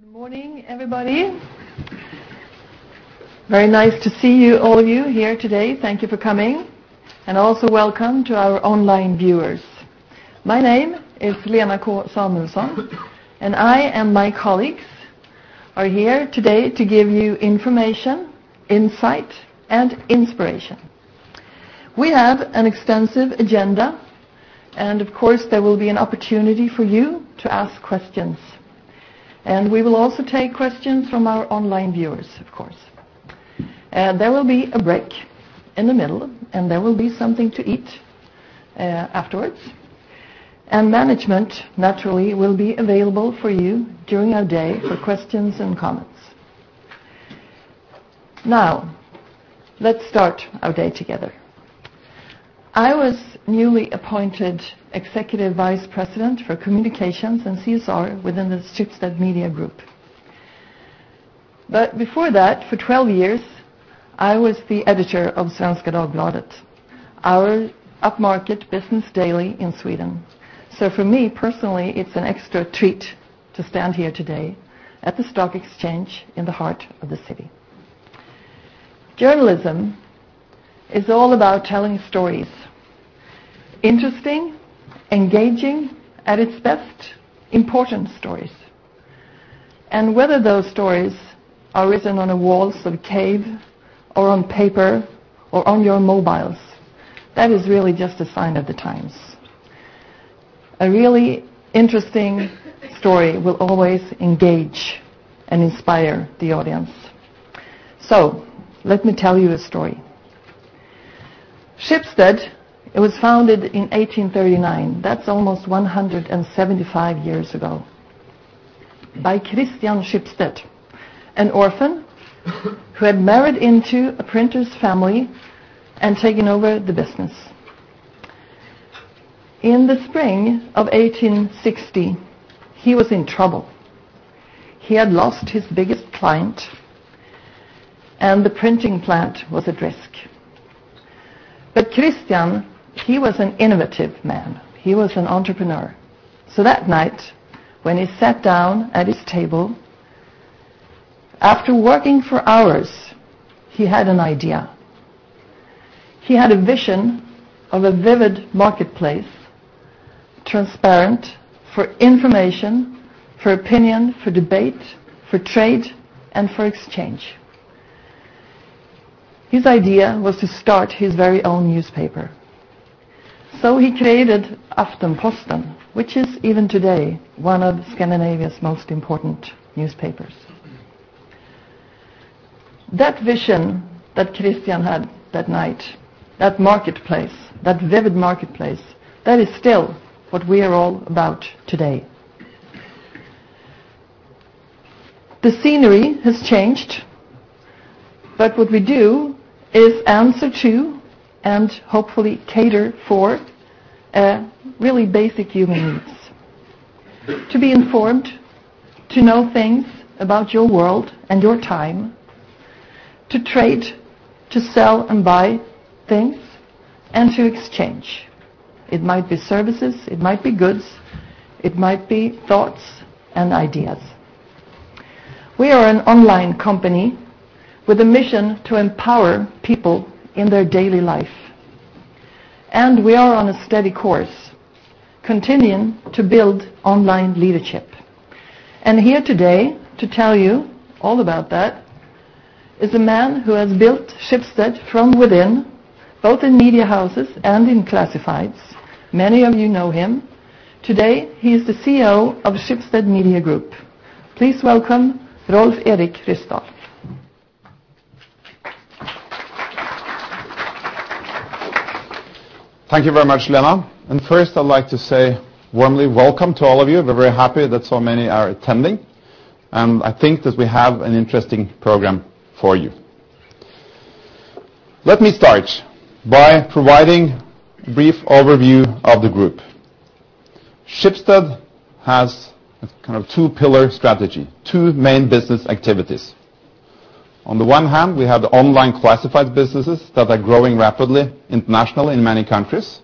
Good morning, everybody. Very nice. To see you, all you here today. Thank you for coming. Also welcome to our online viewers. My name is Lena K. Samuelsson, I and my colleagues are here today to give you information, insight, and inspiration. We have an extensive agenda, of course, there will be an opportunity for you to ask questions. We will also take questions from our online viewers, of course. There will be a break in the middle, there will be something to eat afterwards. Management, naturally, will be available for you during our day for questions and comments. Now, let's start our day together. I was newly appointed Executive Vice President for Communications and CSR within the Schibsted Media Group. Before that, for 12 years, I was the editor of Svenska Dagbladet, our upmarket business daily in Sweden. For me, personally, it's an extra treat to stand here today at the stock exchange in the heart of the city. Journalism is all about telling stories, interesting, engaging, at its best, important stories. Whether those stories are written on the walls of cave or on paper or on your mobiles, that is really just a sign of the times. A really interesting story will always engage and inspire the audience. Let me tell you a story. Schibsted, it was founded in 1839. That's almost 175 years ago by Christian Schibsted, an orphan who had married into a printer's family and taken over the business. In the spring of 1860, he was in trouble. He had lost his biggest client, and the printing plant was at risk. Christian, he was an innovative man. He was an entrepreneur. That night, when he sat down at his table, after working for hours, he had an idea. He had a vision of a vivid marketplace, transparent for information, for opinion, for debate, for trade, and for exchange. His idea was to start his very own newspaper. He created Aftenposten, which is even today, one of Scandinavia's most important newspapers. That vision that Christian had that night, that marketplace, that vivid marketplace, that is still what we are all about today. The scenery has changed, what we do is answer to and hopefully cater for really basic human needs: to be informed, to know things about your world and your time, to trade, to sell and buy things, and to exchange. It might be services, it might be goods, it might be thoughts and ideas. We are an online company with a mission to empower people in their daily life, and we are on a steady course, continuing to build online leadership. Here today to tell you all about that is a man who has built Schibsted from within, both in media houses and in classifieds. Many of you know him. Today, he is the CEO of Schibsted Media Group. Please welcome Rolv Erik Ryssdal. Thank you very much, Lena. First, I'd like to say warmly welcome to all of you. We're very happy that so many are attending, and I think that we have an interesting program for you. Let me start by providing a brief overview of the group. Schibsted has a kind of two-pillar strategy, two main business activities. On the one hand, we have the online classified businesses that are growing rapidly internationally in many countries.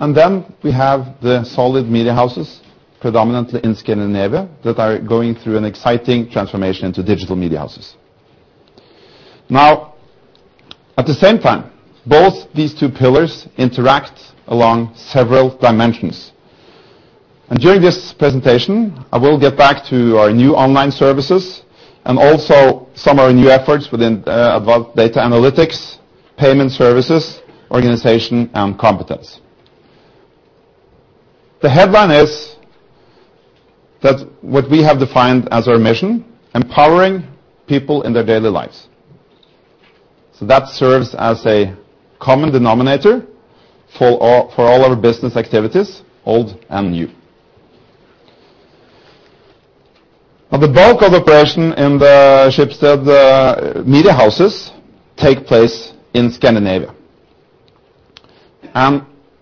We have the solid media houses, predominantly in Scandinavia, that are going through an exciting transformation to digital media houses. Now, at the same time, both these two pillars interact along several dimensions. During this presentation, I will get back to our new online services and also some of our new efforts within about data analytics, payment services, organization, and competence. The headline is that what we have defined as our mission, empowering people in their daily lives. That serves as a common denominator for all our business activities, old and new. The bulk of operation in the Schibsted media houses take place in Scandinavia.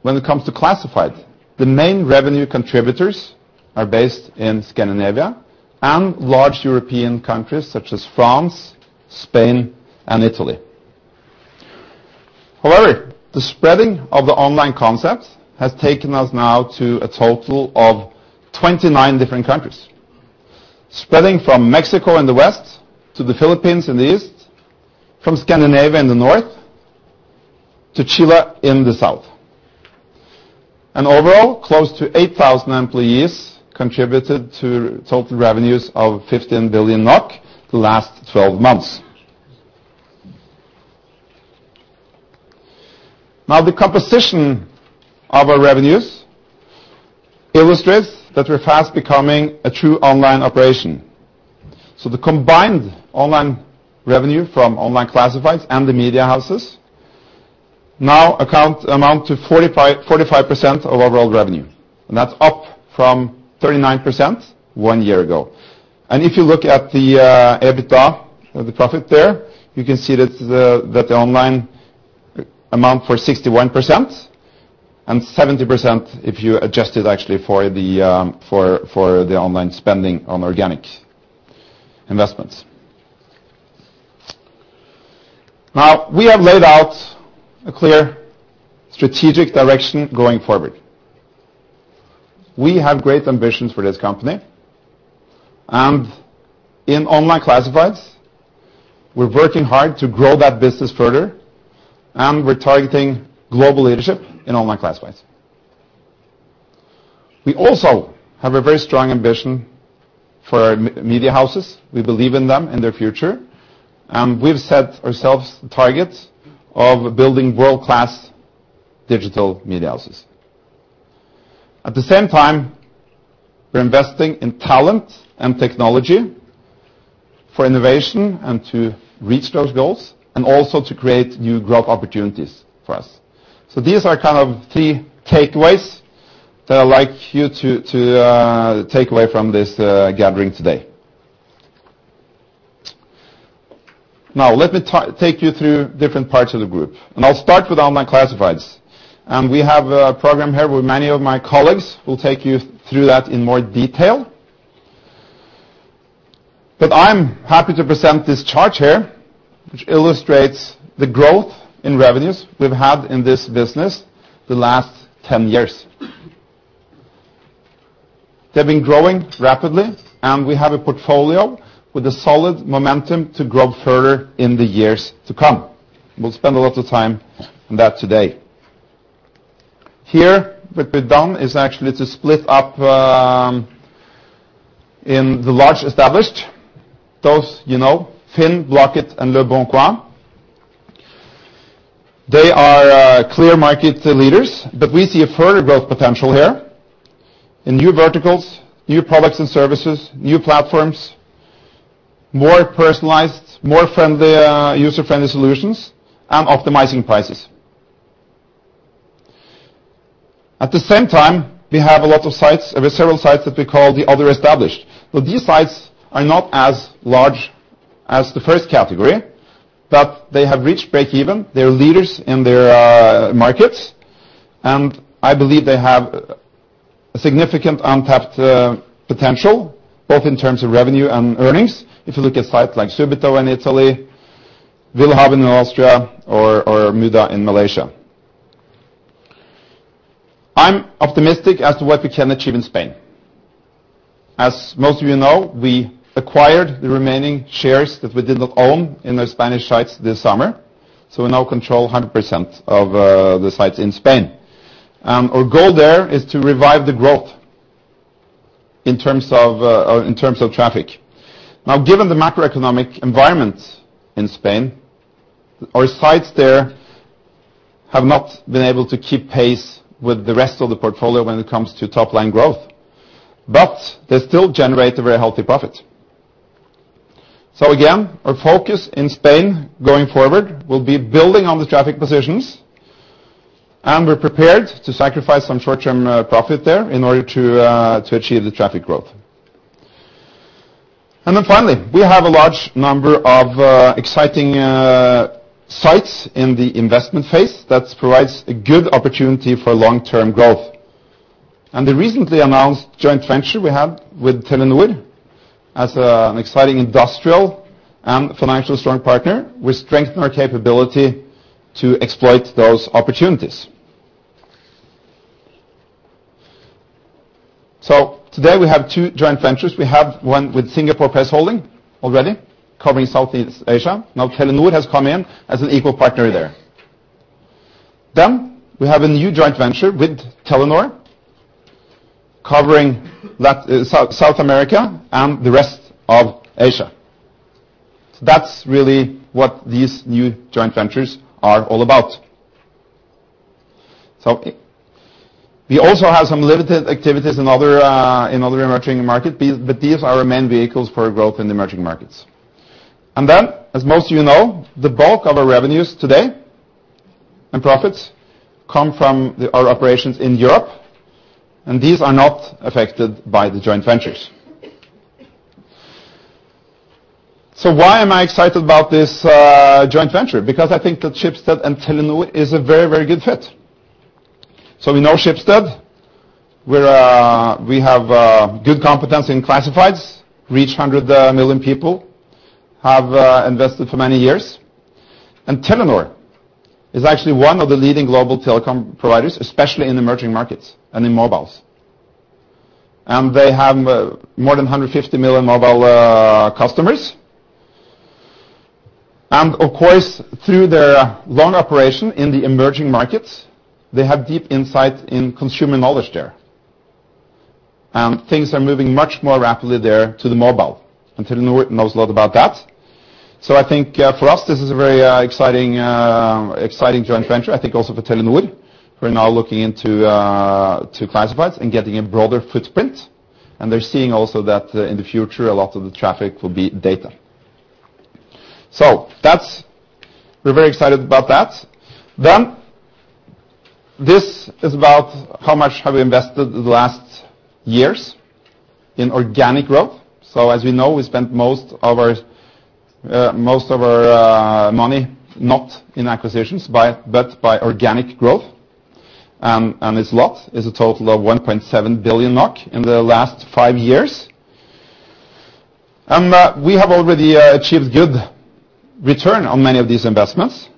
When it comes to classified, the main revenue contributors are based in Scandinavia and large European countries such as France, Spain, and Italy. However, the spreading of the online concept has taken us now to a total of 29 different countries. Spreading from Mexico in the west to the Philippines in the east, from Scandinavia in the north to Chile in the south. Overall, close to 8,000 employees contributed to total revenues of 15 billion NOK the last 12 months. The composition of our revenues illustrates that we're fast becoming a true online operation. The combined online revenue from online classifieds and the media houses now amount to 45% of overall revenue, and that's up from 39% one year ago. If you look at the EBITDA, or the profit there, you can see that the online amount for 61% and 70% if you adjust it actually for the online spending on organic investments. We have laid out a clear strategic direction going forward. We have great ambitions for this company, and in online classifieds, we're working hard to grow that business further, and we're targeting global leadership in online classifieds. We also have a very strong ambition for media houses. We believe in them and their future, and we've set ourselves targets of building world-class digital media houses. At the same time, we're investing in talent and technology for innovation and to reach those goals and also to create new growth opportunities for us. These are kind of three takeaways that I'd like you to take away from this gathering today. Now, let me take you through different parts of the group, and I'll start with online classifieds. We have a program here where many of my colleagues will take you through that in more detail. I'm happy to present this chart here, which illustrates the growth in revenues we've had in this business the last 10 years. They've been growing rapidly, and we have a portfolio with a solid momentum to grow further in the years to come. We'll spend a lot of time on that today. Here, what we've done is actually to split up, in the large established, those you know, FINN, Blocket, andLeboncoin. They are clear market leaders, but we see a further growth potential here in new verticals, new products and services, new platforms, more personalized, more friendly, user-friendly solutions, and optimizing prices. At the same time, we have a lot of sites, several sites that we call the other established. These sites are not as large as the first category, but they have reached break-even. They are leaders in their markets, and I believe they have a significant untapped potential, both in terms of revenue and earnings. If you look at sites like Subito in Italy, willhaben in Austria or Mudah in Malaysia. I'm optimistic as to what we can achieve in Spain. As most of you know, we acquired the remaining shares that we did not own in the Spanish sites this summer, so we now control 100% of the sites in Spain. Our goal there is to revive the growth in terms of or in terms of traffic. Now, given the macroeconomic environment in Spain, our sites there have not been able to keep pace with the rest of the portfolio when it comes to top-line growth. They still generate a very healthy profit. Again, our focus in Spain going forward will be building on the traffic positions, and we're prepared to sacrifice some short-term profit there in order to achieve the traffic growth. Finally, we have a large number of exciting sites in the investment phase that provides a good opportunity for long-term growth. The recently announced joint venture we have with Telenor as an exciting industrial and financially strong partner will strengthen our capability to exploit those opportunities. Today, we have two joint ventures. We have one with Singapore Press Holdings already covering Southeast Asia. Now Telenor has come in as an equal partner there. We have a new joint venture with Telenor covering South America and the rest of Asia. That's really what these new joint ventures are all about. We also have some limited activities in other in other emerging markets, but these are our main vehicles for growth in emerging markets. As most of you know, the bulk of our revenues today and profits come from our operations in Europe, and these are not affected by the joint ventures. Why am I excited about this joint venture? I think that Schibsted and Telenor is a very, very good fit. We know Schibsted. We have good competence in classifieds, reach 100 million people, have invested for many years. Telenor is actually one of the leading global telecom providers, especially in emerging markets and in mobiles. They have more than 150 million mobile customers. Of course, through their loan operation in the emerging markets, they have deep insight in consumer knowledge there. Things are moving much more rapidly there to the mobile, and Telenor knows a lot about that. I think for us, this is a very exciting joint venture. I think also for Telenor, who are now looking into to classifieds and getting a broader footprint. They're seeing also that in the future, a lot of the traffic will be data. That's we're very excited about that. This is about how much have we invested the last years in organic growth. As we know, we spent most of our money, not in acquisitions but by organic growth. It's lot. It's a total of 1.7 billion NOK in the last 5 years. We have already achieved good return on many of these investments.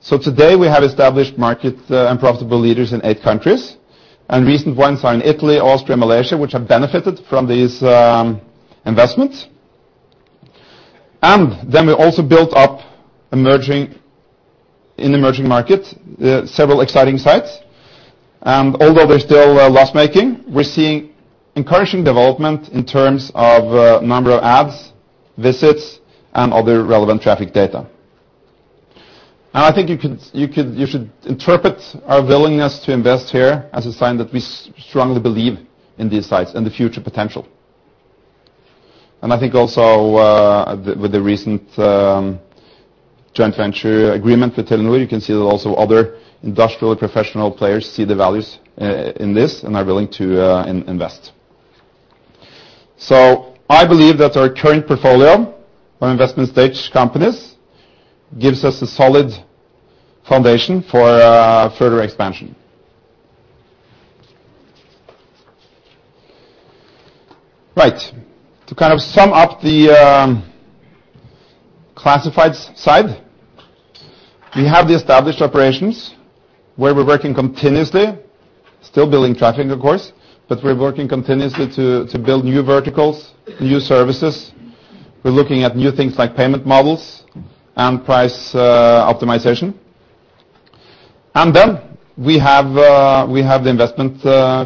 Today we have established market and profitable leaders in 8 countries, and recent ones are in Italy, Austria, Malaysia, which have benefited from these investments. Then we also built up in emerging markets several exciting sites. Although they're still loss-making, we're seeing encouraging development in terms of number of ads, visits, and other relevant traffic data. I think you should interpret our willingness to invest here as a sign that we strongly believe in these sites and the future potential. I think also with the recent joint venture agreement with Telenor, you can see that also other industrial professional players see the values in this and are willing to invest. I believe that our current portfolio on investment stage companies gives us a solid foundation for further expansion. Right. To kind of sum up the classifieds side, we have the established operations where we're working continuously, still building traffic, of course, but we're working continuously to build new verticals, new services. We're looking at new things like payment models and price optimization. Then we have the investment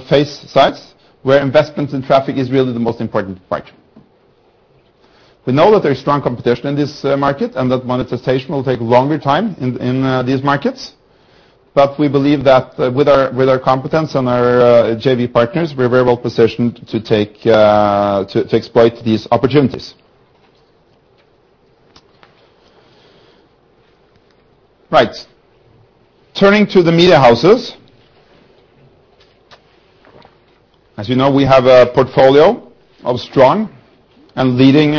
phase sites, where investment and traffic is really the most important part. We know that there's strong competition in this market and that monetization will take longer time in these markets. We believe that with our competence and our JV partners, we're very well positioned to take to exploit these opportunities. Right. Turning to the media houses. As you know, we have a portfolio of strong and leading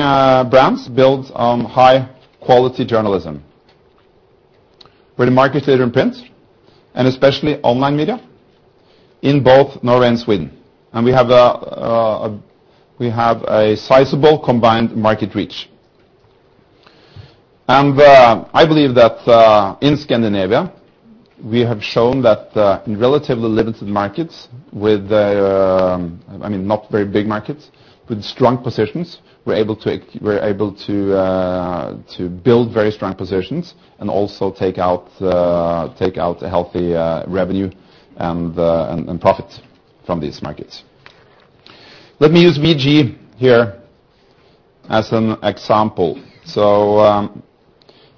brands built on high-quality journalism. We're the market leader in print and especially online media in both Norway and Sweden. We have a sizable combined market reach. I believe that in Scandinavia, we have shown that in relatively limited markets with, I mean, not very big markets, with strong positions, we're able to build very strong positions and also take out a healthy revenue and profit from these markets. Let me use VG here as an example.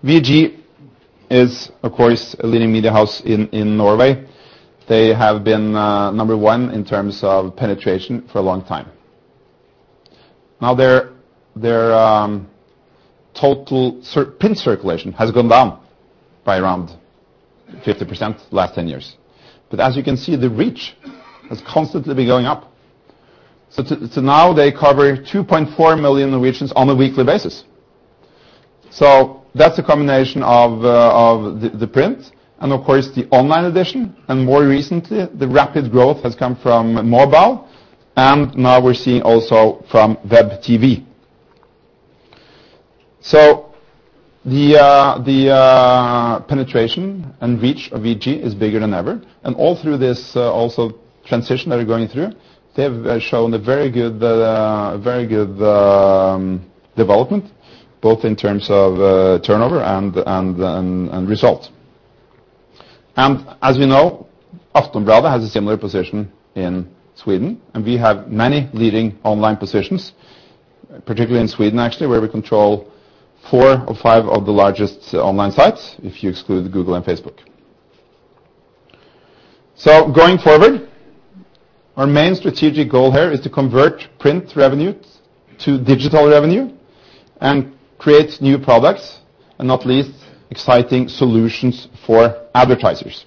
VG is, of course, a leading media house in Norway. They have been number 1 in terms of penetration for a long time. Now, their total print circulation has gone down by around 50% the last 10 years. As you can see, the reach has constantly been going up. Now they cover 2.4 million regions on a weekly basis. That's a combination of the print and, of course, the online edition, and more recently, the rapid growth has come from mobile, and now we're seeing also from web TV. The penetration and reach of VG is bigger than ever. All through this, also transition that we're going through, they have shown a very good, very good development, both in terms of turnover and results. As we know, Aftonbladet has a similar position in Sweden, and we have many leading online positions, particularly in Sweden, actually, where we control four or five of the largest online sites, if you exclude Google and Facebook. Going forward, our main strategic goal here is to convert print revenue to digital revenue and create new products, and not least, exciting solutions for advertisers.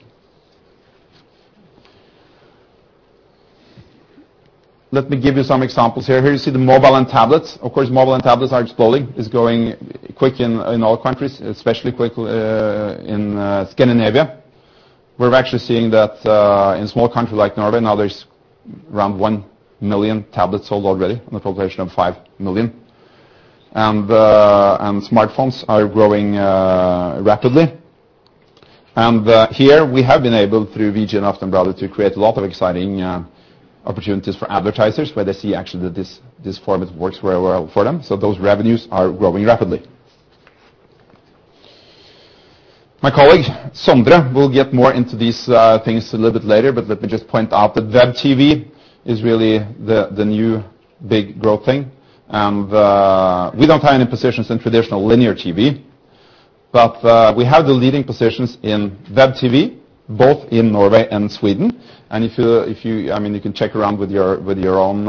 Let me give you some examples here. Here you see the mobile and tablets. Of course, mobile and tablets are exploding. It's growing quick in all countries, especially quick in Scandinavia. We're actually seeing that in small country like Norway now there's around 1 million tablets sold already on a population of 5 million. Smartphones are growing rapidly. Here we have been able, through VG and Aftonbladet, to create a lot of exciting opportunities for advertisers, where they see actually that this format works very well for them. Those revenues are growing rapidly. My colleague, Sondre, will get more into these things a little bit later, but let me just point out that web TV is really the new big growth thing. We don't have any positions in traditional linear TV, but we have the leading positions in web TV, both in Norway and Sweden. I mean, you can check around with your, with your own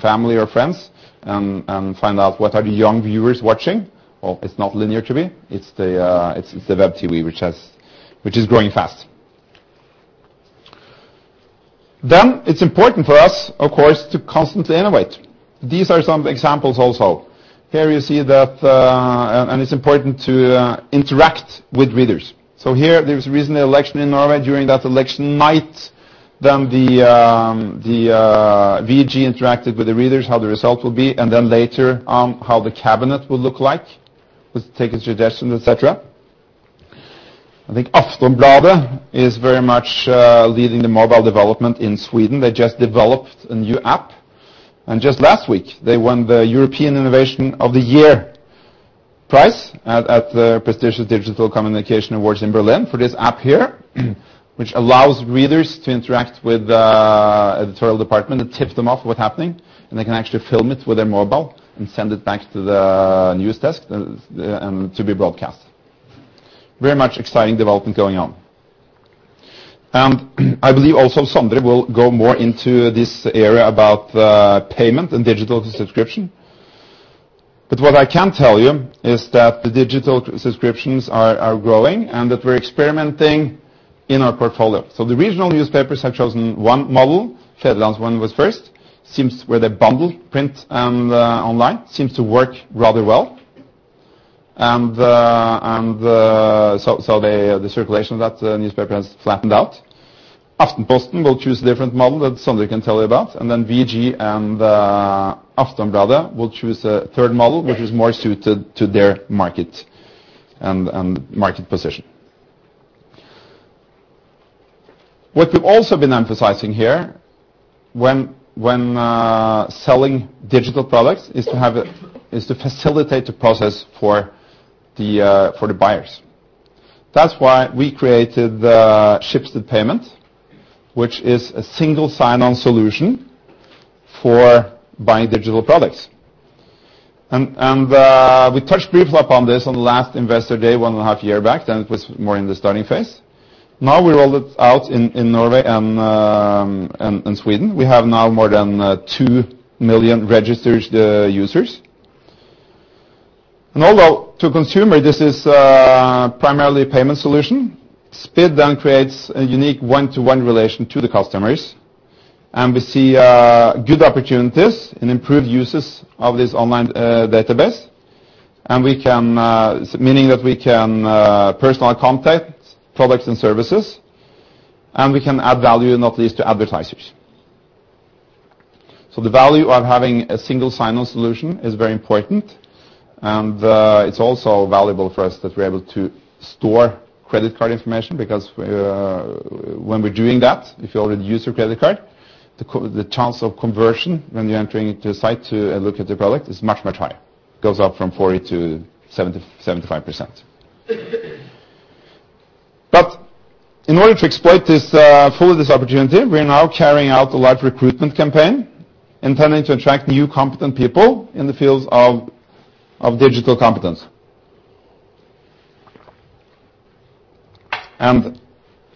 family or friends and find out what are the young viewers watching. Well, it's not linear TV, it's the web TV which is growing fast. It's important for us, of course, to constantly innovate. These are some examples also. Here you see that. It's important to interact with readers. Here, there was recently election in Norway. During that election night, then the VG interacted with the readers how the result will be, and then later on how the cabinet will look like, was taking suggestions, et cetera. I think Aftonbladet is very much leading the mobile development in Sweden. They just developed a new app, and just last week, they won the European Innovation of the Year price at the prestigious Digital Communication Awards in Berlin for this app here, which allows readers to interact with editorial department and tip them off what's happening, and they can actually film it with their mobile and send it back to the news desk to be broadcast. Very much exciting development going on. I believe also Sondre will go more into this area about payment and digital subscription. What I can tell you is that the digital subscriptions are growing, and that we're experimenting in our portfolio. The regional newspapers have chosen one model. Fædrelandsvennen was first, seems where they bundle print and online, seems to work rather well. The circulation of that newspaper has flattened out. Aftenposten will choose different model that Sondre can tell you about. VG and Aftonbladet will choose a third model, which is more suited to their market and market position. What we've also been emphasizing here when selling digital products is to facilitate the process for the buyers. That's why we created the Schibsted Payment, which is a single sign-on solution for buying digital products. We touched briefly upon this on the last Investor Day, one and a half year back, then it was more in the starting phase. Now we rolled it out in Norway and Sweden. We have now more than 2 million registered users. Although to consumer this is primarily a payment solution, SPiD then creates a unique one-to-one relation to the customers, and we see good opportunities and improved uses of this online database, and we can. Meaning that we can personalize content, products and services, and we can add value, not least to advertisers. The value of having a single sign-on solution is very important, and it's also valuable for us that we're able to store credit card information, because when we're doing that, if you already use your credit card, the chance of conversion when you're entering into a site to look at the product is much, much higher. It goes up from 40% to 70%, 75%. In order to exploit this fully this opportunity, we are now carrying out a large recruitment campaign, intending to attract new competent people in the fields of digital competence.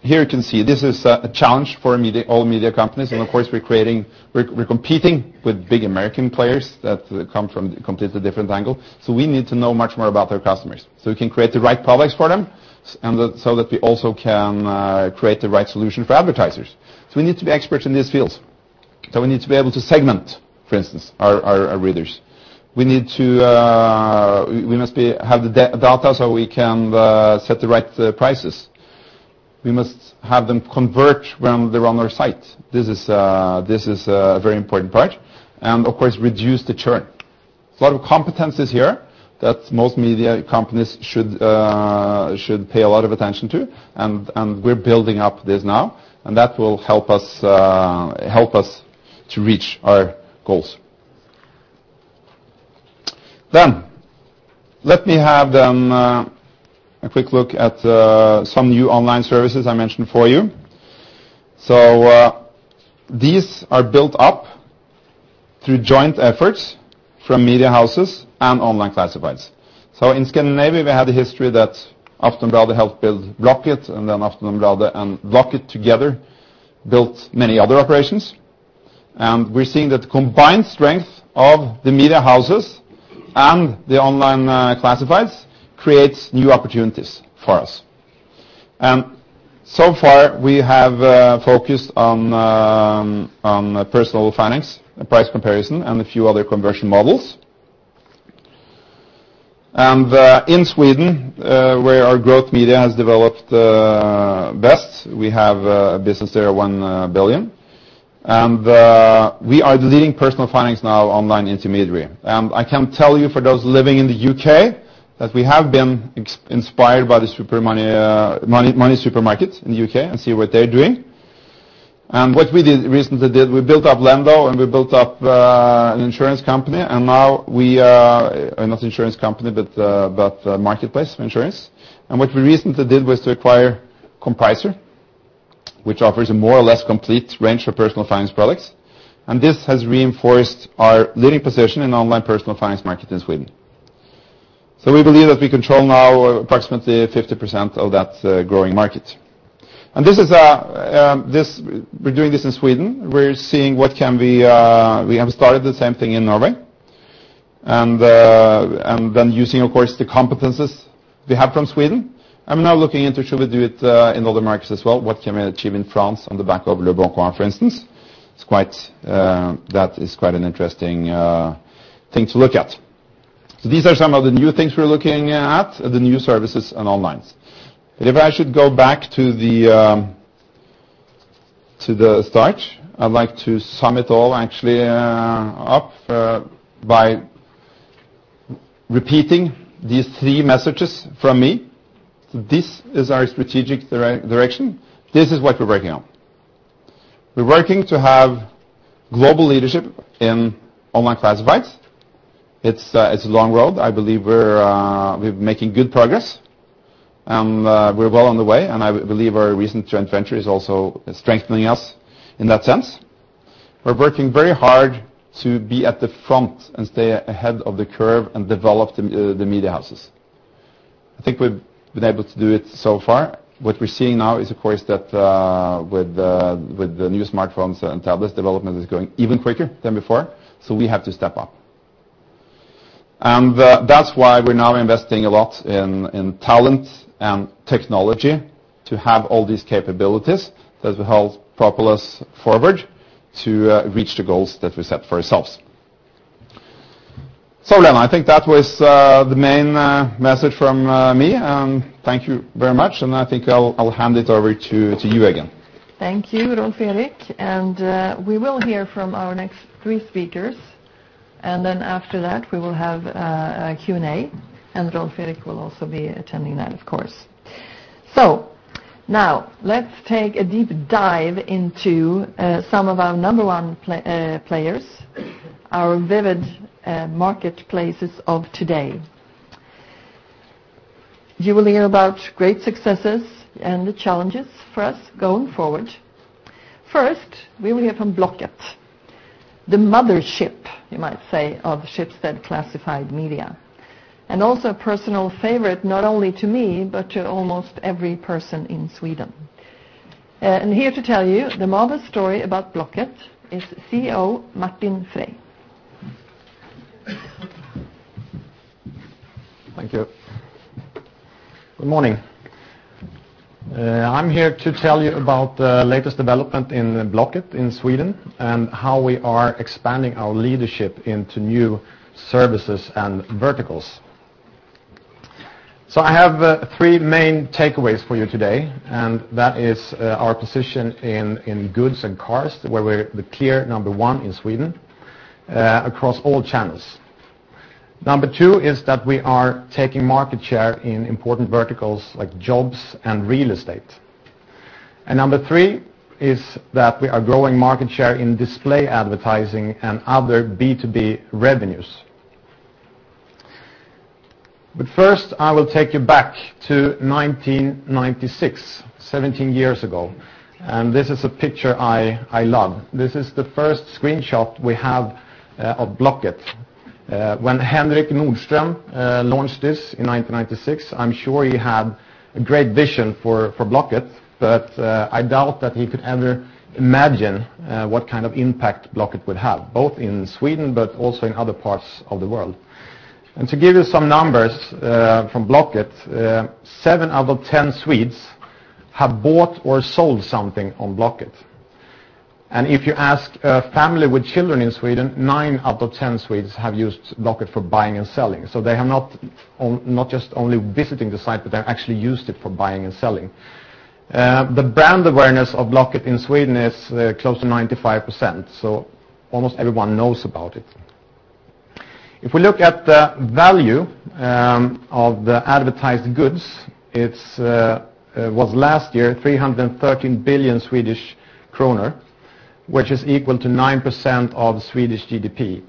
Here you can see, this is a challenge for media, all media companies. Of course, we're competing with big American players that come from completely different angle. We need to know much more about our customers, so we can create the right products for them, and that we also can create the right solution for advertisers. We need to be experts in these fields. We need to be able to segment, for instance, our readers. We must have the data so we can set the right prices. We must have them convert when they're on our site. This is a very important part. Of course, reduce the churn. A lot of competencies here that most media companies should pay a lot of attention to, and we're building up this now, and that will help us reach our goals. Let me have a quick look at some new online services I mentioned for you. These are built up through joint efforts from media houses and online classifieds. In Scandinavia, we have a history that Aftonbladet helped build Blocket, Aftonbladet and Blocket together built many other operations. We're seeing that the combined strength of the media houses and the online classifieds creates new opportunities for us. So far, we have focused on personal finance, price comparison, and a few other conversion models. In Sweden, where our growth media has developed best, we have a business there, 1 billion. We are the leading personal finance now online intermediary. I can tell you for those living in the U.K. that we have been inspired by the MoneySuperMarket in the U.K. and see what they're doing. What we recently did, we built up Lendo, and we built up an insurance company. Now we are. Not insurance company, but a marketplace insurance. What we recently did was to acquire Compricer, which offers a more or less complete range of personal finance products. This has reinforced our leading position in online personal finance market in Sweden. We believe that we control now approximately 50% of that growing market. This is, we're doing this in Sweden. We're seeing what can we. We have started the same thing in Norway and then using, of course, the competencies we have from Sweden. Now looking into should we do it in other markets as well? What can we achieve in France on the back ofLeboncoin, for instance? It's quite, that is quite an interesting thing to look at. These are some of the new things we're looking at, the new services and onlines. If I should go back to the start, I'd like to sum it all actually up by repeating these three messages from me. This is our strategic direction. This is what we're working on. We're working to have global leadership in online classifieds. It's a long road. I believe we're making good progress, and we're well on the way. I believe our recent joint venture is also strengthening us in that sense. We're working very hard to be at the front and stay ahead of the curve and develop the media houses. I think we've been able to do it so far. What we're seeing now is, of course, that with the new smartphones and tablets, development is going even quicker than before, so we have to step up. That's why we're now investing a lot in talent and technology to have all these capabilities that will help propel us forward to reach the goals that we set for ourselves. I think that was the main message from me. Thank you very much, and I think I'll hand it over to you again. Thank you, Rolv Fredrik. We will hear from our next three speakers, then after that, we will have a Q&A, and Rolv Fredrik will also be attending that, of course. Now let's take a deep dive into some of our number one players, our vivid marketplaces of today. You will hear about great successes and the challenges for us going forward. First, we will hear from Blocket, the mothership, you might say, of Schibsted Classified Media, and also a personal favorite, not only to me, but to almost every person in Sweden. Here to tell you the marvelous story about Blocket is CEO Martin Frey. Thank you. Good morning. I'm here to tell you about the latest development in Blocket in Sweden and how we are expanding our leadership into new services and verticals. I have three main takeaways for you today, and that is our position in goods and cars, where we're the clear number one in Sweden, across all channels. Number two is that we are taking market share in important verticals like jobs and real estate. Number three is that we are growing market share in display advertising and other B2B revenues. First, I will take you back to 1996, 17 years ago, and this is a picture I love. This is the first screenshot we have of Blocket. When Henrik Nordström launched this in 1996, I'm sure he had a great vision for Blocket, but I doubt that he could ever imagine what kind of impact Blocket would have, both in Sweden but also in other parts of the world. To give you some numbers from Blocket, seven out of 10 Swedes have bought or sold something on Blocket. If you ask a family with children in Sweden, nine out of 10 Swedes have used Blocket for buying and selling. They have not just only visiting the site, but they actually used it for buying and selling. The brand awareness of Blocket in Sweden is close to 95%, almost everyone knows about it. If we look at the value of the advertised goods, it was last year 313 billion Swedish kronor, which is equal to 9% of Swedish GDP.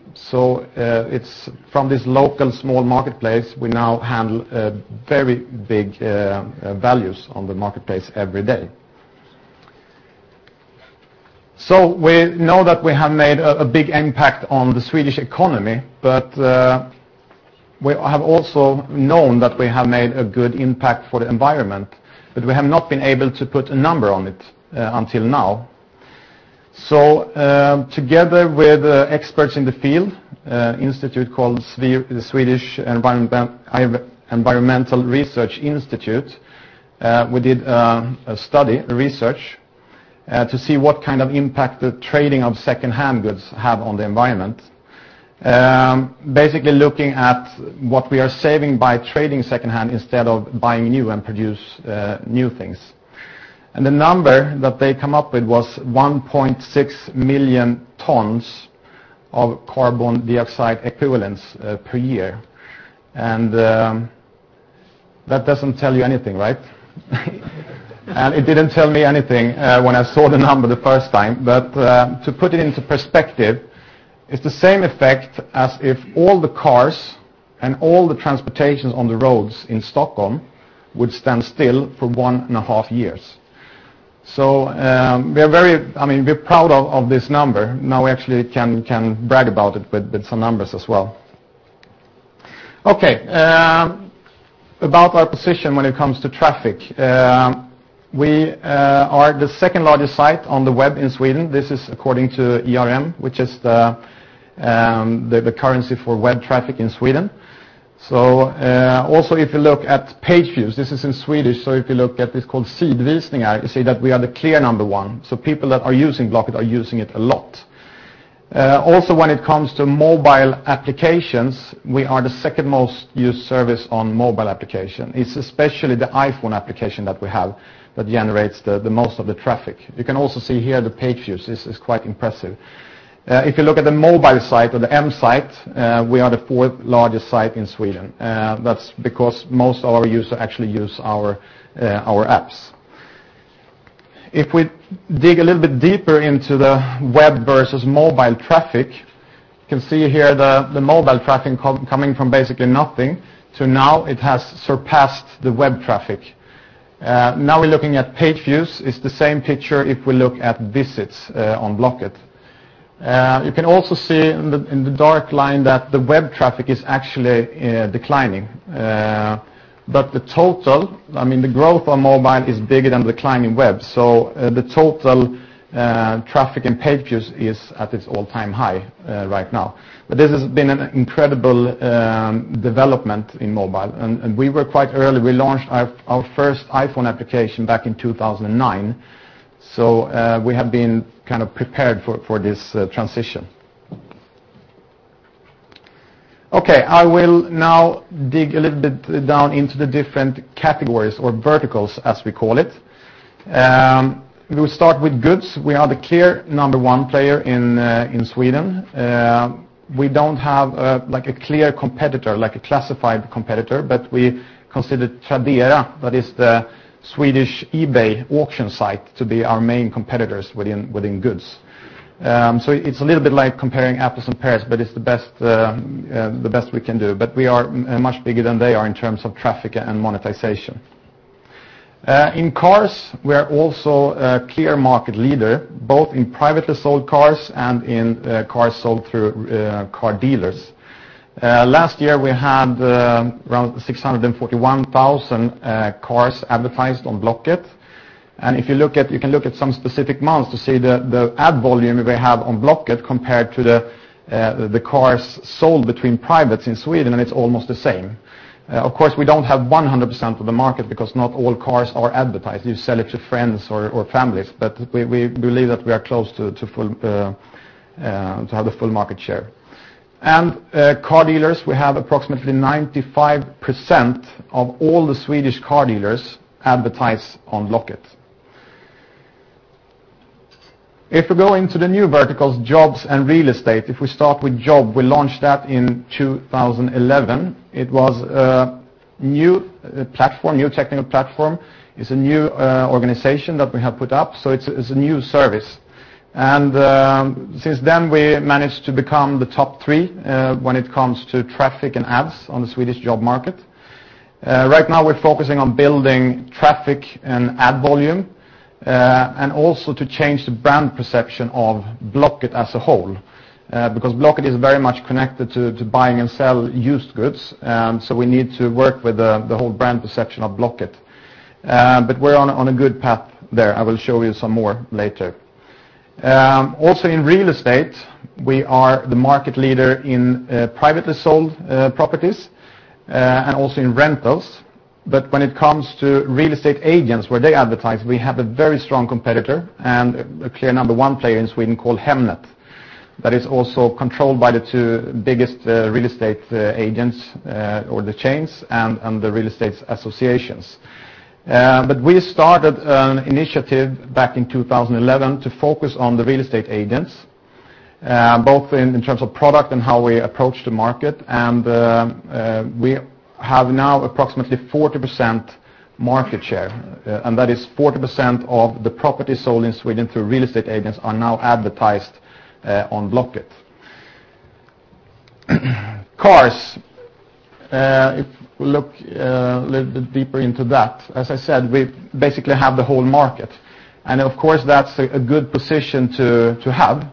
It's from this local small marketplace, we now handle very big values on the marketplace every day. We know that we have made a big impact on the Swedish economy, but we have also known that we have made a good impact for the environment, but we have not been able to put a number on it until now. Together with experts in the field, institute called IVL Swedish Environmental Research Institute, we did a study, a research to see what kind of impact the trading of secondhand goods have on the environment. Basically looking at what we are saving by trading secondhand instead of buying new and produce new things. The number that they come up with was 1.6 million tons of carbon dioxide equivalents per year. That doesn't tell you anything, right? It didn't tell me anything when I saw the number the first time, to put it into perspective, it's the same effect as if all the cars and all the transportations on the roads in Stockholm would stand still for 1.5 years. I mean, we're proud of this number. Now we actually can brag about it with some numbers as well. Okay, about our position when it comes to traffic. We are the 2nd-largest site on the web in Sweden. This is according to ERM, which is the currency for web traffic in Sweden. Also if you look at page views, this is in Swedish, if you look at this called "" you see that we are the clear number one. People that are using Blocket are using it a lot. Also when it comes to mobile applications, we are the second most used service on mobile application. It's especially the iPhone application that we have that generates the most of the traffic. You can also see here the page views. It's quite impressive. If you look at the mobile site or the m site, we are the fourth-largest site in Sweden. That's because most of our users actually use our apps. If we dig a little bit deeper into the web versus mobile traffic, you can see here the mobile traffic coming from basically nothing to now it has surpassed the web traffic. Now we're looking at page views. It's the same picture if we look at visits on Blocket. You can also see in the dark line that the web traffic is actually declining. But the total, I mean, the growth on mobile is bigger than declining web. The total traffic and page views is at its all-time high right now. This has been an incredible development in mobile. We were quite early. We launched our first iPhone application back in 2009. We have been kind of prepared for this transition. Okay, I will now dig a little bit down into the different categories or verticals as we call it. We'll start with goods. We are the clear number one player in Sweden. We don't have a clear competitor, like a classified competitor, but we consider Tradera, that is the Swedish eBay auction site, to be our main competitors within goods. It's a little bit like comparing apples and pears, but it's the best we can do. We are much bigger than they are in terms of traffic and monetization. In cars, we are also a clear market leader, both in privately sold cars and in cars sold through car dealers. Last year, we had around 641,000 cars advertised on Blocket. If you look at you can look at some specific amounts to see the ad volume we have on Blocket compared to the cars sold between privates in Sweden, and it's almost the same. Of course, we don't have 100% of the market because not all cars are advertised. You sell it to friends or families. We believe that we are close to full to have the full market share. Car dealers, we have approximately 95% of all the Swedish car dealers advertise on Blocket. If we go into the new verticals, jobs and real estate, if we start with job, we launched that in 2011. It was a new platform, new technical platform. It's a new organization that we have put up, so it's a new service. Since then, we managed to become the top three when it comes to traffic and ads on the Swedish job market. Right now we're focusing on building traffic and ad volume and also to change the brand perception of Blocket as a whole. Because Blocket is very much connected to buying and sell used goods, so we need to work with the whole brand perception of Blocket. But we're on a good path there. I will show you some more later. Also in real estate, we are the market leader in privately sold properties and also in rentals. When it comes to real estate agents, where they advertise, we have a very strong competitor and a clear number one player in Sweden called Hemnet that is also controlled by the two biggest, real estate, agents, or the chains and the real estate associations. We started an initiative back in 2011 to focus on the real estate agents, both in terms of product and how we approach the market. We have now approximately 40% market share, and that is 40% of the property sold in Sweden through real estate agents are now advertised, on Blocket. Cars, if we look a little bit deeper into that, as I said, we basically have the whole market. Of course, that's a good position to have.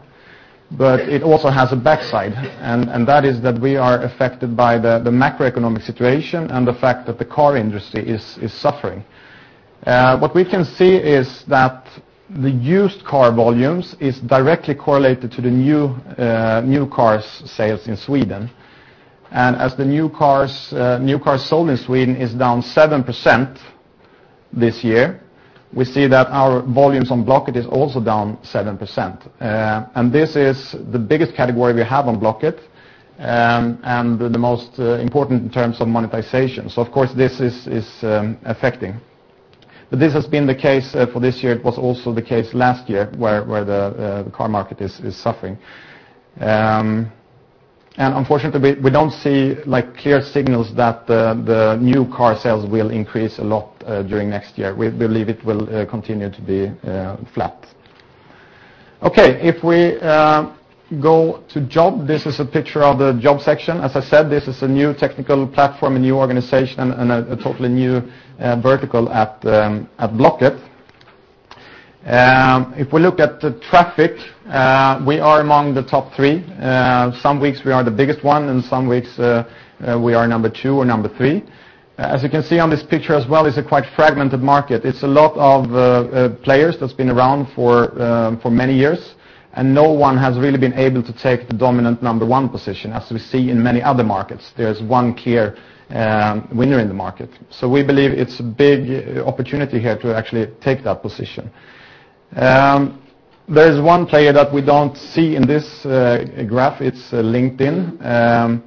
But it also has a backside, and that is that we are affected by the macroeconomic situation and the fact that the car industry is suffering. What we can see is that the used car volumes is directly correlated to the new cars sales in Sweden. As the new cars sold in Sweden is down 7% this year, we see that our volumes on Blocket is also down 7%. This is the biggest category we have on Blocket, and the most important in terms of monetization. Of course, this is affecting. This has been the case for this year. It was also the case last year where the car market is suffering. Unfortunately, we don't see like clear signals that the new car sales will increase a lot during next year. We believe it will continue to be flat. Okay, if we go to job, this is a picture of the job section. As I said, this is a new technical platform, a new organization, and a totally new vertical at Blocket. If we look at the traffic, we are among the top three. Some weeks we are the biggest one, and some weeks, we are number two or number three. As you can see on this picture as well, it's a quite fragmented market. It's a lot of players that's been around for many years, and no one has really been able to take the dominant number one position. As we see in many other markets, there's one clear winner in the market. We believe it's a big opportunity here to actually take that position. There's one player that we don't see in this graph. It's LinkedIn.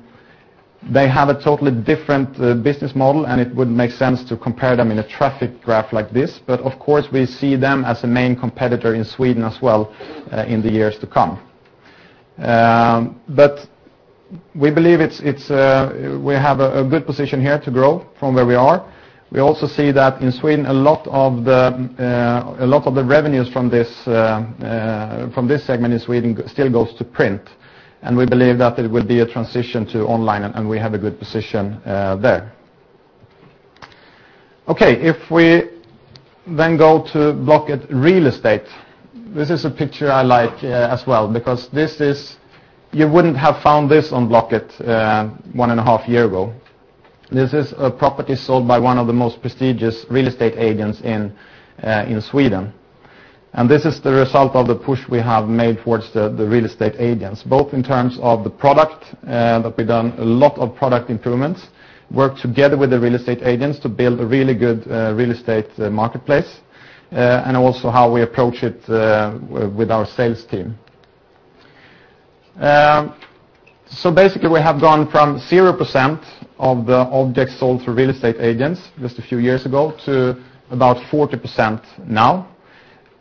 They have a totally different business model, and it wouldn't make sense to compare them in a traffic graph like this. Of course, we see them as a main competitor in Sweden as well, in the years to come. We believe we have a good position here to grow from where we are. We also see that in Sweden, a lot of the revenues from this segment in Sweden still goes to print. We believe that it will be a transition to online, and we have a good position there. Okay, if we then go to Blocket real estate, this is a picture I like as well because you wouldn't have found this on Blocket one and a half years ago. This is a property sold by one of the most prestigious real estate agents in Sweden. This is the result of the push we have made towards the real estate agents, both in terms of the product that we've done a lot of product improvements, worked together with the real estate agents to build a really good real estate marketplace and also how we approach it with our sales team. So basically, we have gone from 0% of the objects sold through real estate agents just a few years ago to about 40% now.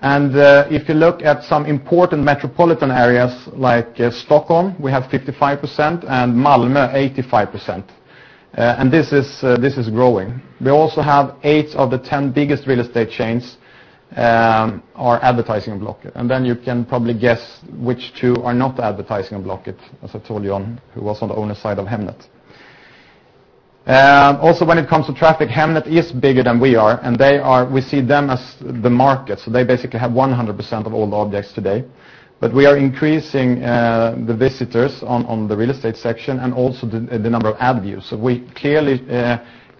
If you look at some important metropolitan areas like Stockholm, we have 55%, and Malmö, 85%. This is, this is growing. We also have eight of the 10 biggest real estate chains are advertising on Blocket. Then you can probably guess which two are not advertising on Blocket, as I told you, who also own a side of Hemnet. Also when it comes to traffic, Hemnet is bigger than we are, and we see them as the market. They basically have 100% of all the objects today. We are increasing the visitors on the real estate section and also the number of ad views. We clearly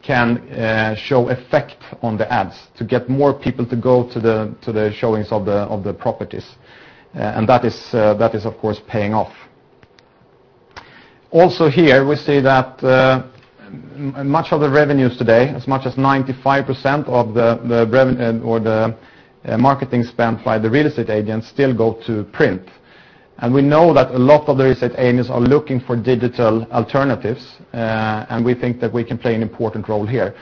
can show effect on the ads to get more people to go to the showings of the properties. That is of course paying off. Here, we see that much of the revenues today, as much as 95% of the marketing spent by the real estate agents still go to print. We know that a lot of the real estate agents are looking for digital alternatives, and we think that we can play an important role here.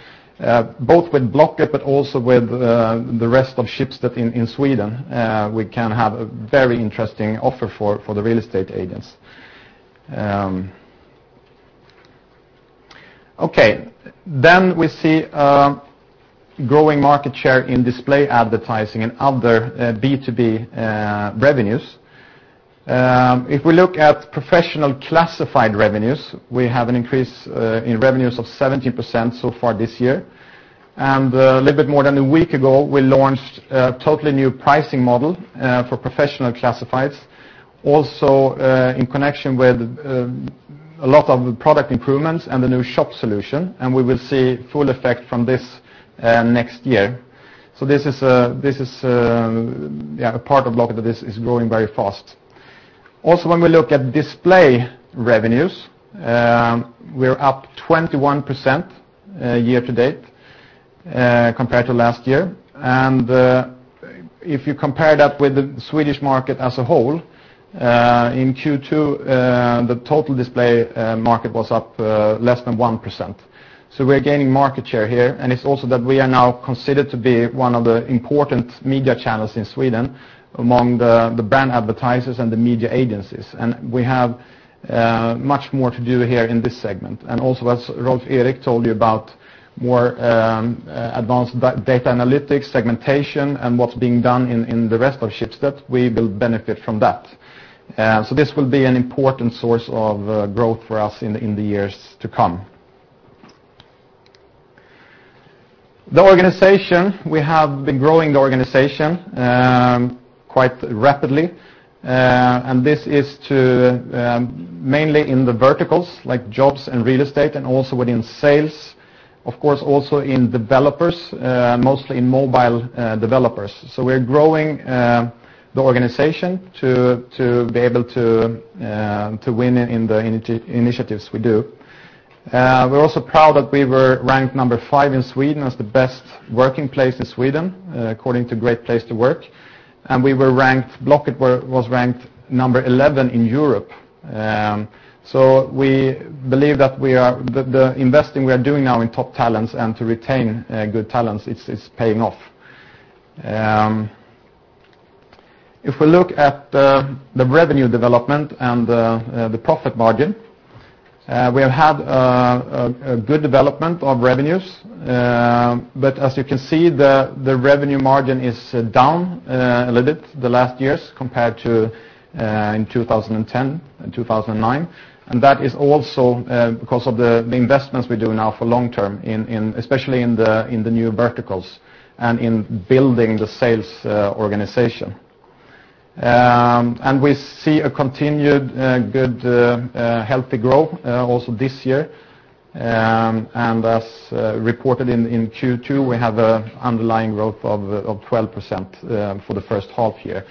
Both with Blocket but also with the rest of Schibsted in Sweden, we can have a very interesting offer for the real estate agents. Okay. We see growing market share in display advertising and other B2B revenues. If we look at professional classified revenues, we have an increase in revenues of 70% so far this year. A little bit more than a week ago, we launched a totally new pricing model for professional classifieds. Also, in connection with a lot of product improvements and the new shop solution, we will see full effect from this next year. This is a part of Blocket that is growing very fast. Also, when we look at display revenues, we're up 21% year to date compared to last year. If you compare that with the Swedish market as a whole, in Q2, the total display market was up less than 1%. We're gaining market share here, and it's also that we are now considered to be one of the important media channels in Sweden among the brand advertisers and the media agencies. We have much more to do here in this segment. Also, as Rolv Erik told you about more advanced data analytics, segmentation, and what's being done in the rest of Schibsted, we will benefit from that. This will be an important source of growth for us in the years to come. The organization, we have been growing the organization quite rapidly. This is to mainly in the verticals like jobs and real estate and also within sales. Of course, also in developers, mostly in mobile developers. We're growing the organization to be able to win in the initiatives we do. We're also proud that we were ranked number five in Sweden as the best working place in Sweden, according to Great Place to Work, and Blocket was ranked number 11 in Europe. We believe that the investing we are doing now in top talents and to retain good talents, it's paying off. If we look at the revenue development and the profit margin, we have had a good development of revenues. As you can see, the revenue margin is down a little bit the last years compared to in 2010 and 2009. That is also because of the investments we do now for long term in especially in the new verticals and in building the sales organization. We see a continued good healthy growth also this year. As reported in Q2, we have a underlying growth of 12% for the first half year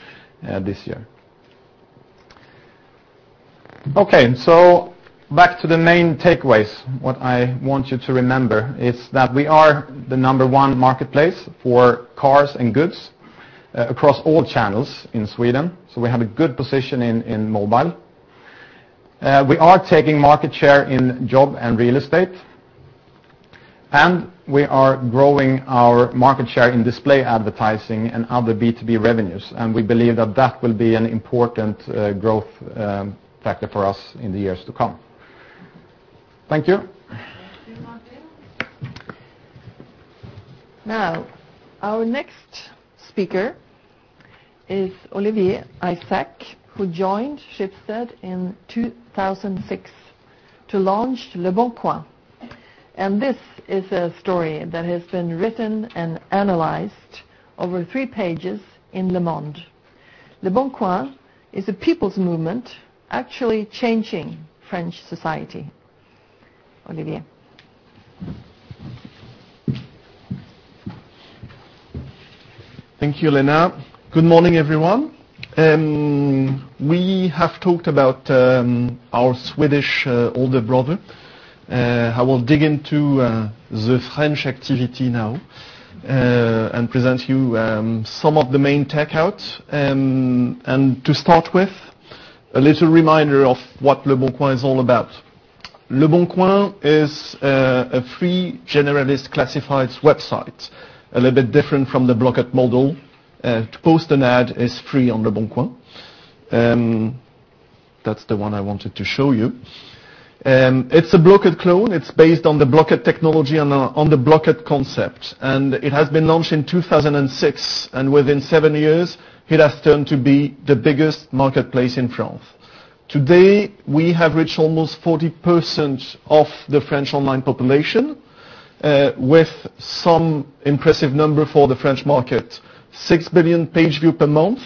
this year. Okay, back to the main takeaways. What I want you to remember is that we are the number 1 marketplace for cars and goods across all channels in Sweden, so we have a good position in mobile. We are taking market share in job and real estate, and we are growing our market share in display advertising and other B2B revenues. We believe that that will be an important growth factor for us in the years to come. Thank you. Thank you, Martin. Now, our next speaker is Olivier Aizac, who joined Schibsted in 2006 to launchLeboncoin. This is a story that has been written and analyzed over three pages in Le Monde.Leboncoin is a people's movement actually changing French society. Olivier. Thank you, Lena. Good morning, everyone. We have talked about our Swedish older brother. I will dig into the French activity now, and present you some of the main takeouts. To start with, a little reminder of whatLeboncoin is all about. Leboncoin is a free generalist classifieds website, a little bit different from the Blocket model. To post an ad is free onLeboncoin. That's the one I wanted to show you. It's a Blocket clone. It's based on the Blocket technology and on the Blocket concept. It has been launched in 2006, and within seven years, it has turned to be the biggest marketplace in France. Today, we have reached almost 40% of the French online population, with some impressive number for the French market. 6 billion page view per month,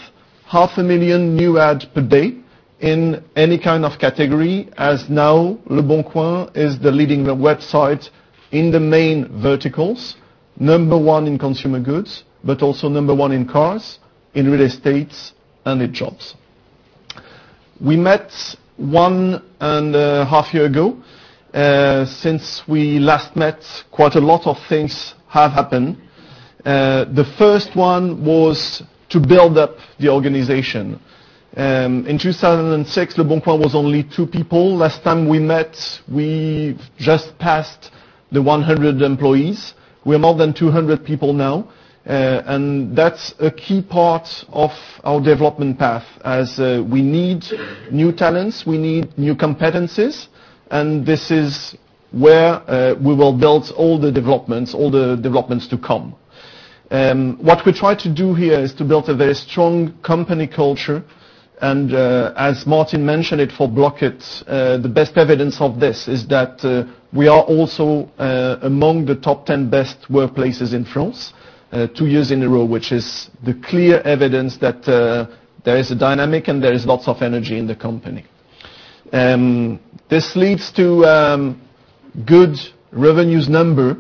half a million new ad per day in any kind of category. As now, Leboncoin is the leading website in the main verticals. Number one in consumer goods, but also number one in cars, in real estates, and in jobs. We met one and a half year ago. Since we last met, quite a lot of things have happened. The first one was to build up the organization. In 2006,Leboncoin was only two people. Last time we met, we just passed the 100 employees. We are more than 200 people now, and that's a key part of our development path as we need new talents, we need new competencies, and this is where we will build all the developments, all the developments to come. What we try to do here is to build a very strong company culture, and as Martin mentioned it for Blocket, the best evidence of this is that we are also among the 10 best workplaces in France, two years in a row, which is the clear evedence that there is a dynamic and there is lots of energy in the company. This leads to good revenues number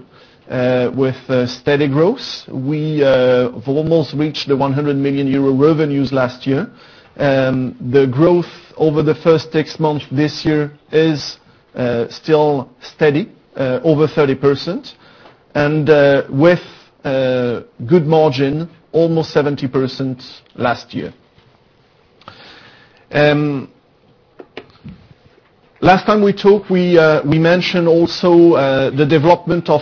with steady growth. We have almost reached 100 million euro revenues last year. The growth over the first six months this year is still steady over 30%, and with good margin, almost 70% last year. Last time we talked, we mentioned also the development of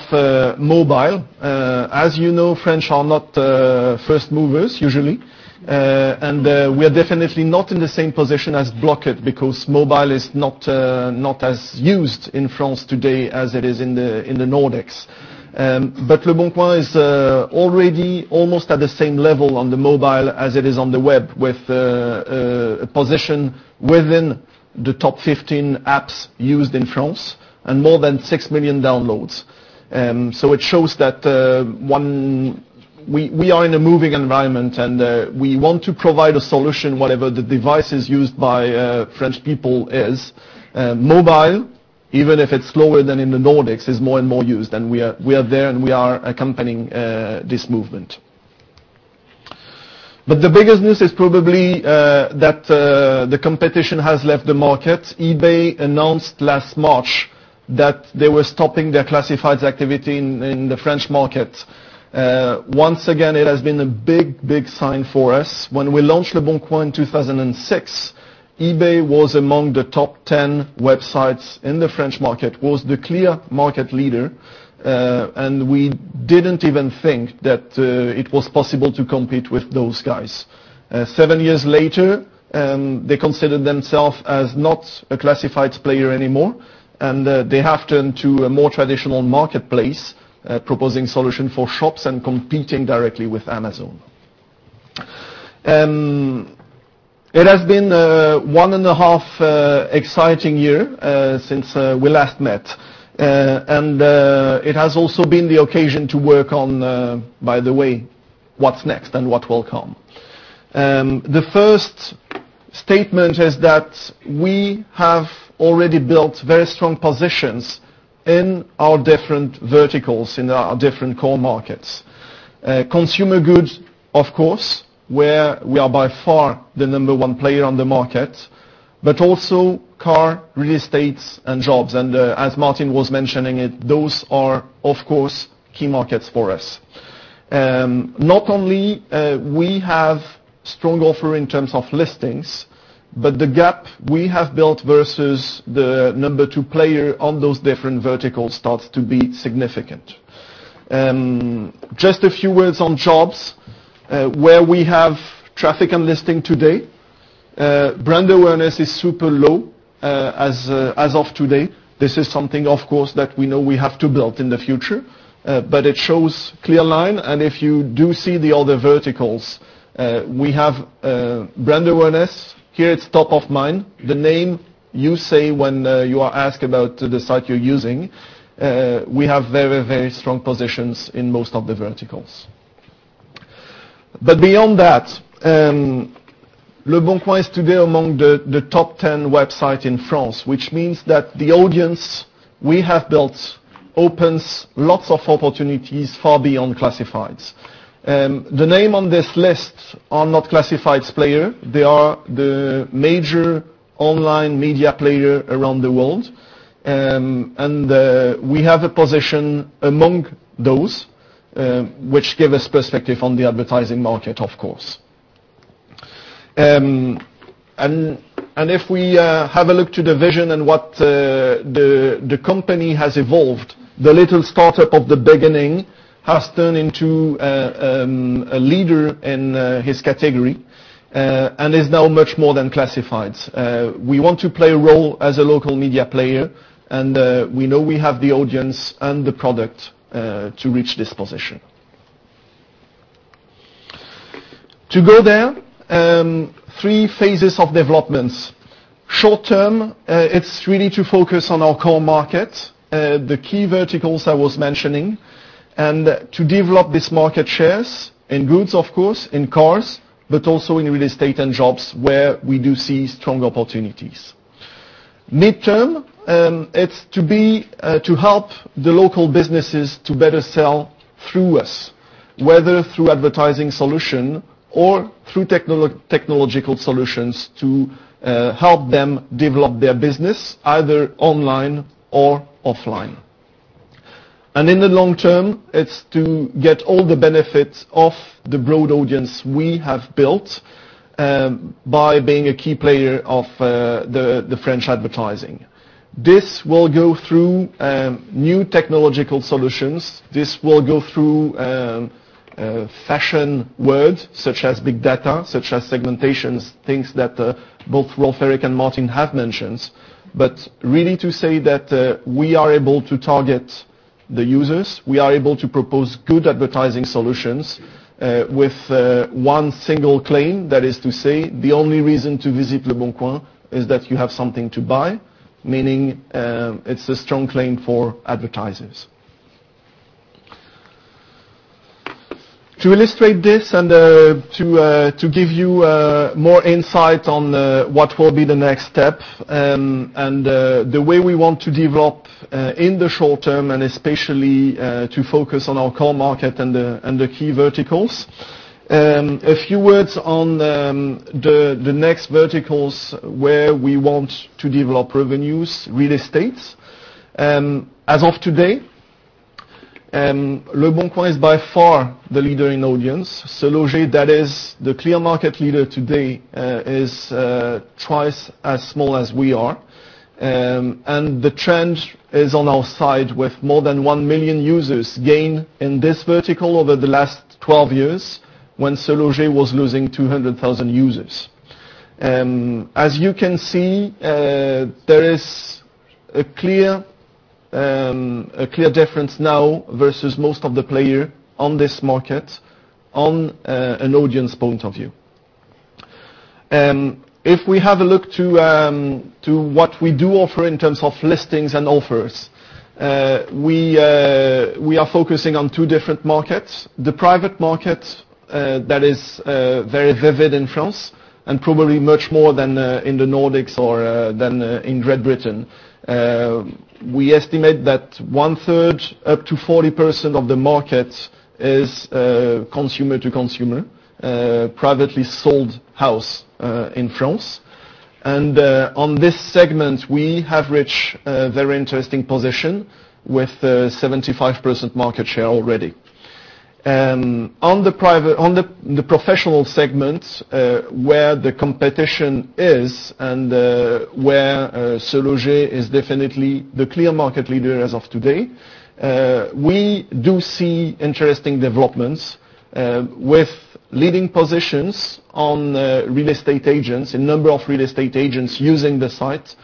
mobile. As you know, French are not first movers usually. We are definitely not in the same position as Blocket because mobile is not as used in France today as it is in the Nordics.Leboncoin is already almost at the same level on the mobile as it is on the web, with a position within the top 15 apps used in France and more than 6 million downloads. So it shows that We are in a moving environment, and we want to provide a solution whatever the device is used by French people is. Mobile, even if it's slower than in the Nordics, is more and more used, and we are there, and we are accompanying this movement. The biggest news is probably that the competition has left the market. eBay announced last March that they were stopping their classifieds activity in the French market. Once again, it has been a big sign for us. When we launchedLeboncoin in 2006, eBay was among the top 10 websites in the French market, was the clear market leader, and we didn't even think that it was possible to compete with those guys. Seven years later, they considered themselves as not a classifieds player anymore, and they have turned to a more traditional marketplace, proposing solution for shops and competing directly with Amazon. It has been a one and a half exciting year since we last met. It has also been the occasion to work on, by the way, what's next and what will come. The first statement is that we have already built very strong positions in our different verticals, in our different core markets. Consumer goods, of course, where we are by far the number one player on the market, but also car, real estates, and jobs. As Martin was mentioning it, those are, of course, key markets for us. Not only, we have strong offer in terms of listings, but the gap we have built versus the number two player on those different verticals starts to be significant. Just a few words on jobs, where we have traffic and listing today. Brand awareness is super low, as of today. This is something, of course, that we know we have to build in the future, but it shows clear line. If you do see the other verticals, we have brand awareness. Here, it's top of mind, the name you say when you are asked about the site you're using. We have very, very strong positions in most of the verticals. Beyond that, Leboncoin is today among the top 10 website in France, which means that the audience we have built opens lots of opportunities far beyond classifieds. The name on this list are not classifieds player. They are the major online media player around the world. We have a position among those, which give us perspective on the advertising market, of course. If we have a look to the vision and what the company has evolved, the little startup of the beginning has turned into a leader in his category, and is now much more than classifieds. We want to play a role as a local media player, and we know we have the audience and the product to reach this position. To go there, three phases of developments. Short term, it's really to focus on our core market, the key verticals I was mentioning, and to develop these market shares in goods, of course, in cars, but also in real estate and jobs where we do see strong opportunities. Midterm, it's to be to help the local businesses to better sell through us, whether through advertising solution or through technological solutions to help them develop their business either online or offline. In the long term, it's to get all the benefits of the broad audience we have built by being a key player of the French advertising. This will go through new technological solutions. This will go through fashion words such as big data, such as segmentations, things that both Rolv Erik and Martin have mentioned. Really to say that we are able to target the users, we are able to propose good advertising solutions with one single claim. That is to say the only reason to visitLeboncoin is that you have something to buy, meaning, it's a strong claim for advertisers. To illustrate this and to give you more insight on what will be the next step, and the way we want to develop in the short term, and especially to focus on our core market and the key verticals. A few words on the next verticals where we want to develop revenues, real estates. As of today, Leboncoin is by far the leader in audience. SeLoger, that is the clear market leader today, is twice as small as we are. The trend is on our side with more than 1 million users gained in this vertical over the last 12 years when SeLoger was losing 200,000 users. As you can see, there is a clear, a clear difference now versus most of the player on this market on an audience point of view. If we have a look to what we do offer in terms of listings and offers, we are focusing on two different markets. The private market, that is very vivid in France and probably much more than in the Nordics or than in Great Britain. We estimate that one-third up to 40% of the market is consumer to consumer, privately sold house, in France. On this segment, we have reached a very interesting position with a 75% market share already. On the professional segment, where the competition is and where SeLoger is definitely the clear market leader as of today. We do see interesting developments with leading positions on real estate agents, a number of real estate agents using the site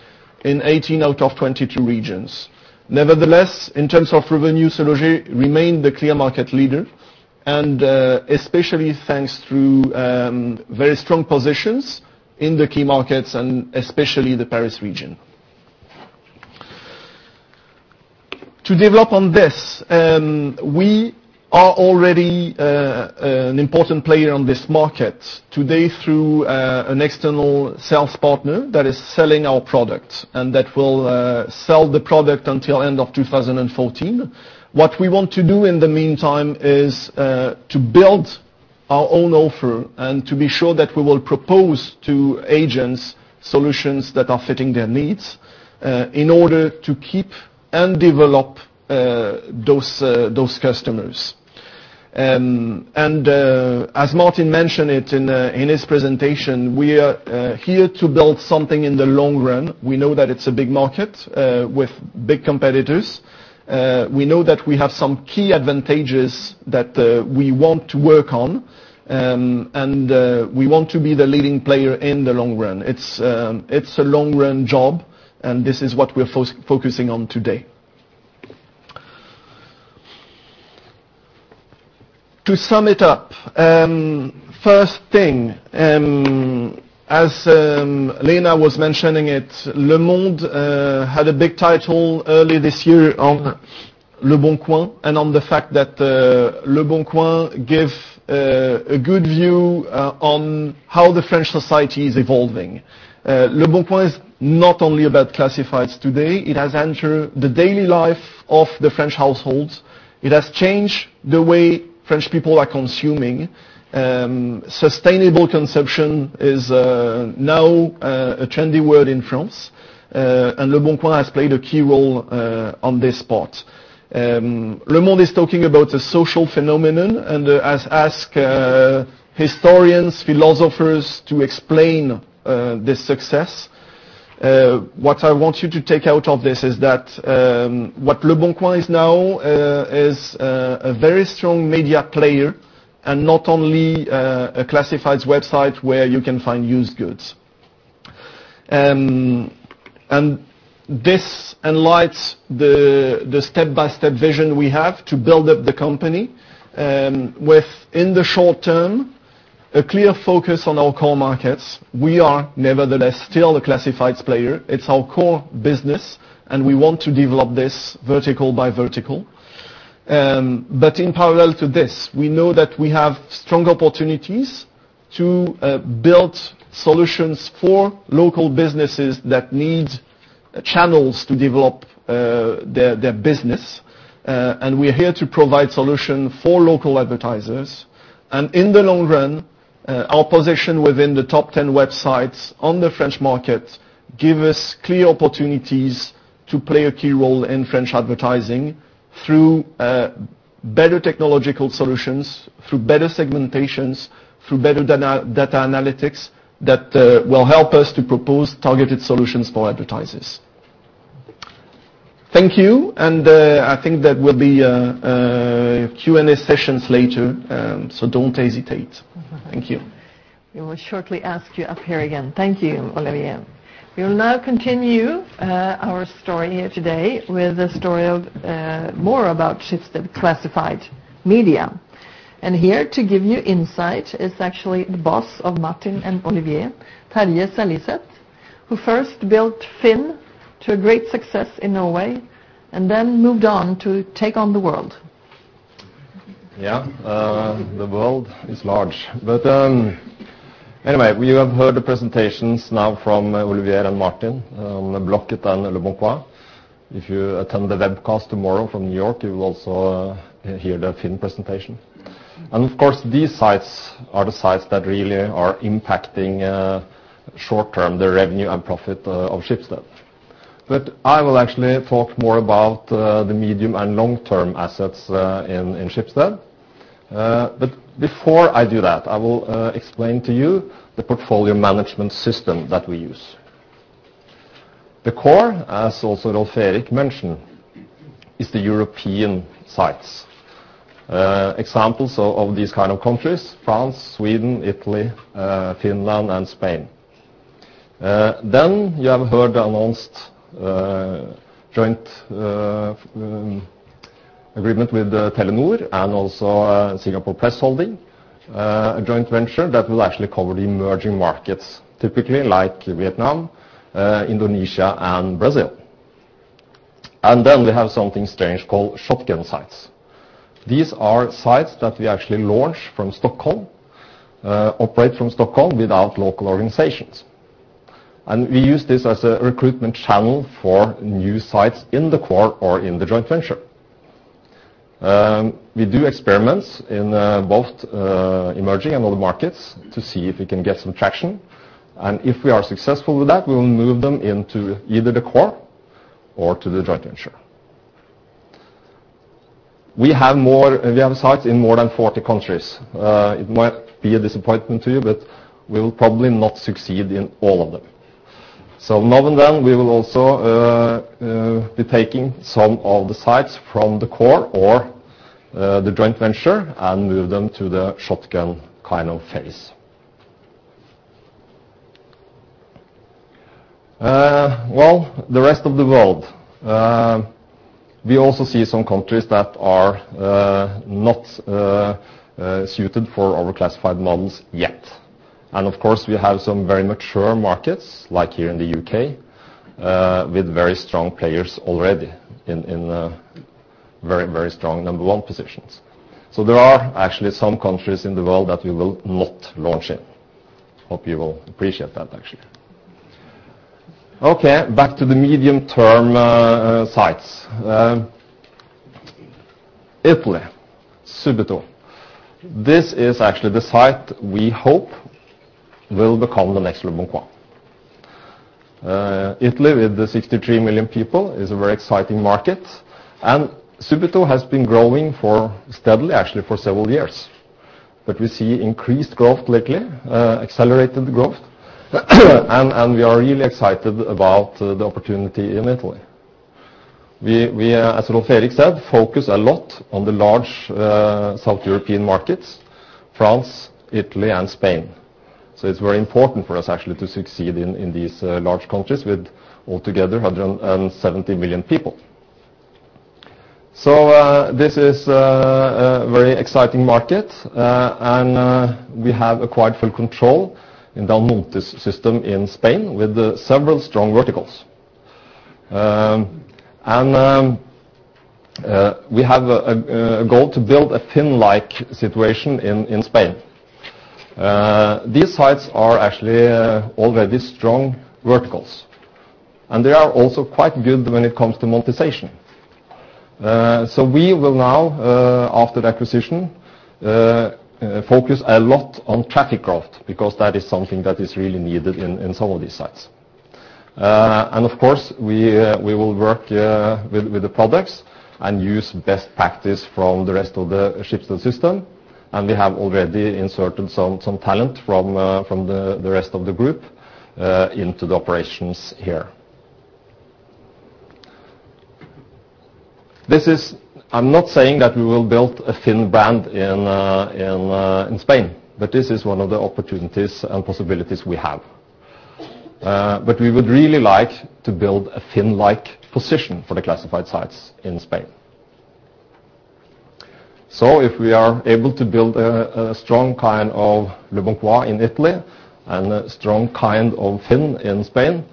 in 18 out of 22 regions. Nevertheless, in terms of revenue, SeLoger remained the clear market leader, and especially thanks through very strong positions in the key markets and especially the Paris region. To develop on this, we are already an important player on this market today through an external sales partner that is selling our product and that will sell the product until end of 2014. What we want to do in the meantime is to build our own offer and to be sure that we will propose to agents solutions that are fitting their needs in order to keep and develop those customers. As Martin mentioned it in his presentation, we are here to build something in the long run. We know that it's a big market with big competitors. We know that we have some key advantages that we want to work on. We want to be the leading player in the long run. It's a long-run job, and this is what we're focusing on today. To sum it up, first thing, as Lena was mentioning it, Le Monde had a big title early this year onLeboncoin and on the fact thatLeboncoin give a good view on how the French society is evolving. Leboncoin is not only about classifieds today. It has entered the daily life of the French households. It has changed the way French people are consuming. Sustainable consumption is now a trendy word in France. AndLeboncoin has played a key role on this part. Le Monde is talking about a social phenomenon and has asked historians, philosophers to explain this success. What I want you to take out of this is that whatLeboncoin is now is a very strong media player and not only a classifieds website where you can find used goods. This enlight the step-by-step vision we have to build up the company with, in the short term, a clear focus on our core markets. We are nevertheless still a classifieds player. It's our core business, and we want to develop this vertical by vertical. In parallel to this, we know that we have strong opportunities to build solutions for local businesses that need channels to develop their business. We're here to provide solution for local advertisers. In the long run, our position within the top ten websites on the French market give us clear opportunities to play a key role in French advertising through better technological solutions, through better segmentations, through better data analytics that will help us to propose targeted solutions for advertisers. Thank you, and I think there will be a Q&A sessions later. Don't hesitate. Thank you. We will shortly ask you up here again. Thank you, Olivier. We will now continue our story here today with a story of more about Schibsted Classified Media. Here to give you insight is actually the boss of Martin and Olivier, Terje Seljeseth, who first built FINN to a great success in Norway and then moved on to take on the world. Yeah. The world is large. Anyway, we have heard the presentations now from Olivier and Martin on Blocket andLeboncoin. If you attend the webcast tomorrow from New York, you will also hear the FINN presentation. Of course, these sites are the sites that really are impacting, short term, the revenue and profit, of Schibsted. I will actually talk more about, the medium and long-term assets, in Schibsted. Before I do that, I will explain to you the portfolio management system that we use. The core, as also Rolv Erik mentioned, is the European sites. Examples of these kind of countries, France, Sweden, Italy, Finland, and Spain. You have heard announced joint agreement with Telenor and also Singapore Press Holdings, a joint venture that will actually cover the emerging markets, typically like Vietnam, Indonesia and Brazil. We have something strange called shotgun sites. These are sites that we actually launch from Stockholm, operate from Stockholm without local organizations. We use this as a recruitment channel for new sites in the core or in the joint venture. We do experiments in both emerging and all the markets to see if we can get some traction. If we are successful with that, we will move them into either the core or to the joint venture. We have sites in more than 40 countries. It might be a disappointment to you, but we will probably not succeed in all of them. Now and then, we will also be taking some of the sites from the core or the joint venture and move them to the shotgun kind of phase. Well, the rest of the world. We also see some countries that are not suited for our classified models yet. And of course, we have some very mature markets, like here in the UK with very strong players already in very, very strong number one positions. There are actually some countries in the world that we will not launch in. Hope you will appreciate that, actually. Back to the medium-term sites. Italy, Subito. This is actually the site we hope will become the nextLeboncoin. Italy, with 63 million people, is a very exciting market, and Subito has been growing for, steadily, actually, for several years. We see increased growth lately, accelerated growth, and we are really excited about the opportunity in Italy. We, as Rolv Erik said, focus a lot on the large South European markets, France, Italy and Spain. It's very important for us actually to succeed in these large countries with altogether 170 million people. This is a very exciting market, and we have acquired full control in the Anuntis system in Spain with several strong verticals. We have a goal to build a FINN-like situation in Spain. These sites are actually already strong verticals, and they are also quite good when it comes to monetization. We will now after the acquisition focus a lot on traffic growth because that is something that is really needed in some of these sites. Of course, we will work with the products and use best practice from the rest of the Schibsted system, and we have already inserted some talent from the rest of the group into the operations here. I'm not saying that we will build a FINN brand in Spain, but this is one of the opportunities and possibilities we have. We would really like to build a FINN-like position for the classified sites in Spain. If we are able to build a strong kind ofLeboncoin in Italy and a strong kind of FINN in Spain,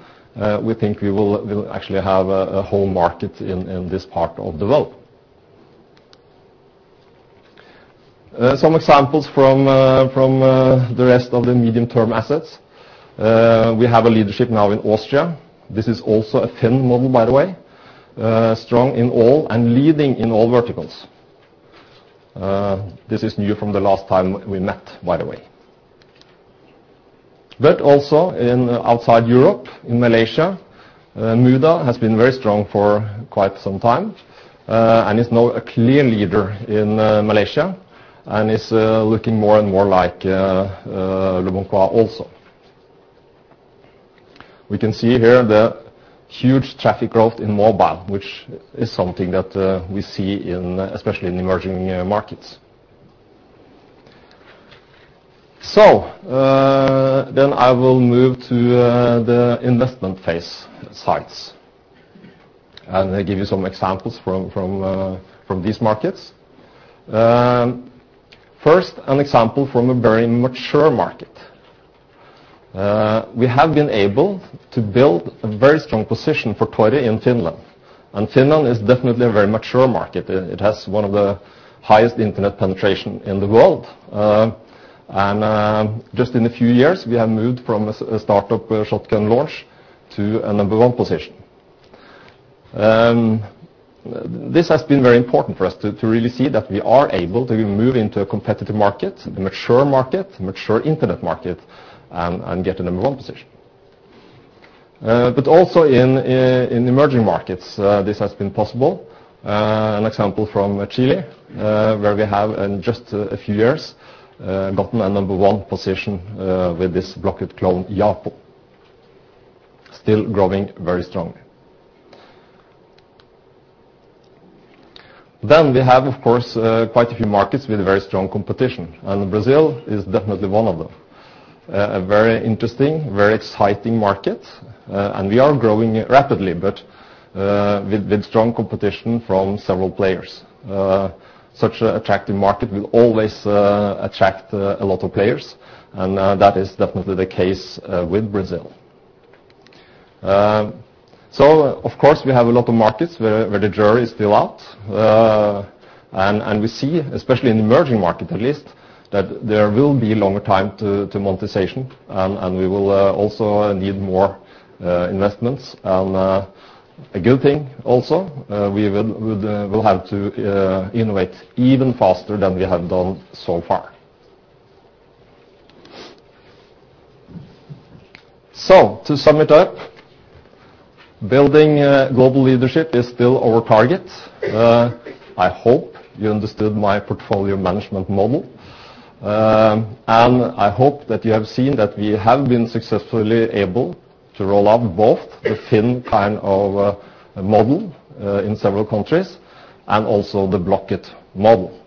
we think we will actually have a whole market in this part of the world. Some examples from the rest of the medium-term assets. We have a leadership now in Austria. This is also a FINN model, by the way. Strong in all and leading in all verticals. This is new from the last time we met, by the way. Also in outside Europe, in Malaysia, Mudah has been very strong for quite some time, and is now a clear leader in Malaysia, and is looking more and more likeLeboncoin also. We can see here the huge traffic growth in mobile, which is something that we see in, especially in emerging markets. Then I will move to the investment phase sites, and I give you some examples from these markets. First, an example from a very mature market. We have been able to build a very strong position for Tori in Finland. Finland is definitely a very mature market. It has one of the highest internet penetration in the world. And just in a few years, we have moved from a startup shotgun launch to a number one position. This has been very important for us to really see that we are able to move into a competitive market, a mature market, a mature internet market, and get a number one position. Also in emerging markets, this has been possible. An example from Chile, where we have in just a few years gotten a number one position with this rocket clone, Yapo. Still growing very strongly. Then we have, of course, quite a few markets with very strong competition, and Brazil is definitely one of them. A very interesting, very exciting market, and we are growing rapidly but with strong competition from several players. Such an attractive market will always attract a lot of players, and that is definitely the case with Brazil. Of course, we have a lot of markets where the jury is still out. We see, especially in emerging markets at least, that there will be longer time to monetization, and we will also need more investments. A good thing also, we will have to innovate even faster than we have done so far. To sum it up, building global leadership is still our target. I hope you understood my portfolio management model. I hope that you have seen that we have been successfully able to roll out both the thin kind of model in several countries and also the Blocket model.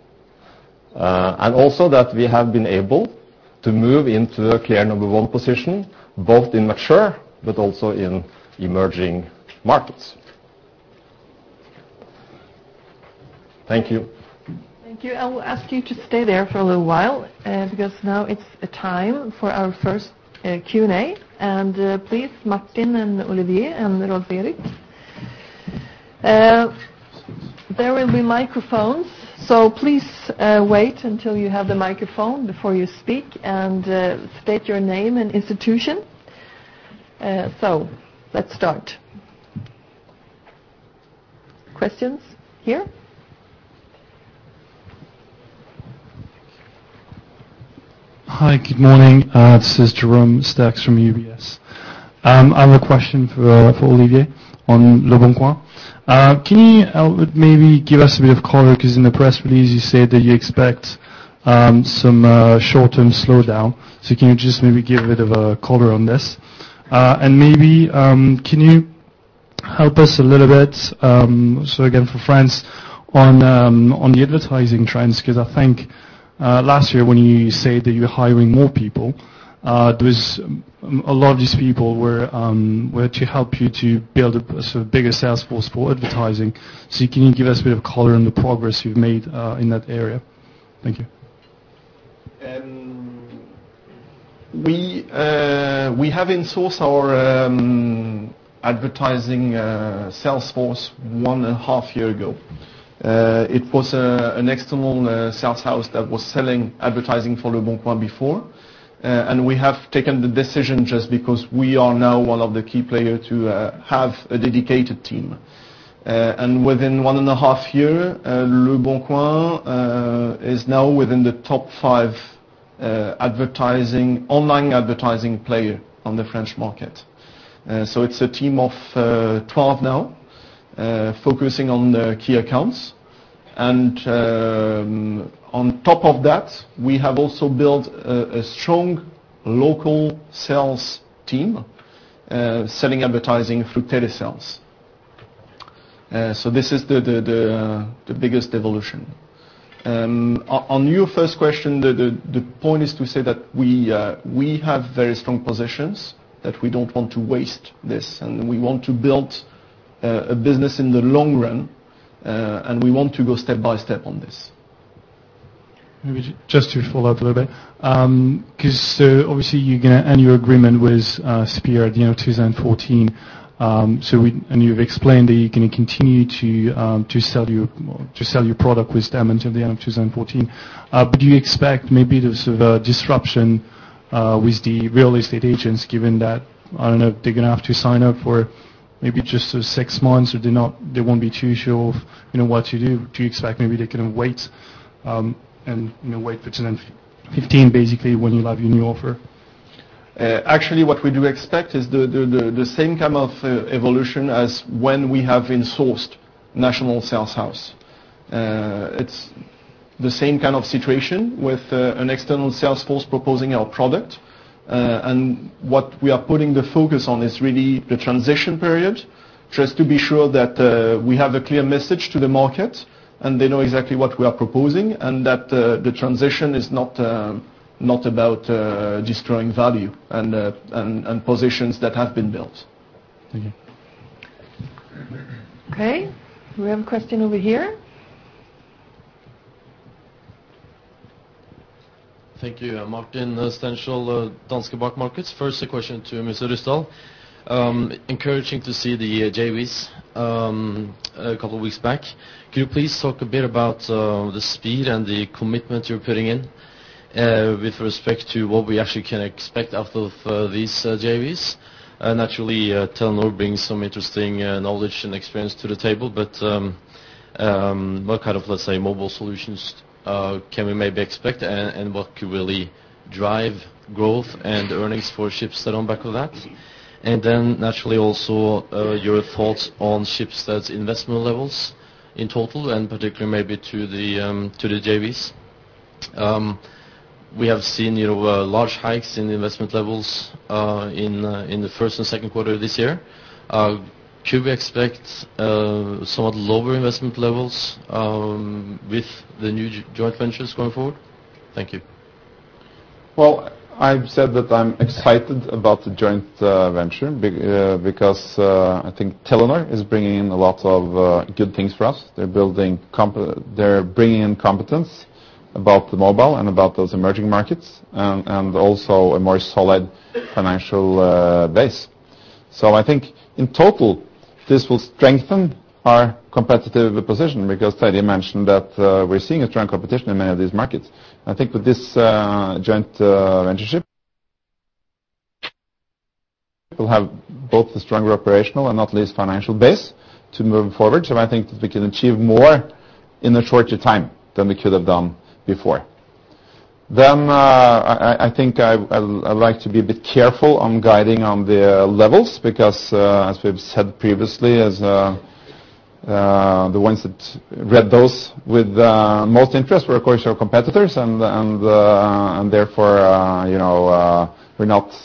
Also that we have been able to move into a clear number one position, both in mature but also in emerging markets. Thank you. Thank you. I'll ask you to stay there for a little while, because now it's the time for our first Q&A. Please, Martin and Olivier and Rolv Erik. There will be microphones, so please, wait until you have the microphone before you speak, and, state your name and institution. Let's start. Questions here. Hi, good morning. This is Jerome Stacks from UBS. I have a question for Olivier onLeboncoin. Can you maybe give us a bit of color? Because in the press release you said that you expect some short-term slowdown. Can you just maybe give a bit of a color on this? And maybe, can you help us a little bit, so again, for France on the advertising trends, because I think last year when you said that you were hiring more people, there was a lot of these people were to help you to build a sort of bigger sales force for advertising. Can you give us a bit of color on the progress you've made in that area? Thank you. We have insourced our advertising sales force one and a half year ago. It was an external sales house that was selling advertising forLeboncoin before. We have taken the decision just because we are now one of the key player to have a dedicated team. Within one and a half year, Leboncoin is now within the top five advertising, online advertising player on the French market. It's a team of 12 now, focusing on the key accounts. On top of that, we have also built a strong local sales team, selling advertising through telesales. This is the biggest evolution. On your first question, the point is to say that we have very strong positions, that we don't want to waste this. We want to build a business in the long run. We want to go step by step on this. Maybe just to follow up a little bit, 'cause obviously you're gonna end your agreement with SPH at the end of 2014. You've explained that you're gonna continue to sell your product with them until the end of 2014. Do you expect maybe there's a disruption with the real estate agents given that, I don't know, they're gonna have to sign up for maybe just six months, or they're not, they won't be too sure of, you know, what to do? Do you expect maybe they're gonna wait, and, you know, wait for 2015, basically, when you'll have your new offer? Actually, what we do expect is the same kind of evolution as when we have insourced national sales house. It's the same kind of situation with an external sales force proposing our product. What we are putting the focus on is really the transition period, just to be sure that we have a clear message to the market and they know exactly what we are proposing and that the transition is not not about destroying value and and positions that have been built. Thank you. Okay, we have a question over here. Thank you. Martin Stenshall, Danske Markets. First a question to Mr. Røstad. Encouraging to see the JVs a couple weeks back. Could you please talk a bit about the speed and the commitment you're putting in with respect to what we actually can expect out of these JVs? Naturally, Telenor brings some interesting knowledge and experience to the table, but what kind of, let's say, mobile solutions can we maybe expect and what could really drive growth and earnings for Schibsted on back of that? Naturally also, your thoughts on Schibsted's investment levels in total and particularly maybe to the JVs. We have seen, you know, large hikes in the investment levels in the first and second quarter of this year. Should we expect somewhat lower investment levels with the new joint ventures going forward? Thank you. Well, I've said that I'm excited about the joint venture because I think Telenor is bringing in a lot of good things for us. They're bringing in competence about the mobile and about those emerging markets and also a more solid financial base. I think in total, this will strengthen our competitive position because Terje mentioned that we're seeing a strong competition in many of these markets. I think with this joint ventureship, we'll have both the stronger operational and not least financial base to move forward. I think that we can achieve more in a shorter time than we could have done before. I think I'd like to be a bit careful on guiding on the levels because as we've said previously, as the ones that read those with most interest were, of course, our competitors and therefore, you know, we're not,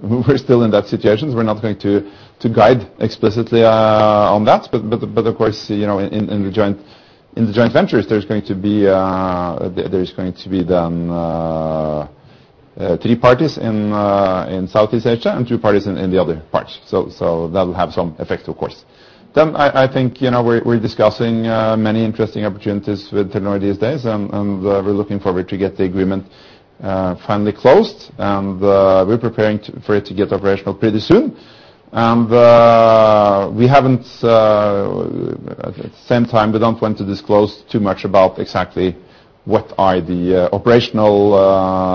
we're still in that situation. We're not going to guide explicitly on that. Of course, you know, in the joint ventures, there's going to be there's going to be then three parties in Southeast Asia and two parties in the other parts. That will have some effect, of course. I think, you know, we're discussing many interesting opportunities with Telenor these days, and we're looking forward to get the agreement finally closed. We're preparing for it to get operational pretty soon. We haven't at the same time, we don't want to disclose too much about exactly what are the operational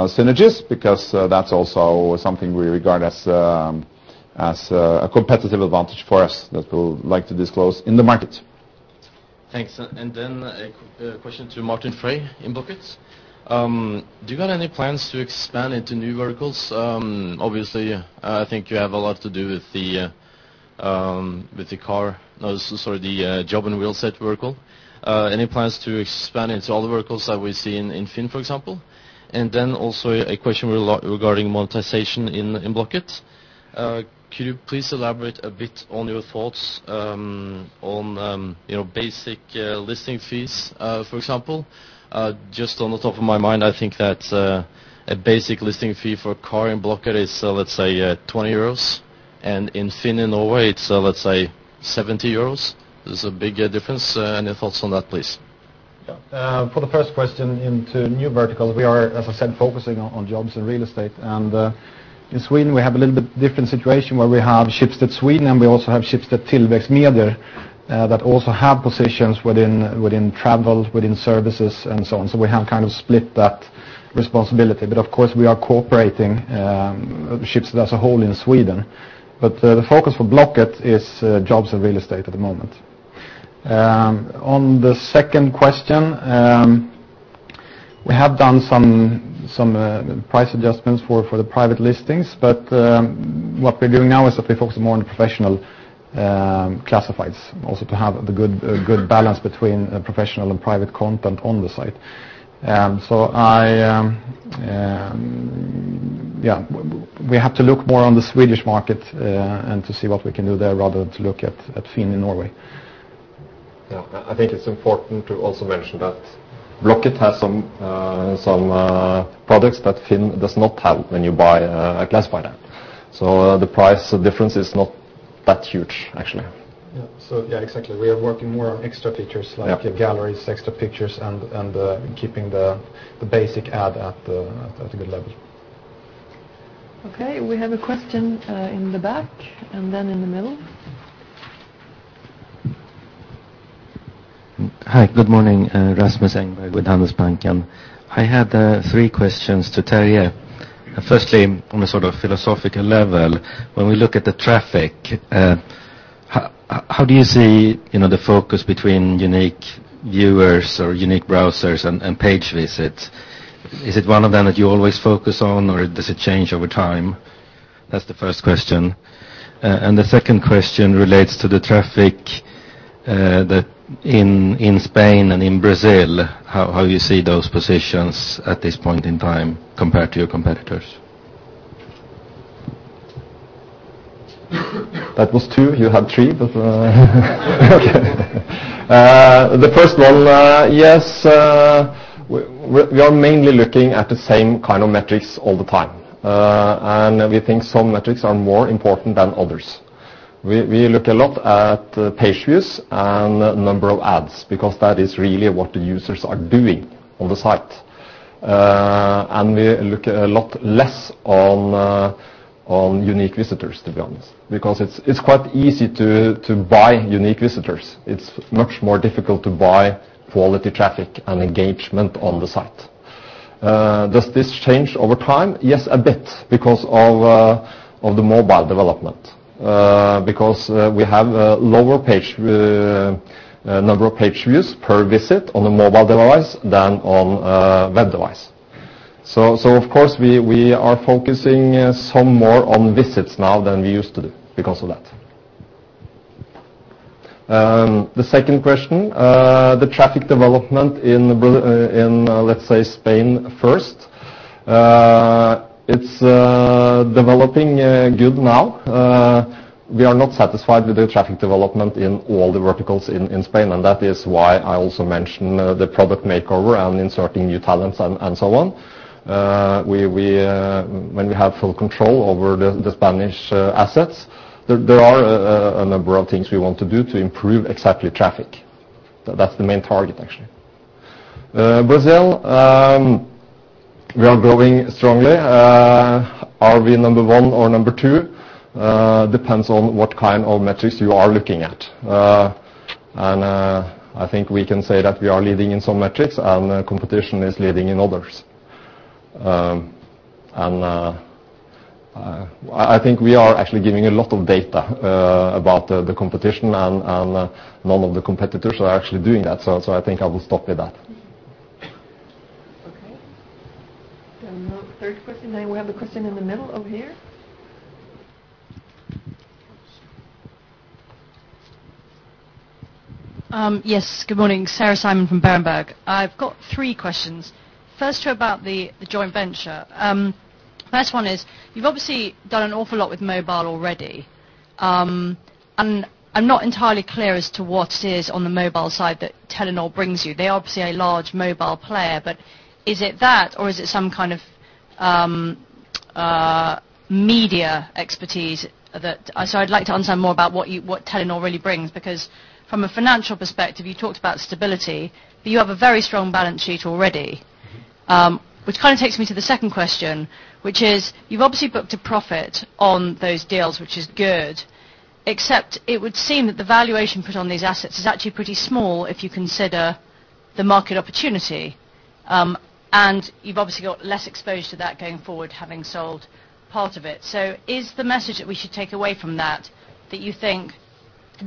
synergies, because that's also something we regard as a competitive advantage for us that we'll like to disclose in the market. Thanks. A question to Martin Frey in Blocket. Do you got any plans to expand into new verticals? Obviously, I think you have a lot to do with the car, no, sorry, the job and wheel set vertical. Any plans to expand into other verticals that we see in Finn, for example? Also a question regarding monetization in Blocket. Could you please elaborate a bit on your thoughts on, you know, basic listing fees, for example? Just on the top of my mind, I think that a basic listing fee for a car in Blocket is, let's say, 20 euros, and in Finn in Norway, it's, let's say, 70 euros. There's a big difference. Any thoughts on that, please? Yeah. For the first question into new verticals, we are, as I said, focusing on jobs and real estate. In Sweden, we have a little bit different situation where we have Schibsted Sweden, and we also have Schibsted Tillväxtmedier that also have positions within travel, within services, and so on. We have kind of split that responsibility. Of course, we are cooperating, Schibsted as a whole in Sweden. The focus for Blocket is jobs and real estate at the moment. On the second question, we have done some price adjustments for the private listings, but what we're doing now is that we focus more on professional classifieds, also to have the good balance between professional and private content on the site. I, yeah. We have to look more on the Swedish market, and to see what we can do there rather than to look at FINN in Norway. Yeah. I think it's important to also mention that Blocket has some products that FINN does not have when you buy a classified ad. The price difference is not that huge, actually. Yeah. Yeah, exactly. We are working more on extra features like... Yeah. -galleries, extra pictures, and, keeping the basic ad at a good level. Okay. We have a question, in the back and then in the middle. Hi. Good morning. Rasmus Engberg with Handelsbanken. I had three questions to Terje. Firstly, on a sort of philosophical level, when we look at the traffic, how do you see, you know, the focus between unique viewers or unique browsers and page visits? Is it one of them that you always focus on, or does it change over time? That's the first question. The second question relates to the traffic that in Spain and in Brazil, how you see those positions at this point in time compared to your competitors. That was two. You have three. Okay. The 1st one, yes, we are mainly looking at the same kind of metrics all the time. We think some metrics are more important than others. We look a lot at page views and number of ads because that is really what the users are doing on the site. We look a lot less on unique visitors, to be honest, because it's quite easy to buy unique visitors. It's much more difficult to buy quality traffic and engagement on the site. Does this change over time? Yes, a bit because of the mobile development, because we have a lower page number of page views per visit on a mobile device than on web device. Of course, we are focusing some more on visits now than we used to do because of that. The second question, the traffic development in, let's say, Spain first. It's developing good now. We are not satisfied with the traffic development in all the verticals in Spain, and that is why I also mentioned the product makeover and inserting new talents and so on. When we have full control over the Spanish assets, there are a number of things we want to do to improve exactly traffic. That's the main target, actually. Brazil, we are growing strongly. Are we number one or number two? Depends on what kind of metrics you are looking at. I think we can say that we are leading in some metrics and the competition is leading in others. I think we are actually giving a lot of data about the competition and none of the competitors are actually doing that, so I think I will stop with that. Okay. The third question, we have the question in the middle over here. Yes. Good morning, Sarah Simon from Berenberg. I've got three questions. First two about the joint venture. First one is, you've obviously done an awful lot with mobile already. I'm not entirely clear as to what is on the mobile side that Telenor brings you. They're obviously a large mobile player, but is it that, or is it some kind of media expertise that. I'd like to understand more about what you, what Telenor really brings, because from a financial perspective, you talked about stability, but you have a very strong balance sheet already. Which kind of takes me to the second question, which is you've obviously booked a profit on those deals, which is good, except it would seem that the valuation put on these assets is actually pretty small if you consider the market opportunity. You've obviously got less exposure to that going forward, having sold part of it. Is the message that we should take away from that you think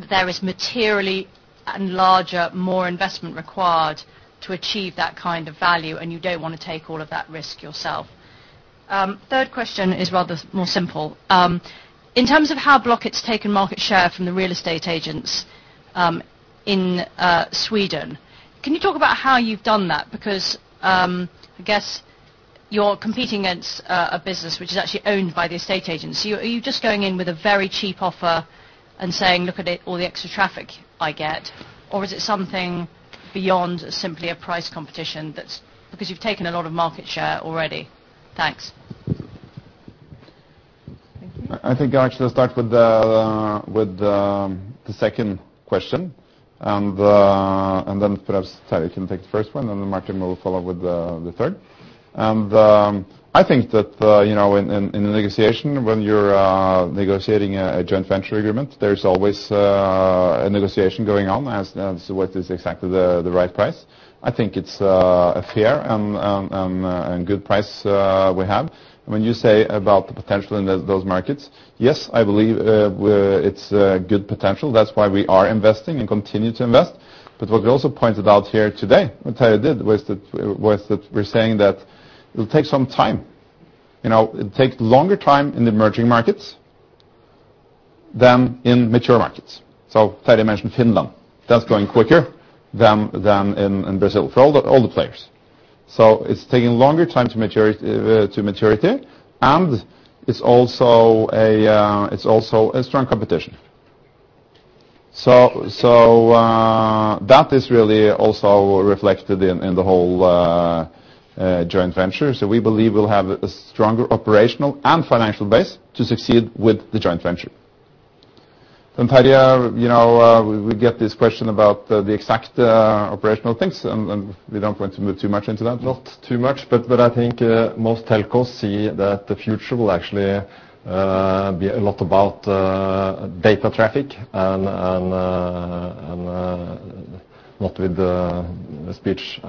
there is materially and larger, more investment required to achieve that kind of value and you don't wanna take all of that risk yourself? Third question is rather more simple. In terms of how Blocket's taken market share from the real estate agents, in Sweden, can you talk about how you've done that? Because, I guess you're competing against a business which is actually owned by the estate agents. Are you just going in with a very cheap offer and saying, "Look at it, all the extra traffic I get," or is it something beyond simply a price competition that's because you've taken a lot of market share already. Thanks. Thank you. I think I'll actually start with the, with the second question. Perhaps Terje can take the first one, and then Martin will follow with the third. I think that, you know, in a negotiation, when you're negotiating a joint venture agreement, there's always a negotiation going on as to what is exactly the right price. I think it's a fair and good price we have. When you say about the potential in those markets, yes, I believe it's a good potential. That's why we are investing and continue to invest. What we also pointed out here today, what Terje did, we're saying that it'll take some time. You know, it takes longer time in the emerging markets than in mature markets. Terje mentioned Finland. That's going quicker than in Brazil for all the players. It's taking longer time to maturity, to maturity, and it's also a, it's also a strong competition. That is really also reflected in the whole joint venture. We believe we'll have a stronger operational and financial base to succeed with the joint venture. Terje, you know, we get this question about the exact operational things, and we don't want to move too much into that. Not too much, but I think most telcos see that the future will actually be a lot about data traffic and not with speech.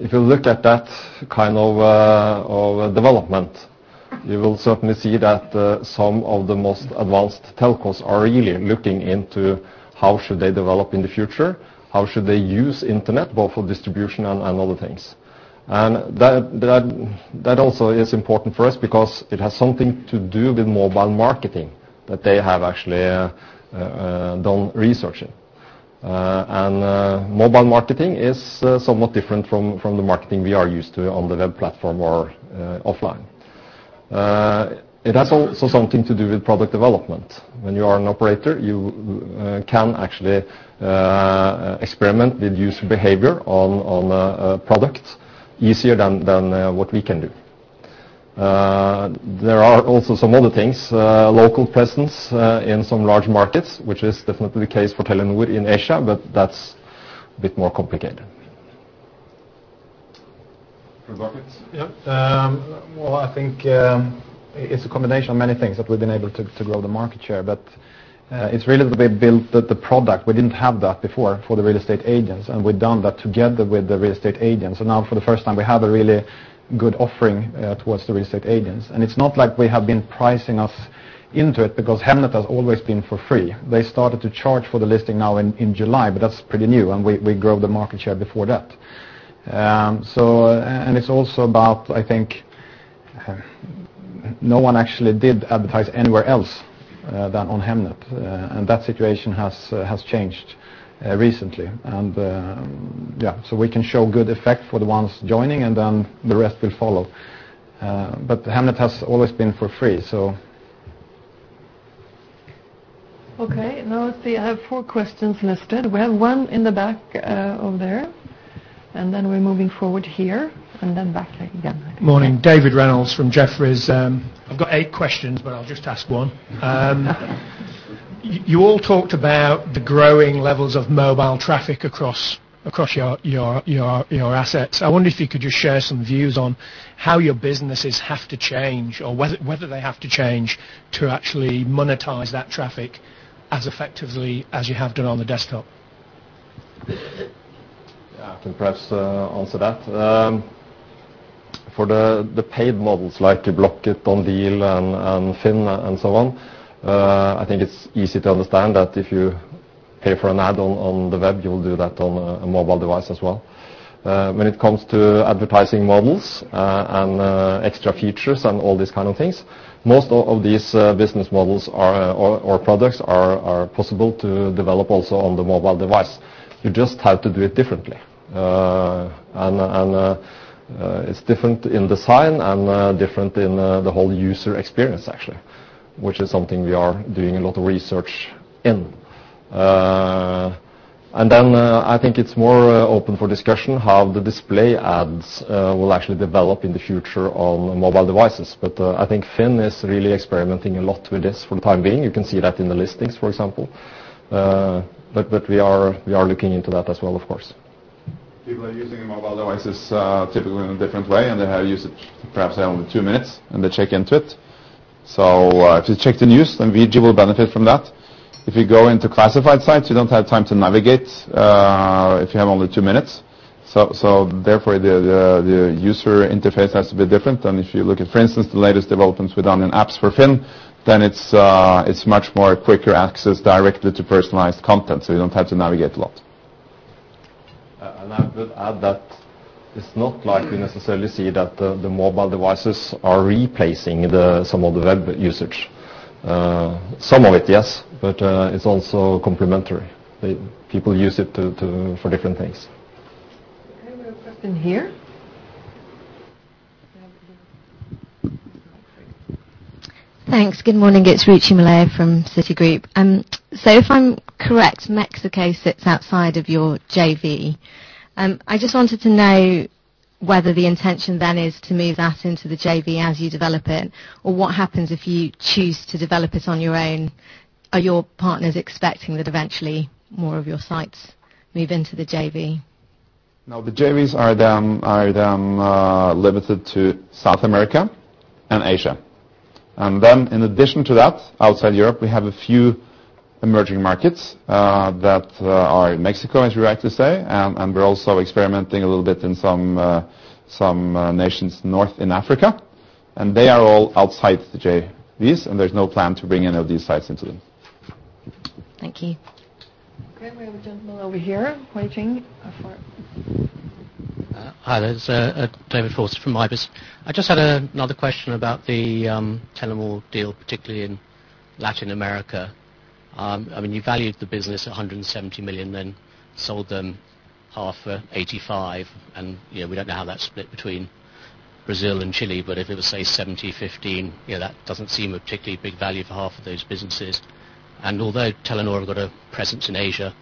If you look at that kind of development, you will certainly see that some of the most advanced telcos are really looking into how should they develop in the future, how should they use internet, both for distribution and other things. That also is important for us because it has something to do with mobile marketing that they have actually done research in. Mobile marketing is somewhat different from the marketing we are used to on the web platform or offline. It has also something to do with product development. When you are an operator, you can actually experiment with user behavior on a product easier than what we can do. There are also some other things, local presence, in some large markets, which is definitely the case for Telenor in Asia, but that's a bit more complicated. For markets? Yep. Well, I think it's a combination of many things that we've been able to grow the market share. It's really the way we built the product. We didn't have that before for the real estate agents, and we've done that together with the real estate agents. Now for the first time, we have a really good offering towards the real estate agents. It's not like we have been pricing us into it because Hemnet has always been for free. They started to charge for the listing now in July, but that's pretty new, and we grew the market share before that. It's also about, I think, no one actually did advertise anywhere else than on Hemnet. That situation has changed recently. Yeah, so we can show good effect for the ones joining and then the rest will follow. Hemnet has always been for free, so. Okay. Now let's see. I have four questions listed. We have one in the back, over there, and then we're moving forward here, and then back there again. Morning. David Reynolds from Jefferies. I've got eight questions, but I'll just ask one. You all talked about the growing levels of mobile traffic across your assets. I wonder if you could just share some views on how your businesses have to change or whether they have to change to actually monetize that traffic as effectively as you have done on the desktop. Yeah. I can perhaps answer that. For the paid models like Blocket, Bonial and FINN and so on, I think it's easy to understand that if you pay for an ad on the web, you'll do that on a mobile device as well. When it comes to advertising models, and extra features and all these kind of things, most of these business models or products are possible to develop also on the mobile device. You just have to do it differently. It's different in design and different in the whole user experience actually, which is something we are doing a lot of research in. I think it's more open for discussion how the display ads will actually develop in the future on mobile devices. I think FINN is really experimenting a lot with this for the time being. You can see that in the listings, for example. We are looking into that as well, of course. People are using the mobile devices, typically in a different way, and they have usage perhaps only two minutes and they check into it. To check the news, then VG will benefit from that. If you go into classified sites, you don't have time to navigate, if you have only two minutes. Therefore, the user interface has to be different. If you look at, for instance, the latest developments we've done in apps for FINN, it's much more quicker access directly to personalized content, so you don't have to navigate a lot. I would add that it's not like we necessarily see that the mobile devices are replacing some of the web usage. Some of it, yes, but it's also complementary. People use it for different things. I have a question here. Thanks. Good morning. It's Ruchi Malaiya from Citigroup. If I'm correct, Mex case sits outside of your JV. I just wanted to know whether the intention then is to move that into the JV as you develop it, or what happens if you choose to develop it on your own? Are your partners expecting that eventually more of your sites move into the JV? No, the JVs are then limited to South America and Asia. In addition to that, outside Europe, we have a few emerging markets that are in Mexico, as you rightly say, and we're also experimenting a little bit in some nations north in Africa. They are all outside the JVs, and there's no plan to bring any of these sites into them. Thank you. Okay. We have a gentleman over here waiting for. Hi, there. It's David Force from IBIS. I just had another question about the Telenor deal, particularly in Latin America. I mean, you valued the business at 170 million, then sold them half for 85 million. You know, we don't know how that's split between Brazil and Chile, but if it was, say, 70-15, you know, that doesn't seem a particularly big value for half of those businesses. Although Telenor have got a presence in Asia,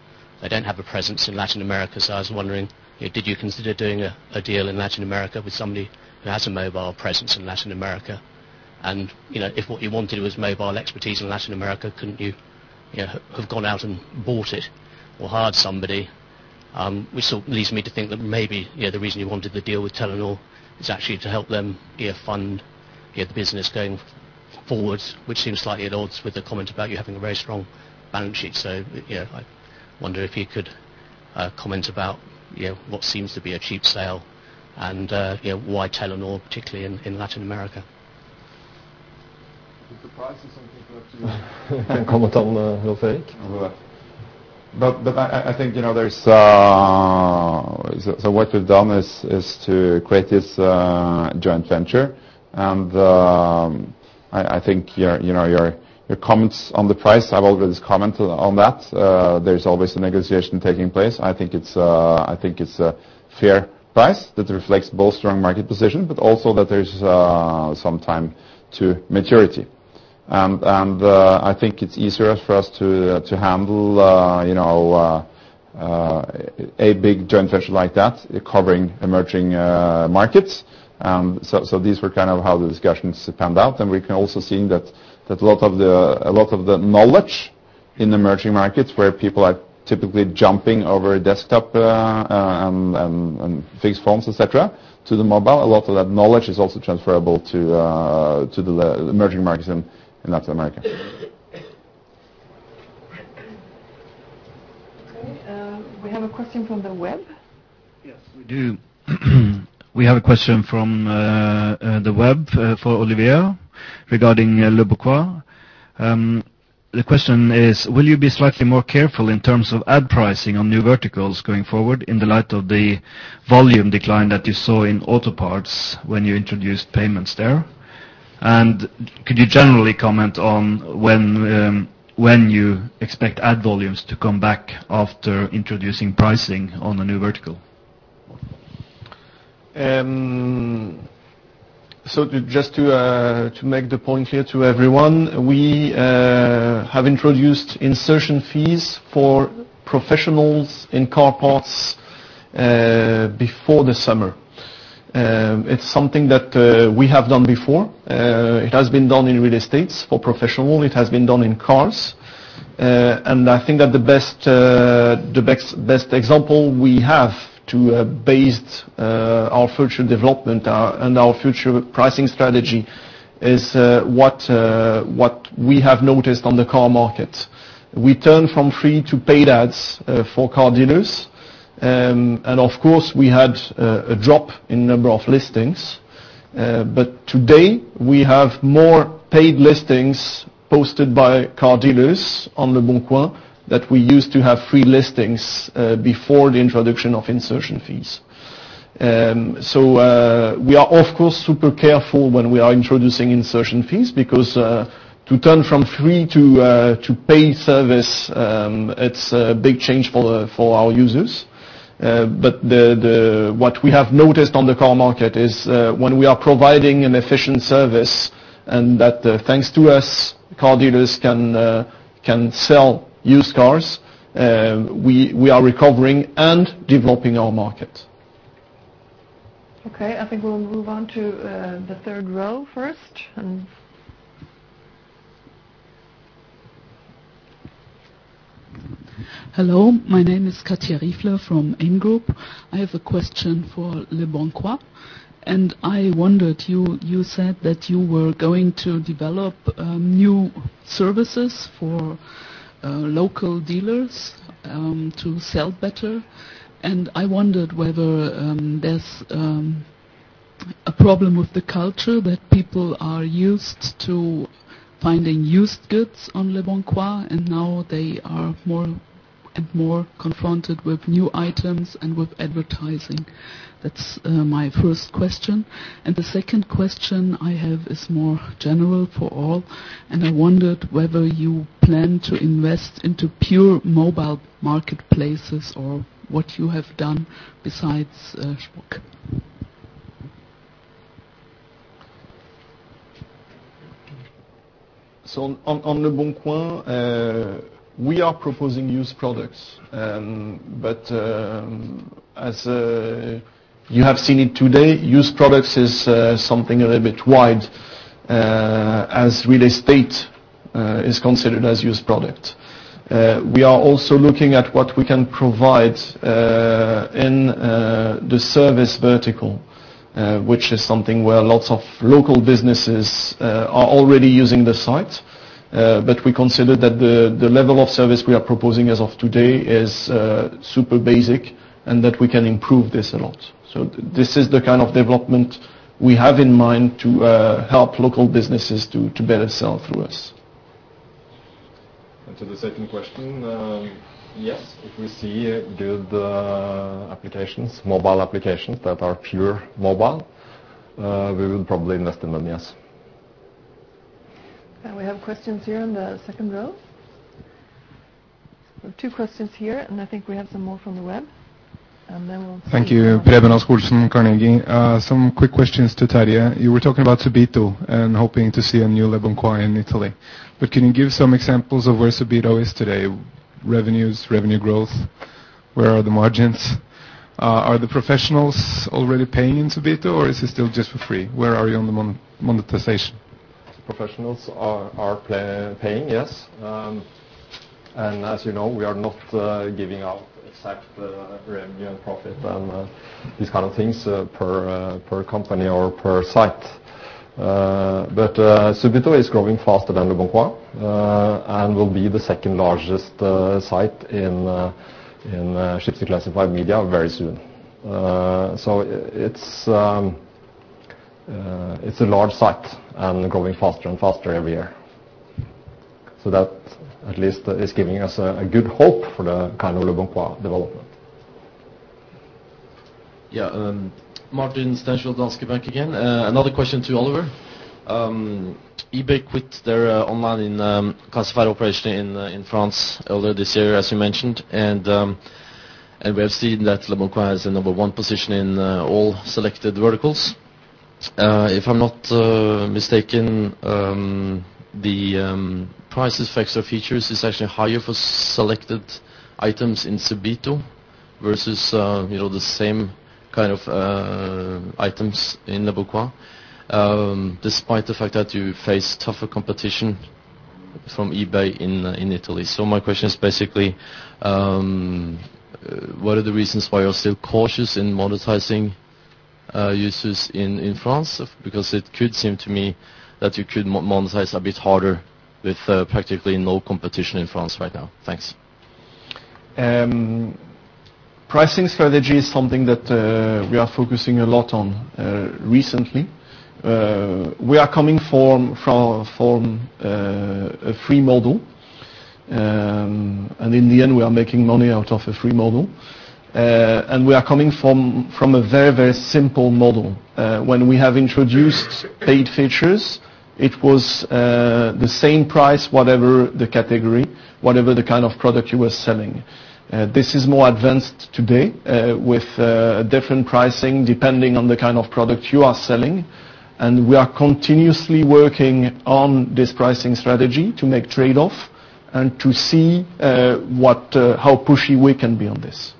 they don't have a presence in Latin America. I was wondering, you know, did you consider doing a deal in Latin America with somebody that has a mobile presence in Latin America? You know, if what you wanted was mobile expertise in Latin America, couldn't you know, have gone out and bought it or hired somebody? Which sort of leads me to think that maybe, you know, the reason you wanted the deal with Telenor is actually to help them, you know, fund, you know, the business going forward, which seems slightly at odds with the comment about you having a very strong balance sheet. I wonder if you could comment about, you know, what seems to be a cheap sale and, you know, why Telenor particularly in Latin America. If the price is something you want to... Can comment on, Ulf-Erik. What we've done is to create this joint venture. I think your, you know, your comments on the price, I've always commented on that. There's always a negotiation taking place. I think it's a fair price that reflects both strong market position, but also that there's some time to maturity. I think it's easier for us to handle, you know, a big joint venture like that covering emerging markets. These were kind of how the discussions panned out. We can also see that a lot of the knowledge in emerging markets where people are typically jumping over desktop, fixed phones, et cetera, to the mobile, a lot of that knowledge is also transferable to the emerging markets in Latin America. Okay. We have a question from the web. Yes, we do. We have a question from the web for Olivier. Regarding Leboncoin. The question is, will you be slightly more careful in terms of ad pricing on new verticals going forward in the light of the volume decline that you saw in auto parts when you introduced payments there? Could you generally comment on when you expect ad volumes to come back after introducing pricing on the new vertical? Just to make the point here to everyone, we have introduced insertion fees for professionals in car parts before the summer. It's something that we have done before. It has been done in real estates for professional. It has been done in cars. I think that the best example we have to base our future development and our future pricing strategy is what we have noticed on the car market. We turn from free to paid ads for car dealers. Of course, we had a drop in number of listings. Today, we have more paid listings posted by car dealers on Leboncoin that we used to have free listings before the introduction of insertion fees. We are of course, super careful when we are introducing insertion fees because to turn from free to to paid service, it's a big change for for our users. What we have noticed on the car market is, when we are providing an efficient service and that thanks to us, car dealers can can sell used cars, we are recovering and developing our market. Okay, I think we'll move on to the third row first and... Hello, my name is Katja Riefler from N Group. I have a question forLeboncoin. I wondered, you said that you were going to develop new services for local dealers to sell better. I wondered whether there's a problem with the culture that people are used to finding used goods onLeboncoin, and now they are more and more confronted with new items and with advertising. That's my first question. The second question I have is more general for all, and I wondered whether you plan to invest into pure mobile marketplaces or what you have done besides Shpock. OnLeboncoin, we are proposing used products. As you have seen it today, used products is something a little bit wide, as real estate is considered as used product. We are also looking at what we can provide in the service vertical, which is something where lots of local businesses are already using the site. We consider that the level of service we are proposing as of today is super basic and that we can improve this a lot. This is the kind of development we have in mind to help local businesses to better sell through us. To the second question, yes, if we see good applications, mobile applications that are pure mobile, we will probably invest in them, yes. We have questions here in the second row. We have two questions here, and I think we have some more from the web. Thank you. Preben Rasch-Olsen, Carnegie. Some quick questions to Terje. You were talking about Subito and hoping to see a newLeboncoin in Italy. Can you give some examples of where Subito is today? Revenues, revenue growth, where are the margins? Are the professionals already paying in Subito, or is it still just for free? Where are you on the monetization? Professionals are pay-paying, yes. As you know, we are not giving out exact revenue and profit and these kind of things per company or per site. Subito is growing faster thanLeboncoin and will be the second-largest site in Schibsted Classified Media very soon. It's a large site and growing faster and faster every year. That at least is giving us a good hope for the kind ofLeboncoin development. Yeah, Martin Stensrud, Danske Bank again. Another question to Oliver. eBay quit their online, classified operation in France earlier this year, as you mentioned. We have seen thatLeboncoin has the number one position in all selected verticals. If I'm not mistaken, the prices, features is actually higher for selected items in Subito versus, you know, the same kind of items inLeboncoin, despite the fact that you face tougher competition from eBay in Italy. My question is basically, what are the reasons why you're still cautious in monetizing users in France? Because it could seem to me that you could monetize a bit harder with practically no competition in France right now. Thanks. Pricing strategy is something that we are focusing a lot on recently. We are coming from a free model. In the end we are making money out of a free model. We are coming from a very simple model. When we have introduced paid features, it was the same price, whatever the category, whatever the kind of product you were selling. This is more advanced today with different pricing depending on the kind of product you are selling. We are continuously working on this pricing strategy to make trade-off and to see what how pushy we can be on this.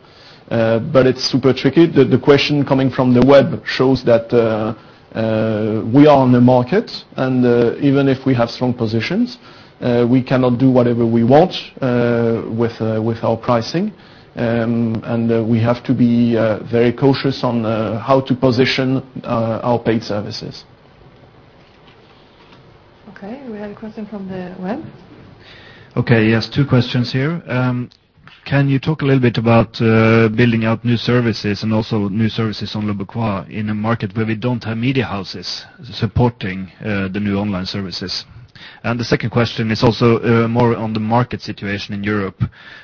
It's super tricky. The question coming from the web shows that we are on the market, and even if we have strong positions, we cannot do whatever we want with our pricing. We have to be very cautious on how to position our paid services. Okay. We have a question from the web. Okay. Yes. Two questions here. Can you talk a little bit about building out new services and also new services onLeboncoin in a market where we don't have media houses supporting the new online services? The second question is also more on the market situation in Europe.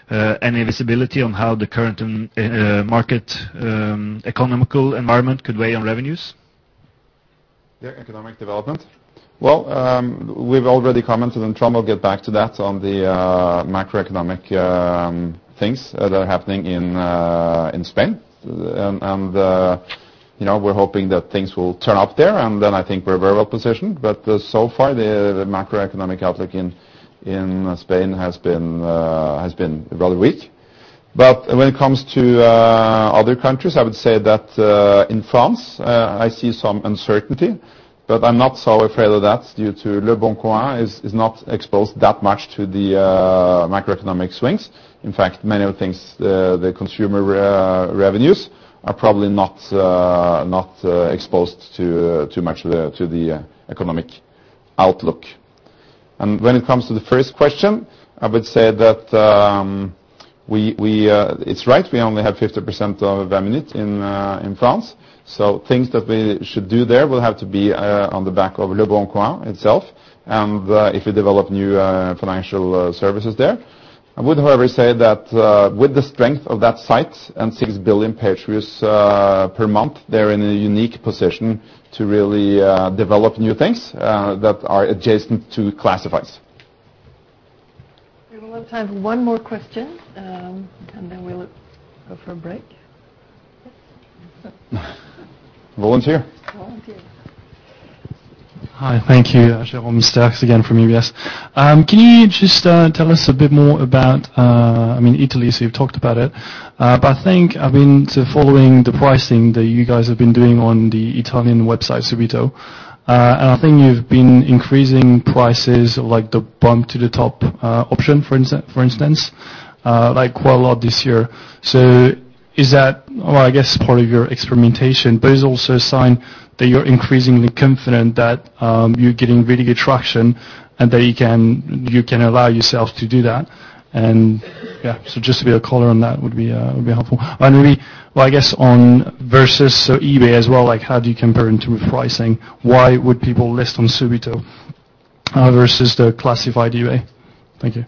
Any visibility on how the current market economical environment could weigh on revenues? Yeah, economic development. Well, we've already commented, and Trond will get back to that on the macroeconomic things that are happening in Spain. You know, we're hoping that things will turn up there, and then I think we're very well positioned. So far, the macroeconomic outlook in Spain has been rather weak. When it comes to other countries, I would say that in France, I see some uncertainty, but I'm not so afraid of that due toLeboncoin is not exposed that much to the macroeconomic swings. In fact, many of the things, the consumer revenues are probably not exposed to much of the economic outlook. When it comes to the first question, I would say that, we, it's right, we only have 50% of 20 minutes in France. Things that we should do there will have to be on the back ofLeboncoin itself, and if we develop new financial services there. I would, however, say that, with the strength of that site and 6 billion page views per month, they're in a unique position to really develop new things that are adjacent to classifieds. We have a lot of time for one more question, then we'll go for a break. Volunteer. Volunteer. Hi. Thank you. Jerome Stacks again from UBS. Can you just tell us a bit more about, I mean, Italy, so you've talked about it, but I think, I mean, following the pricing that you guys have been doing on the Italian website, Subito, and I think you've been increasing prices like the bump to the top option for instance, like quite a lot this year. Is that, well, I guess part of your experimentation, but is it also a sign that you're increasingly confident that you're getting really good traction and that you can allow yourself to do that? Yeah, just to be a caller on that would be helpful. Maybe, well, I guess on versus eBay as well, like how do you compare them to pricing? Why would people list on Subito versus the classified eBay? Thank you.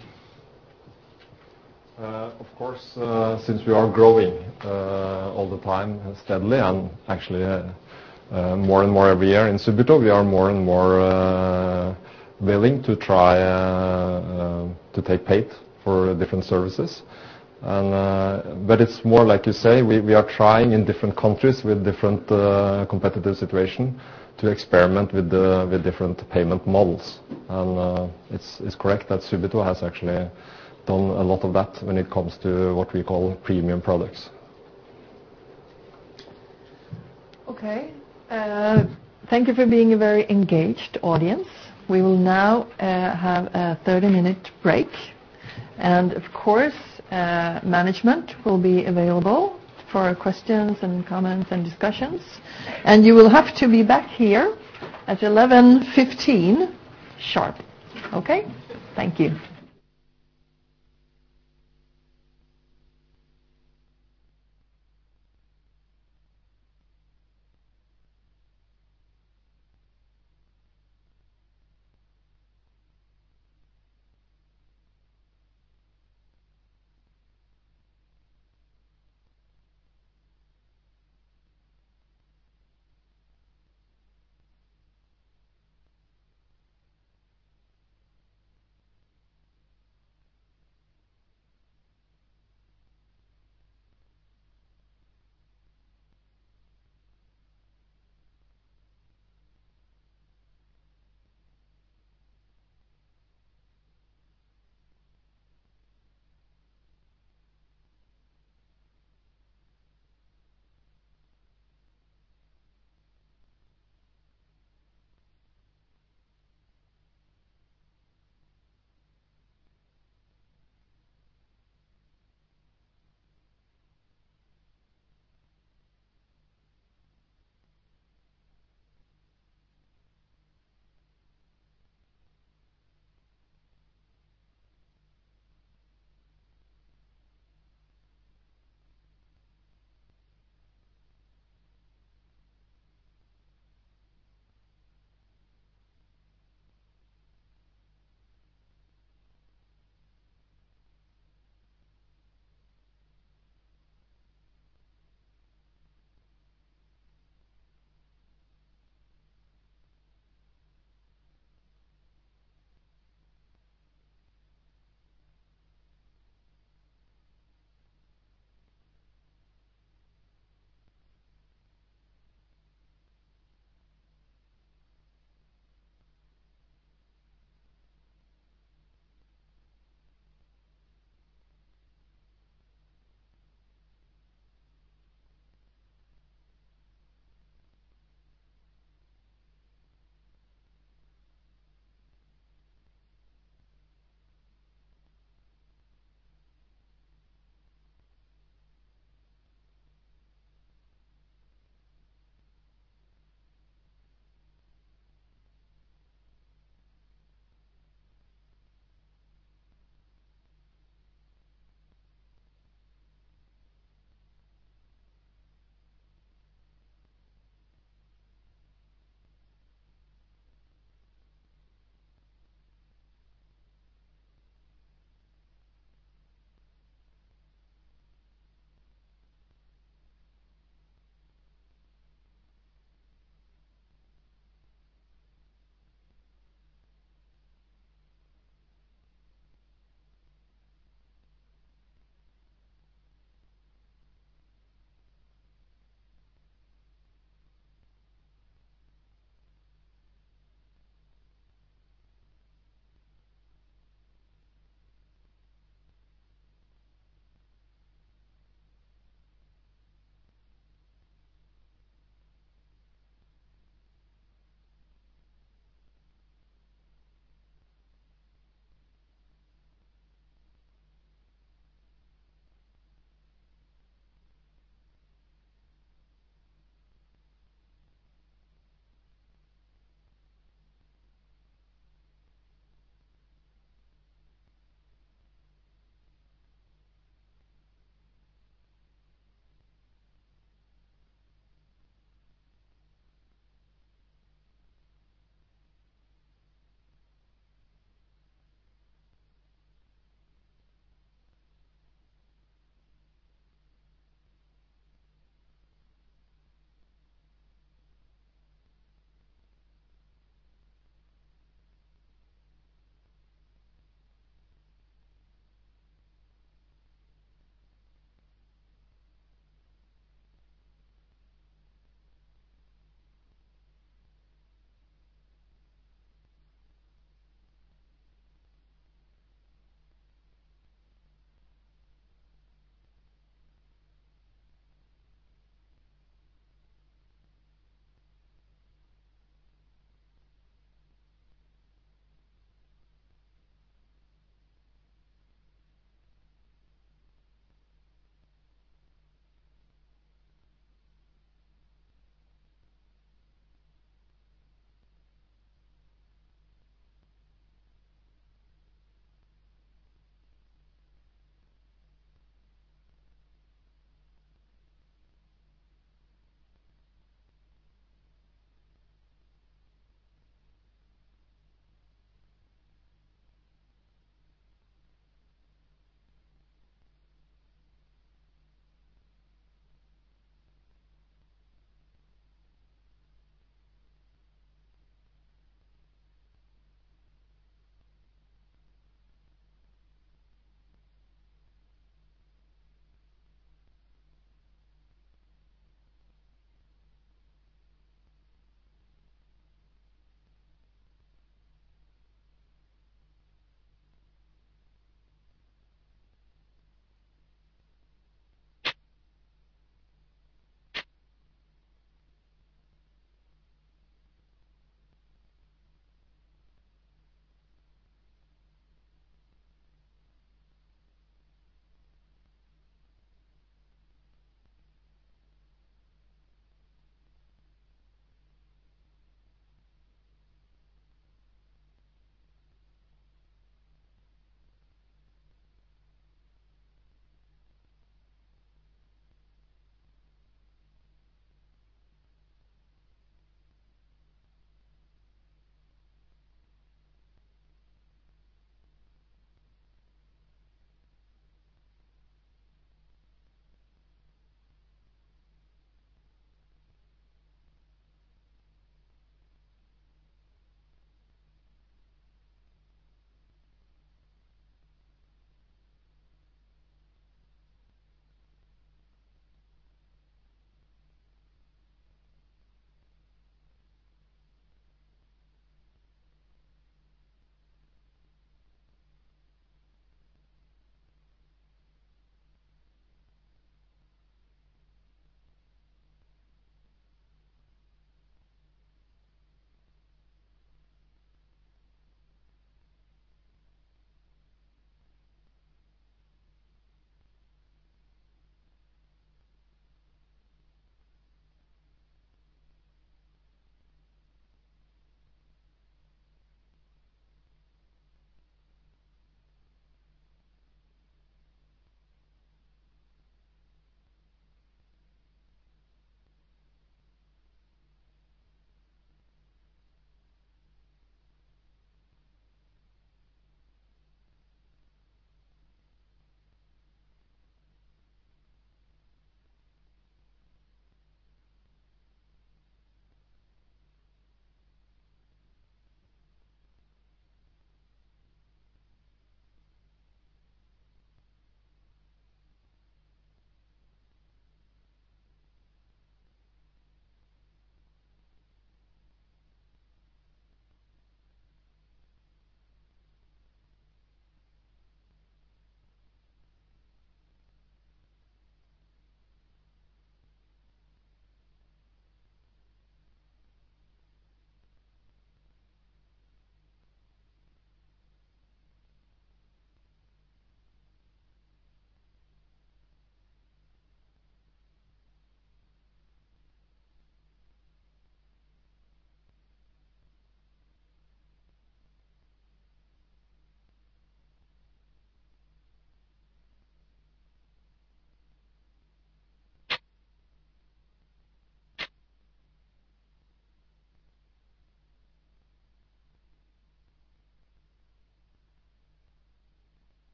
Of course, since we are growing all the time steadily and actually, more and more every year in Subito, we are more and more willing to try to take paid for different services. But it's more like you say, we are trying in different countries with different competitive situation to experiment with different payment models. It's correct that Subito has actually done a lot of that when it comes to what we call premium products. Okay. Thank you for being a very engaged audience. We will now have a 30-minute break. Of course, management will be available for questions and comments and discussions. You will have to be back here at 11:15 sharp. Okay? Thank you.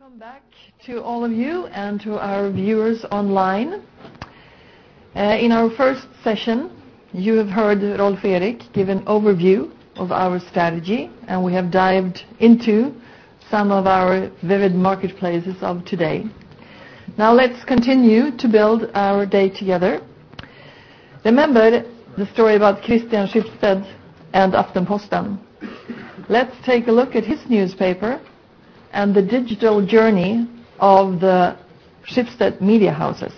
Okay. Welcome back to all of you and to our viewers online. In our first session, you have heard Rolv Erik give an overview of our strategy, and we have dived into some of our vivid marketplaces of today. Let's continue to build our day together. Remember the story about Christian Schibsted and Aftenposten? Let's take a look at his newspaper and the digital journey of the Schibsted media houses.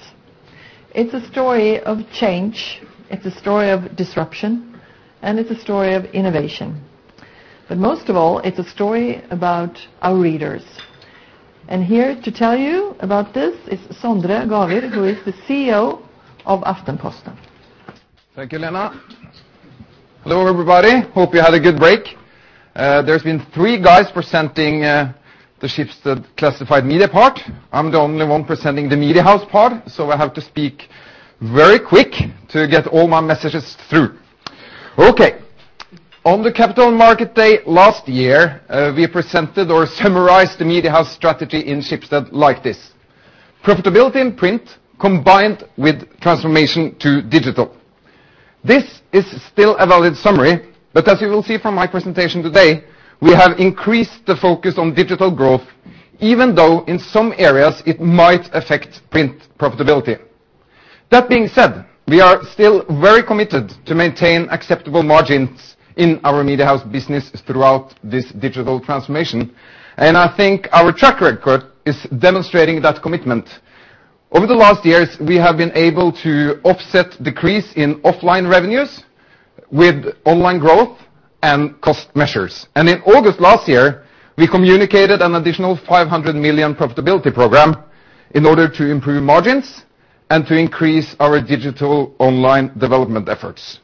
It's a story of change, it's a story of disruption, and it's a story of innovation. Most of all, it's a story about our readers. Here to tell you about this is Sondre Gravir, who is the CEO of Aftenposten. Thank you, Lena. Hello, everybody. Hope you had a good break. There's been three guys presenting the Schibsted Classified Media part. I'm the only one presenting the Media House part, so I have to speak very quick to get all my messages through. On the Capital Market Day last year, we presented or summarized the Media House strategy in Schibsted like this: profitability in print combined with transformation to digital. This is still a valid summary, as you will see from my presentation today, we have increased the focus on digital growth, even though in some areas it might affect print profitability. That being said, we are still very committed to maintain acceptable margins in our media house business throughout this digital transformation, I think our track record is demonstrating that commitment. Over the last years, we have been able to offset decrease in offline revenues with online growth and cost measures. In August last year, we communicated an additional 500 million profitability program in order to improve margins and to increase our digital online development efforts.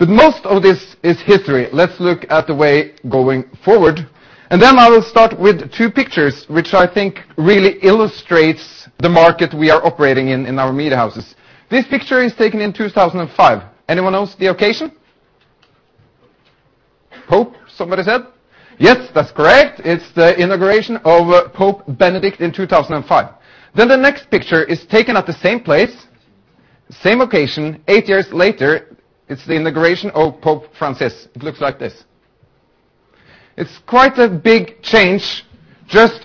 Most of this is history. Let's look at the way going forward. I will start with two pictures, which I think really illustrates the market we are operating in our media houses. This picture is taken in 2005. Anyone knows the occasion? Pope. Pope, somebody said. Yes, that's correct. It's the inauguration of Pope Benedict in 2005. The next picture is taken at the same place, same location eight years later. It's the inauguration of Pope Francis. It looks like this. It's quite a big change just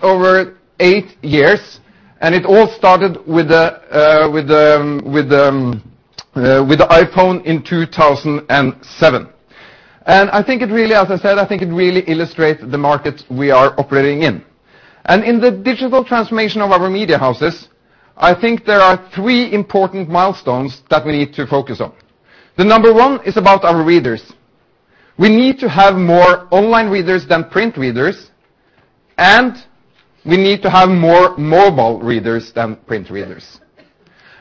eight years, and it all started with the iPhone in 2007. I think it really, as I said, I think it really illustrates the market we are operating in. In the digital transformation of our media houses, I think there are three important milestones that we need to focus on. The number one is about our readers. We need to have more online readers than print readers, and we need to have more mobile readers than print readers.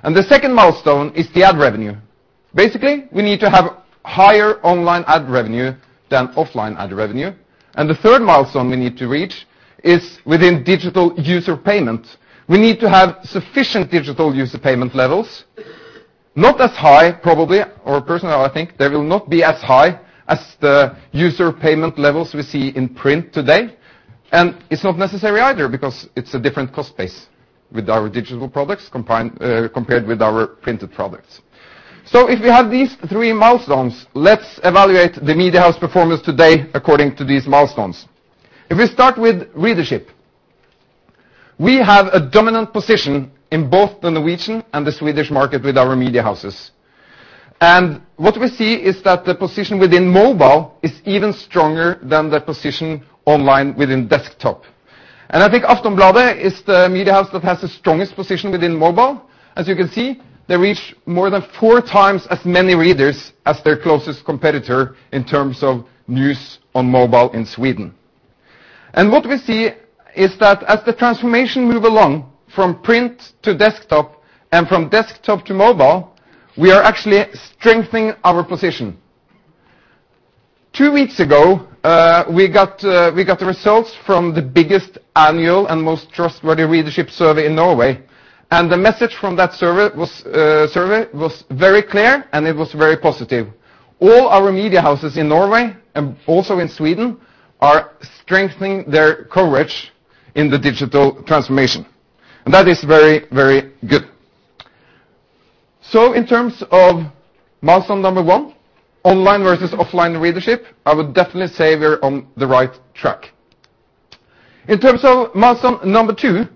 The second milestone is the ad revenue. Basically, we need to have higher online ad revenue than offline ad revenue. The third milestone we need to reach is within digital user payment. We need to have sufficient digital user payment levels, not as high probably, or personally, I think they will not be as high as the user payment levels we see in print today. It's not necessary either because it's a different cost base with our digital products combined, compared with our printed products. If we have these three milestones, let's evaluate the media house performance today according to these milestones. If we start with readership, we have a dominant position in both the Norwegian and the Swedish market with our media houses. What we see is that the position within mobile is even stronger than the position online within desktop. I think Aftonbladet is the media house that has the strongest position within mobile. As you can see, they reach more than 4x as many readers as their closest competitor in terms of news on mobile in Sweden. What we see is that as the transformation move along from print to desktop and from desktop to mobile, we are actually strengthening our position. Two weeks ago, we got the results from the biggest annual and most trustworthy readership survey in Norway. The message from that survey was very clear, and it was very positive. All our media houses in Norway and also in Sweden are strengthening their coverage in the digital transformation. That is very, very good. In terms of milestone number one, online versus offline readership, I would definitely say we're on the right track. In terms of milestone number two,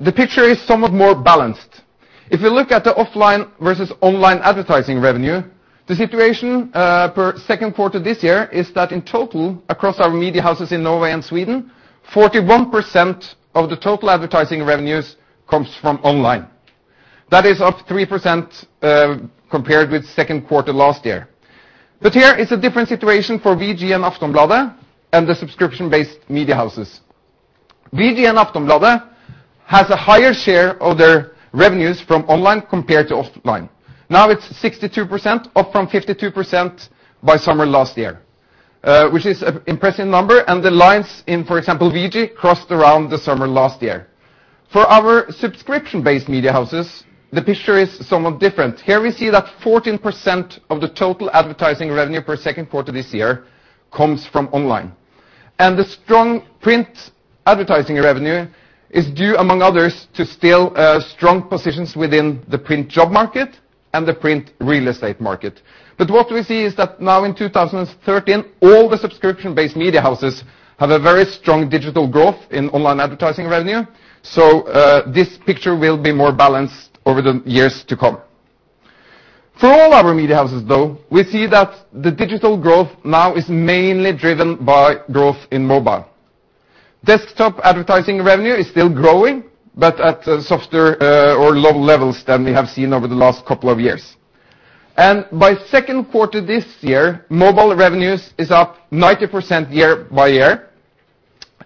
the picture is somewhat more balanced. If you look at the offline versus online advertising revenue, the situation, per second quarter this year is that in total, across our media houses in Norway and Sweden, 41% of the total advertising revenues comes from online. That is up 3%, compared with second quarter last year. Here is a different situation for VG and Aftonbladet and the subscription-based media houses. VG and Aftonbladet has a higher share of their revenues from online compared to offline. Now it's 62%, up from 52% by summer last year, which is an impressive number, and the lines in, for example, VG crossed around the summer last year. For our subscription-based media houses, the picture is somewhat different. Here, we see that 14% of the total advertising revenue per 2Q this year comes from online. The strong print advertising revenue is due, among others, to still strong positions within the print job market and the print real estate market. What we see is that now in 2013, all the subscription-based media houses have a very strong digital growth in online advertising revenue. This picture will be more balanced over the years to come. For all our media houses, though, we see that the digital growth now is mainly driven by growth in mobile. Desktop advertising revenue is still growing, but at a softer or low levels than we have seen over the last couple of years. By 2Q this year, mobile revenues is up 90% year-over-year.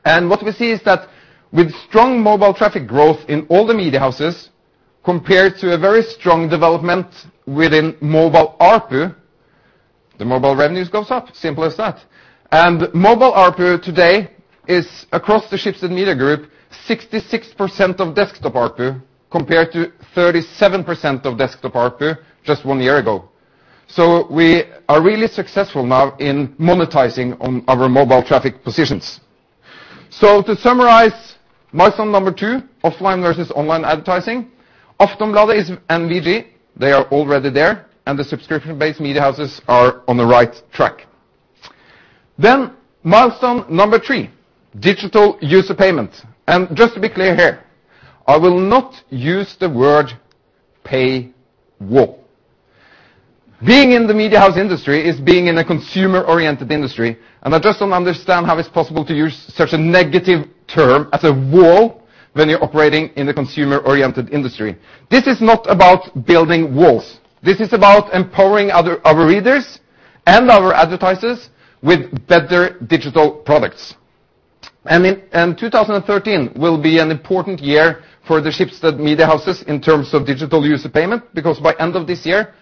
What we see is that with strong mobile traffic growth in all the media houses compared to a very strong development within mobile ARPU, the mobile revenues goes up, simple as that. Mobile ARPU today is, across the Schibsted Media Group, 66% of desktop ARPU, compared to 37% of desktop ARPU just one year ago. We are really successful now in monetizing on our mobile traffic positions. To summarize, milestone number two, offline versus online advertising, Aftonbladet is and VG, they are already there, and the subscription-based media houses are on the right track. Milestone number three, digital user payment. Just to be clear here, I will not use the word paywall. Being in the media house industry is being in a consumer-oriented industry, I just don't understand how it's possible to use such a negative term as a wall when you're operating in a consumer-oriented industry. This is not about building walls. This is about empowering our readers and our advertisers with better digital products. 2013 will be an important year for the Schibsted media houses in terms of digital user payment, because by end of this year,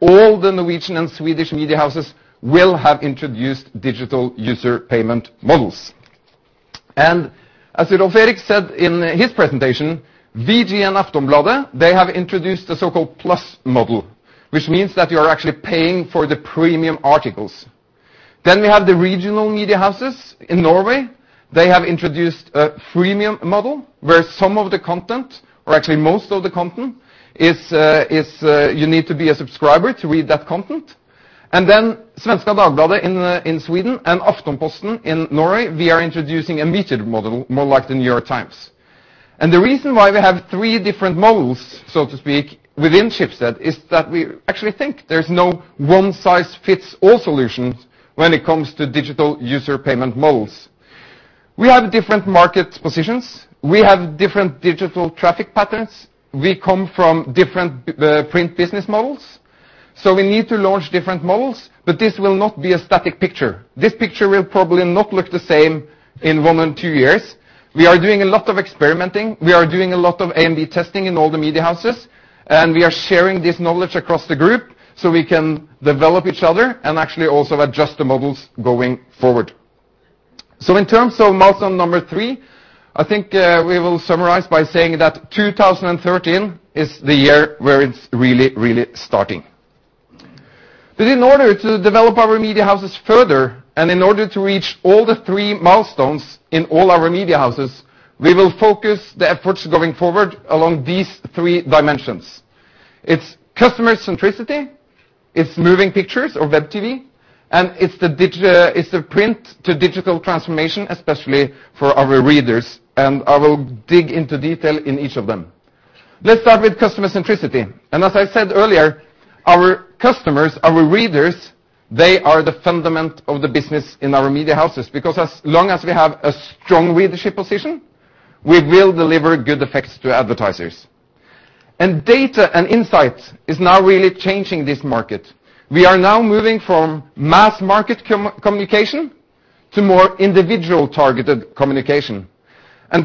all the Norwegian and Swedish media houses will have introduced digital user payment models. As Rolv Erik said in his presentation, VG and Aftonbladet, they have introduced the so-called plus model, which means that you are actually paying for the premium articles. We have the regional media houses in Norway. They have introduced a freemium model, where some of the content, or actually most of the content, is, you need to be a subscriber to read that content. Svenska Dagbladet in Sweden and Aftenposten in Norway, we are introducing a metered model, more like the New York Times. The reason why we have three different models, so to speak, within Schibsted is that we actually think there's no one-size-fits-all solution when it cmes to digital user payment models. We have different market positions. We have different digital traffic patterns. We come from different print business models. We need to launch different models, but this will not be a static picture. This picture will probably not look the same in one or two years. We are doing a lot of experimenting. We are doing a lot of A and B testing in all the media houses, and we are sharing this knowledge across the group, so we can develop each other and actually also adjust the models going forward. In terms of milestone number three, I think we will summarize by saying that 2013 is the year where it's really starting. In order to develop our media houses further, and in order to reach all the three milestones in all our media houses, we will focus the efforts going forward along these three dimensions. It's customer centricity, it's moving pictures or web TV, and it's the print to digital transformation, especially for our readers. I will dig into detail in each of them. Let's start with customer centricity. As I said earlier, our customers, our readers, they are the fundament of the business in our media houses, because as long as we have a strong readership position, we will deliver good effects to advertisers. Data and insight is now really changing this market. We are now moving from mass market communication to more individual targeted communication.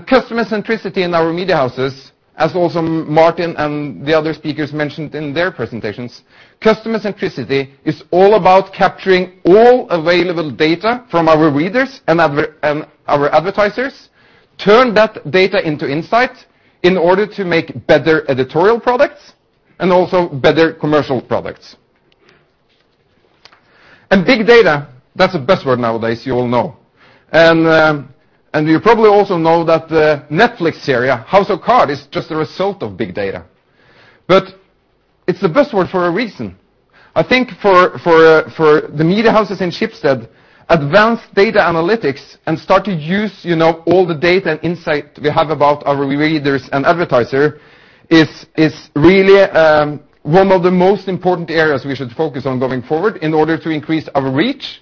Customer centricity in our media houses, as also Martin and the other speakers mentioned in their presentations, customer centricity is all about capturing all available data from our readers and our advertisers, turn that data into insight in order to make better editorial products and also better commercial products. Big data, that's a buzzword nowadays, you all know. You probably also know that the Netflix series, House of Cards, is just a result of big data. It's a buzzword for a reason. I think for the media houses in Schibsted, advanced data analytics and start to use, you know, all the data and insight we have about our readers and advertiser is really one of the most important areas we should focus on going forward in order to increase our reach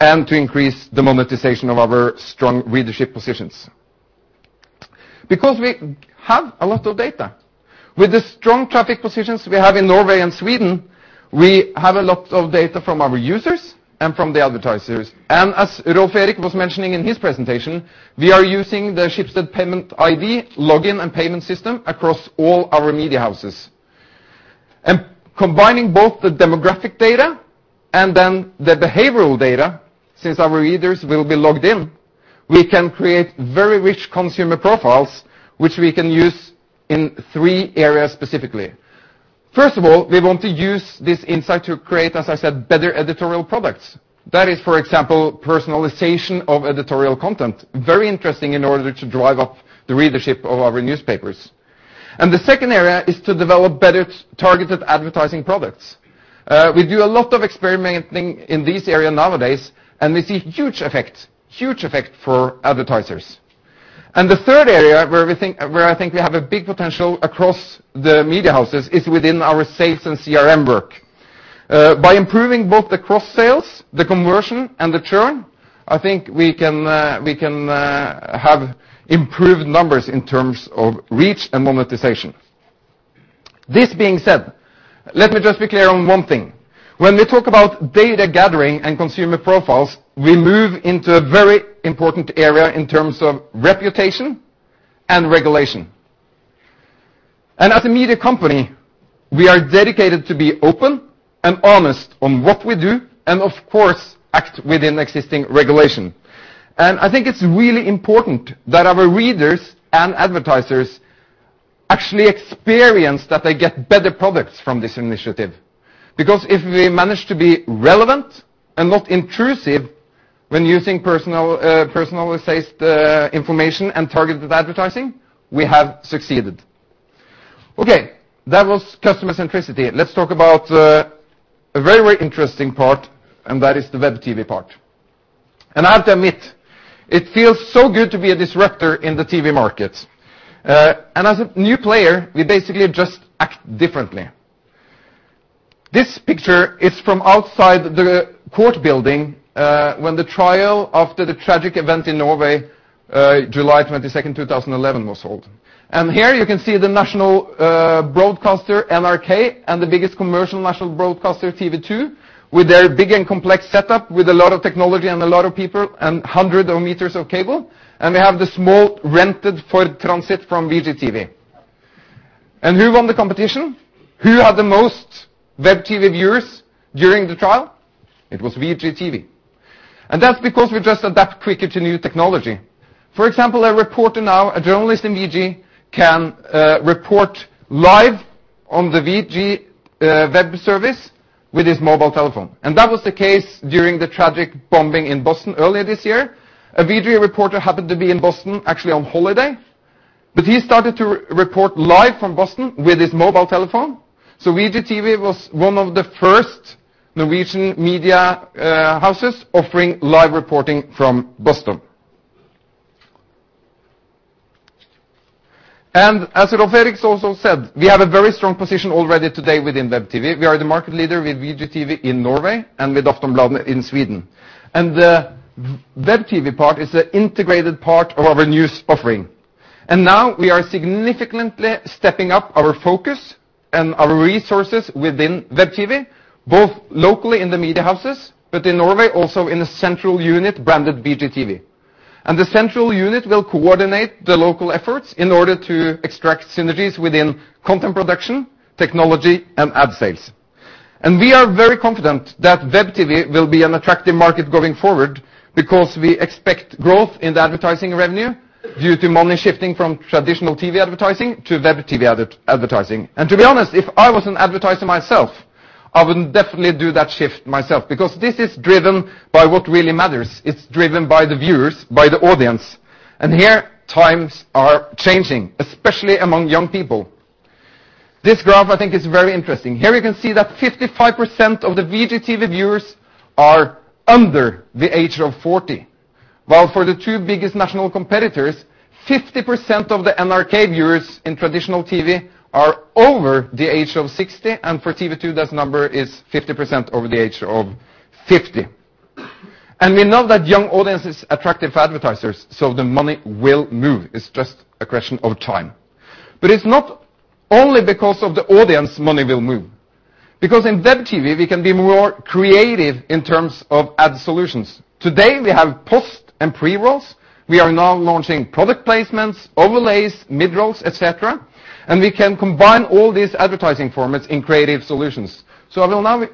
and to increase the monetization of our strong readership positions. Because we have a lot of data. With the strong traffic positions we have in Norway and Sweden, we have a lot of data from our users and from the advertisers. As Rolv Erik was mentioning in his presentation, we are using the Schibsted Payment ID, login, and payment system across all our media houses. Combining both the demographic data and then the behavioral data, since our readers will be logged in, we can create very rich consumer profiles, which we can use in three areas specifically. First of all, we want to use this insight to create, as I said, better editorial products. That is, for example, personalization of editorial content. Very interesting in order to drive up the readership of our newspapers. The second area is to develop better targeted advertising products. We do a lot of experimenting in this area nowadays, and we see huge effects for advertisers. The third area where I think we have a big potential across the media houses is within our sales and CRM work. By improving both the cross-sales, the conversion, and the churn, I think we can have improved numbers in terms of reach and monetization. This being said, let me just be clear on one thing. When we talk about data gathering and consumer profiles, we move into a very important area in terms of reputation and regulation. As a media company, we are dedicated to be open and honest on what we do and of course act within existing regulation. I think it's really important that our readers and advertisers actually experience that they get better products from this initiative. Because if we manage to be relevant and not intrusive when using personal personalized information and targeted advertising, we have succeeded. Okay, that was customer centricity. Let's talk about a very, very interesting part, and that is the web TV part. I have to admit, it feels so good to be a disruptor in the TV market. As a new player, we basically just act differently. This picture is from outside the court building, when the trial after the tragic event in Norway, July 22, 2011 was held. Here you can see the national broadcaster, NRK, and the biggest commercial national broadcaster, TV two, with their big and complex setup, with a lot of technology and a lot of people and 100 meters of cable. We have the small rented for transit from VGTV. Who won the competition? Who had the most web TV viewers during the trial? It was VGTV. That's because we just adapt quicker to new technology. For example, a reporter now, a journalist in VG, can report live on the VG web service with his mobile telephone. That was the case during the tragic bombing in Boston earlier this year. A VG reporter happened to be in Boston, actually on holiday, but he started to report live from Boston with his mobile telephone. VGTV was one of the first Norwegian media houses offering live reporting from Boston. As Rolv Erik also said, we have a very strong position already today within web TV. We are the market leader with VGTV in Norway and with Aftonbladet in Sweden. The web TV part is an integrated part of our news offering. Now we are significantly stepping up our focus and our resources within web TV, both locally in the media houses, but in Norway also in a central unit branded VGTV. The central unit will coordinate the local efforts in order to extract synergies within content production, technology, and ad sales. We are very confident that web TV will be an attractive market going forward because we expect growth in the advertising revenue due to money shifting from traditional TV advertising to web TV advertising. To be honest, if I was an advertiser myself, I would definitely do that shift myself because this is driven by what really matters. It's driven by the viewers, by the audience. Here times are changing, especially among young people. This graph I think is very interesting. Here you can see that 55% of the VGTV viewers are under the age of 40, while for the two biggest national competitors, 50% of the NRK viewers in traditional TV are over the age of 60, and for TV 2, that number is 50% over the age of 50. We know that young audience is attractive advertisers, so the money will move. It's just a question of time. It's not only because of the audience money will move. In web TV, we can be more creative in terms of ad solutions. Today, we have post and pre-rolls. We are now launching product placements, overlays, mid-rolls, et cetera. We can combine all these advertising formats in creative solutions. I will now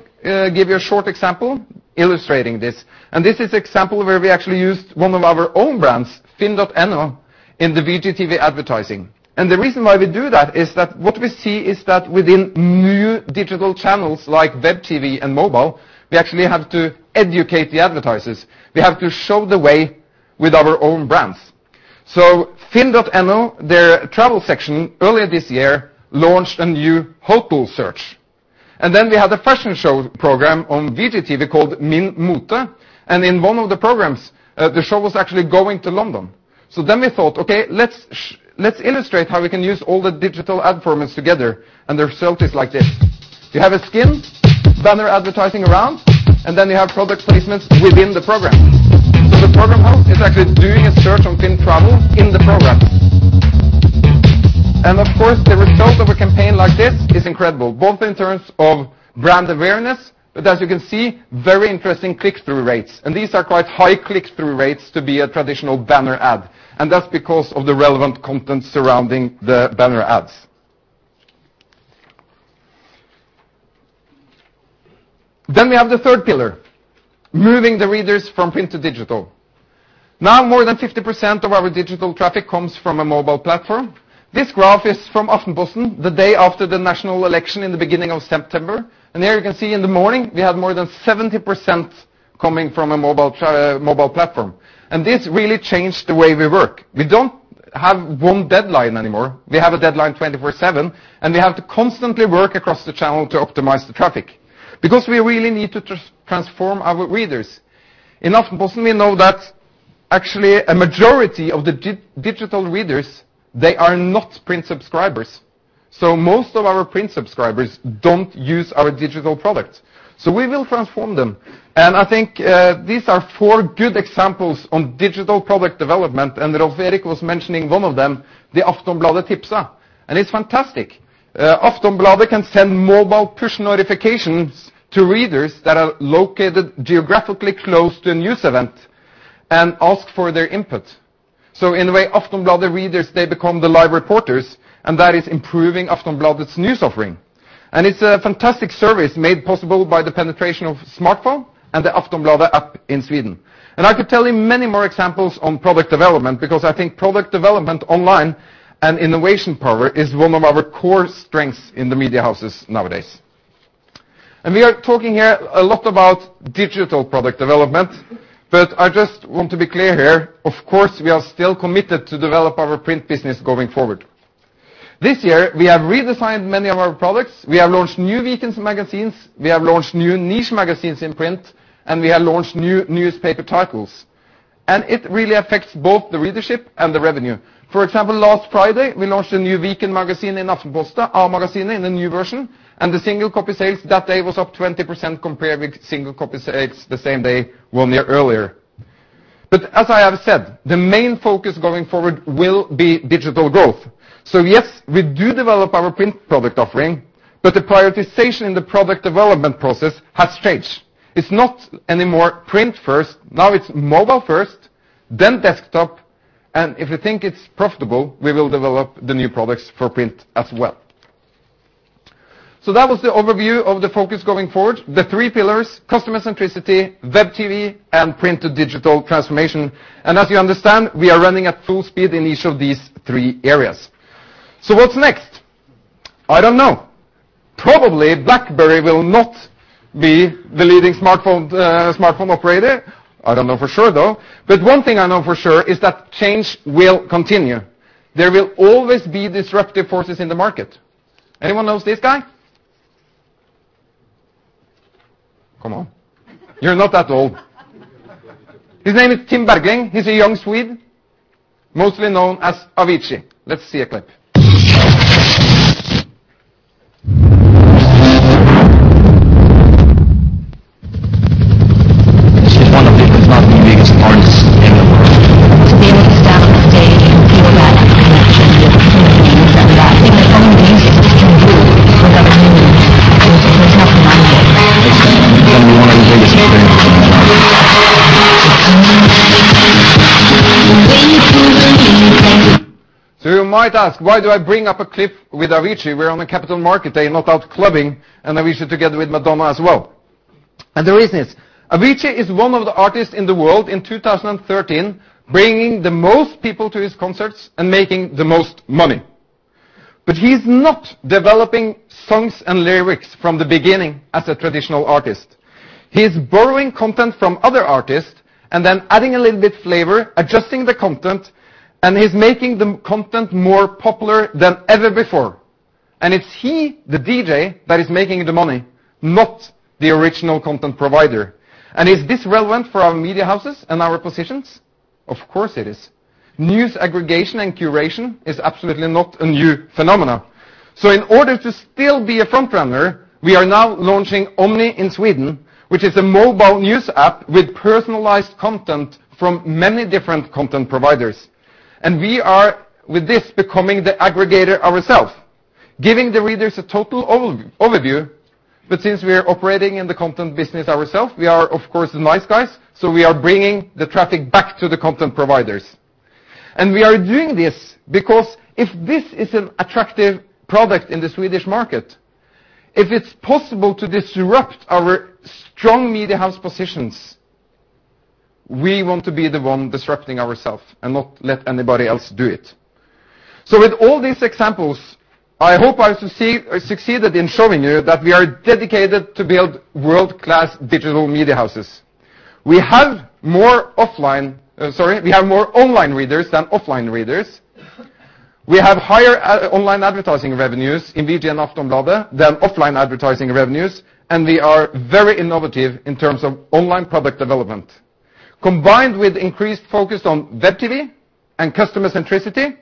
give you a short example illustrating this. This is example where we actually used one of our own brands, Finn.no, in the VGTV advertising. The reason why we do that is that what we see is that within new digital channels like web TV and mobile, we actually have to educate the advertisers. We have to show the way with our own brands. Finn.no, their travel section, earlier this year, launched a new hotel search. We had a fashion show program on VGTV called Min mote. In one of the programs, the show was actually going to London. We thought, "Okay, let's illustrate how we can use all the digital ad formats together," and the result is like this. You have a skin, banner advertising around, and then you have product placements within the program. The program host is actually doing a search on FINN travel in the program. Of course, the result of a campaign like this is incredible, both in terms of brand awareness, but as you can see, very interesting click-through rates. These are quite high click-through rates to be a traditional banner ad, and that's because of the relevant content surrounding the banner ads. We have the third pillar, moving the readers from print to digital. More than 50% of our digital traffic comes from a mobile platform. This graph is from Aftonbladet, the day after the national election in the beginning of September. There you can see in the morning, we have more than 70% coming from a mobile platform. This really changed the way we work. We don't have one deadline anymore. We have a deadline 24/7, we have to constantly work across the channel to optimize the traffic because we really need to transform our readers. In Aftonbladet we know that actually a majority of the digital readers, they are not print subscribers. Most of our print subscribers don't use our digital product. We will transform them. I think these are four good examples on digital product development, and Rolv Erik was mentioning one of them, the Aftonbladet Tipsa, and it's fantastic. Aftonbladet can send mobile push notifications to readers that are located geographically close to a news event and ask for their input. In a way, Aftonbladet readers, they become the live reporters, and that is improving Aftonbladet's news offering. It's a fantastic service made possible by the penetration of smartphone and the Aftonbladet app in Sweden. I could tell you many more examples on product development because I think product development online and innovation power is one of our core strengths in the media houses nowadays. We are talking here a lot about digital product development, but I just want to be clear here, of course, we are still committed to develop our print business going forward. This year, we have redesigned many of our products. We have launched new weekends magazines, we have launched new niche magazines in print, and we have launched new newspaper titles. It really affects both the readership and the revenue. For example, last Friday, we launched a new weekend magazine in Aftonbladet, Our Magazine, in a new version, and the single copy sales that day was up 20% compared with single copy sales the same day one year earlier. As I have said, the main focus going forward will be digital growth. Yes, we do develop our print product offering, but the prioritization in the product development process has changed. It's not anymore print first. Now it's mobile first, then desktop, and if we think it's profitable, we will develop the new products for print as well. That was the overview of the focus going forward. The three pillars, customer centricity, web TV, and print to digital transformation. As you understand, we are running at full speed in each of these three areas. What's next? I don't know. Probably, BlackBerry will not be the leading smartphone operator. I don't know for sure, though. One thing I know for sure is that change will continue. There will always be disruptive forces in the market. Anyone knows this guy? Come on. You're not that old. His name is Tim Bergling. He's a young Swede, mostly known as Avicii. Let's see a clip. You might ask, why do I bring up a clip with Avicii? We're on a Capital Market Day, not out clubbing. Avicii together with Madonna as well. The reason is, Avicii is one of the artists in the world in 2013 bringing the most people to his concerts and making the most money. He's not developing songs and lyrics from the beginning as a traditional artist. He's borrowing content from other artists and then adding a little bit flavor, adjusting the content, and he's making the content more popular than ever before. It's he, the deejay, that is making the money, not the original content provider. Is this relevant for our media houses and our positions? Of course it is. News aggregation and curation is absolutely not a new phenomena. In order to still be a front runner, we are now launching Omni in Sweden, which is a mobile news app with personalized content from many different content providers. We are, with this, becoming the aggregator ourself, giving the readers a total overview. Since we are operating in the content business ourself, we are, of course, the nice guys, so we are bringing the traffic back to the content providers. We are doing this because if this is an attractive product in the Swedish market, if it's possible to disrupt our strong media house positions, we want to be the one disrupting ourself and not let anybody else do it. With all these examples, I hope I have succeeded in showing you that we are dedicated to build world-class digital media houses. We have more offline... Sorry, we have more online readers than offline readers. We have higher online advertising revenues in VG and Aftonbladet than offline advertising revenues, and we are very innovative in terms of online product development. Combined with increased focus on web TV and customer centricity,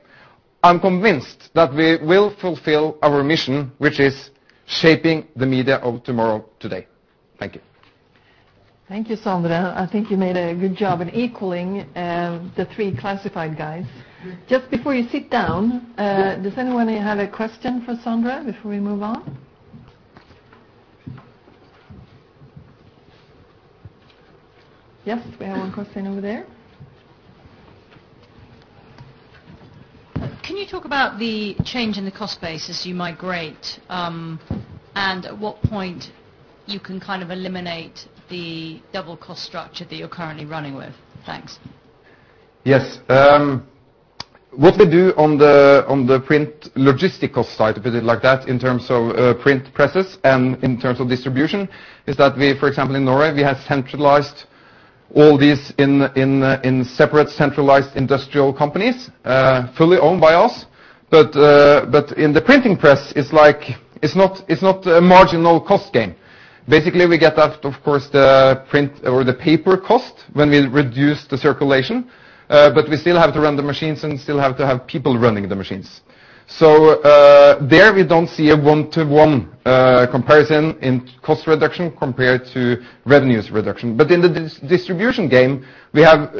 I'm convinced that we will fulfill our mission, which is shaping the media of tomorrow, today. Thank you. Thank you, Sandra. I think you made a good job in equaling the three classified guys. Just before you sit down, does anyone have a question for Sandra before we move on? Yes, we have one question over there. Can you talk about the change in the cost base as you migrate, and at what point you can kind of eliminate the double cost structure that you're currently running with? Thanks. Yes. What we do on the, on the print logistical side, put it like that, in terms of print presses and in terms of distribution, is that we, for example, in Norway, we have centralized all these in separate centralized industrial companies, fully owned by us. In the printing press, it's like, it's not a marginal cost game. Basically, we get that, of course, the print or the paper cost when we reduce the circulation, but we still have to run the machines and still have to have people running the machines. There, we don't see a one-to-one comparison in cost reduction compared to revenues reduction. In the dis-distribution game, we have,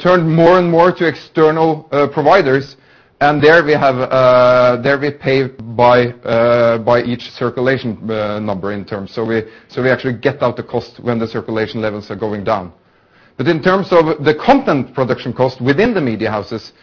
turned more and more to external providers, and there we have, there we pay by each circulation number in terms. We, so we actually get out the cost when the circulation levels are going down. In terms of the content production cost within the media houses,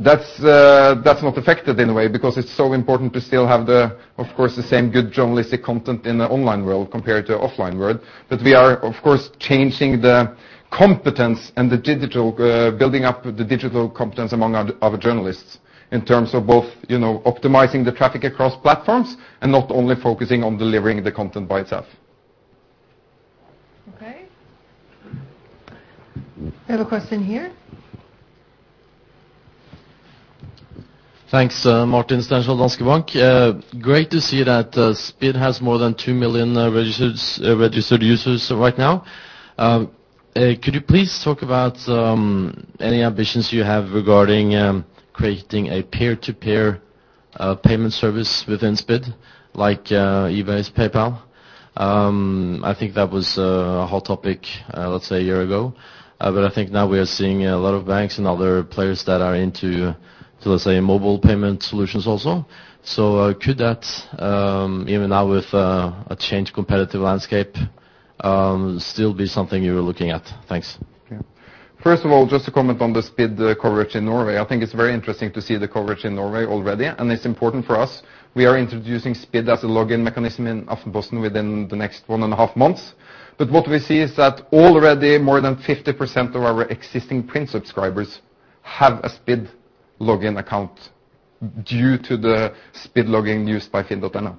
that's not affected in a way because it's so important to still have the, of course, the same good journalistic content in the online world compared to offline world. We are, of course, changing the competence and the digital, building up the digital competence among our journalists in terms of both, you know, optimizing the traffic across platforms and not only focusing on delivering the content by itself. We have a question here. Thanks. Martin Stenshall, Danske Markets. great to see that SPiD has more than 2 million registered users right now. Could you please talk about any ambitions you have regarding creating a peer-to-peer payment service within SPiD, like eBay's PayPal? I think that was a hot topic, let's say a year ago, but I think now we are seeing a lot of banks and other players that are into, let's say, mobile payment solutions also. Could that even now with a changed competitive landscape, still be something you were looking at? Thanks. First of all, just to comment on the SPID coverage in Norway, I think it's very interesting to see the coverage in Norway already. It's important for us. We are introducing SPID as a login mechanism in Aftenposten within the next one and a half months. What we see is that already more than 50% of our existing print subscribers have a SPID login account due to the SPID login used by FINN.no.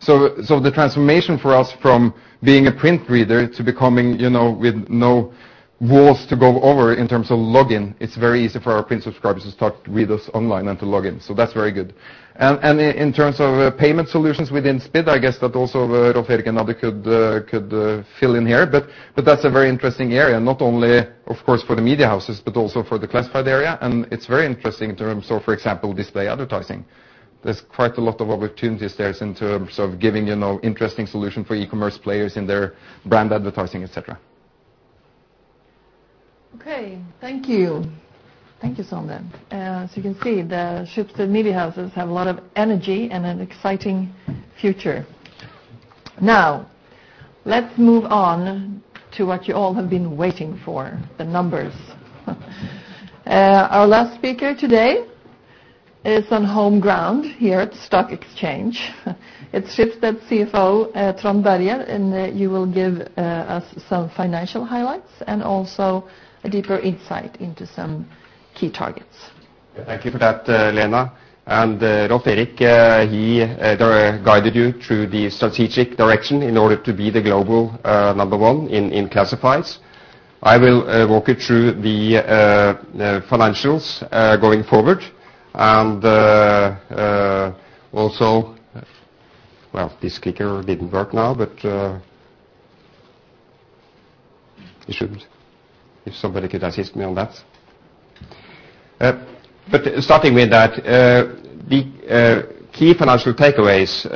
The transformation for us from being a print reader to becoming, you know, with no walls to go over in terms of login, it's very easy for our print subscribers to start to read us online and to log in. That's very good. In terms of payment solutions within SPiD, I guess that also Rolv Erik and other could fill in here, but that's a very interesting area, not only of course for the media houses, but also for the classified area, and it's very interesting in terms of, for example, display advertising. There's quite a lot of opportunities there in terms of giving, you know, interesting solution for e-commerce players in their brand advertising, et cetera. Okay, thank you. Thank you, Sondre. As you can see, the Schibsted media houses have a lot of energy and an exciting future. Now, let's move on to what you all have been waiting for, the numbers. Our last speaker today is on home ground here at Stock Exchange. It's Schibsted CFO, Trond Berger, and you will give us some financial highlights and also a deeper insight into some key targets. Thank you for that, Lena. Rolv Erik, he guided you through the strategic direction in order to be the global number one in classifieds. I will walk you through the financials going forward. Also... Well, this clicker didn't work now, but it should if somebody could assist me on that. Starting with that, the key financial takeaways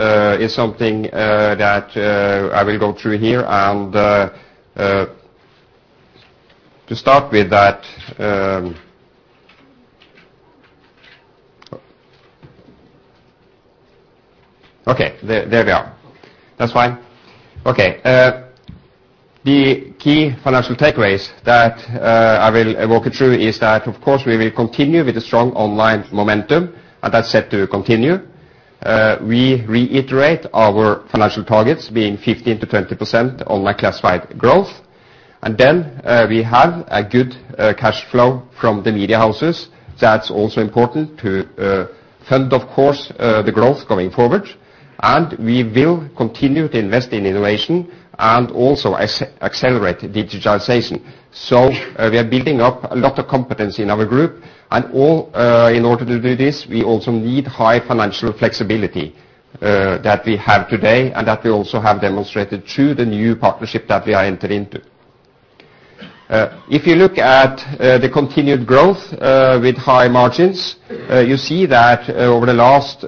is something that I will go through here. To start with that... Okay. There we are. That's fine. Okay. The key financial takeaways that I will walk you through is that, of course, we will continue with the strong online momentum, and that's set to continue. We reiterate our financial targets being 15%-20% online classified growth. We have a good cash flow from the media houses. That's also important to fund, of course, the growth going forward. We will continue to invest in innovation and also accelerate digitalization. We are building up a lot of competency in our group, and all, in order to do this, we also need high financial flexibility that we have today and that we also have demonstrated through the new partnership that we are entering into. You look at the continued growth with high margins, you see that over the last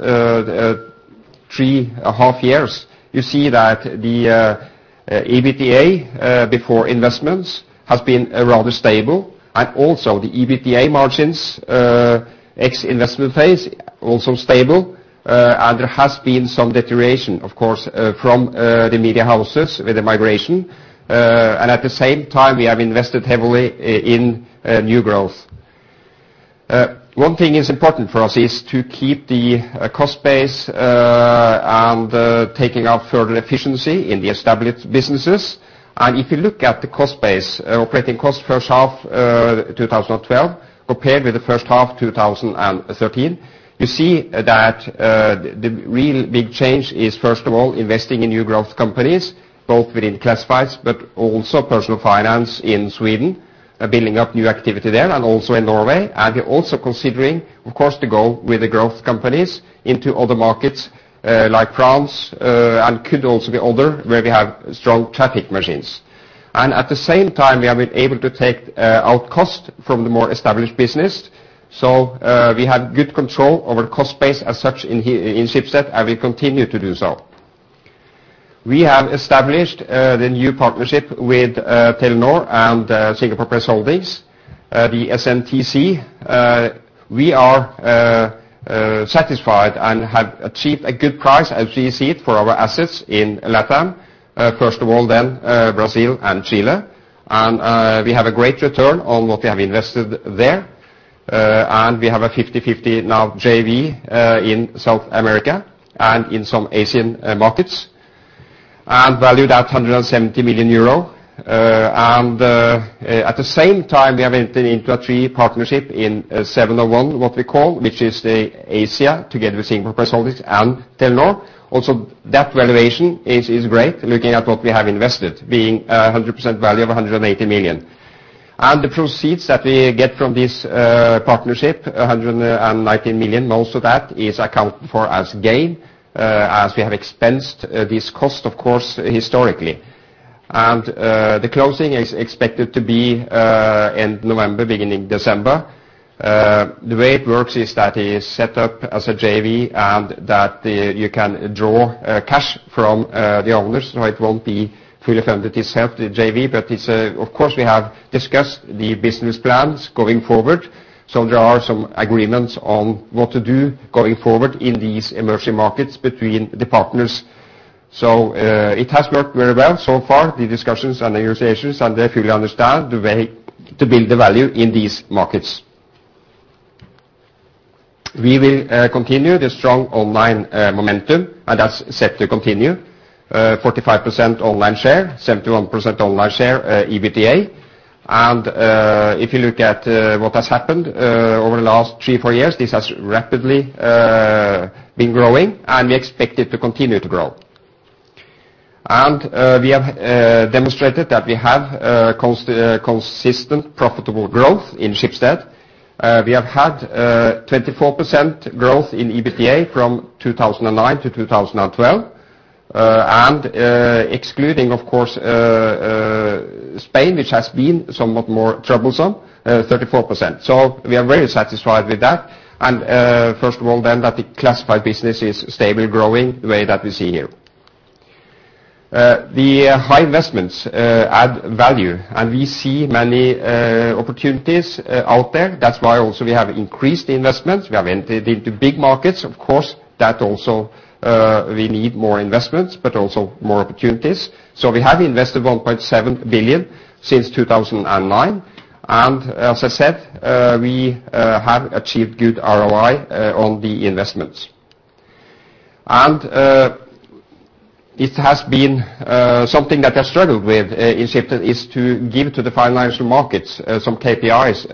three half years, you see that the EBTA before investments has been rather stable. Also the EBTA margins, ex investment phase, also stable. There has been some deterioration, of course, from the media houses with the migration. At the same time, we have invested heavily in new growth. One thing is important for us is to keep the cost base and taking out further efficiency in the established businesses. If you look at the cost base, operating costs first half 2012 compared with the first half 2013, you see that the real big change is, first of all, investing in new growth companies, both within classifieds, but also personal finance in Sweden, building up new activity there and also in Norway. We're also considering, of course, to go with the growth companies into other markets, like France, and could also be other, where we have strong traffic machines. At the same time, we have been able to take out cost from the more established business. We have good control over cost base as such in Schibsted, and we continue to do so. We have established the new partnership with Telenor and Singapore Press Holdings, the SNTC. We are satisfied and have achieved a good price as we see it for our assets in LatAm, first of all then, Brazil and Chile. We have a great return on what we have invested there. And we have a 50/50 now JV in South America and in some Asian markets, and valued at 170 million euro. At the same time, we have entered into a three-year partnership in 701, what we call, which is the Asia together with Singapore Press Holdings and Telenor. Also, that valuation is great looking at what we have invested, being a 100% value of 180 million. And the proceeds that we get from this partnership, 119 million, most of that is accounted for as gain, as we have expensed this cost, of course, historically. The closing is expected to be in November, beginning December. The way it works is that it is set up as a JV, and that you can draw cash from the owners. So it won't be fully funded itself, the JV. But it's, of course, we have discussed the business plans going forward. There are some agreements on what to do going forward in these emerging markets between the partners. It has worked very well so far, the discussions and the negotiations, and they fully understand the way to build the value in these markets. We will continue the strong online momentum, and that's set to continue. 45% online share, 71% online share, EBITDA. If you look at what has happened over the last three, four years, this has rapidly been growing, and we expect it to continue to grow. We have consistent profitable growth in Schibsted. We have had 24% growth in EBITDA from 2009 to 2012. Excluding, of course, Spain, which has been somewhat more troublesome, 34%. We are very satisfied with that. First of all that the classified business is stable growing the way that we see here. The high investments add value, and we see many opportunities out there. That's why also we have increased the investments. We have entered into big markets, of course. That also, we need more investments, but also more opportunities. We have invested 1.7 billion since 2009. As I said, we have achieved good ROI on the investments. It has been something that I struggled with in Schibsted, is to give to the financial markets some KPIs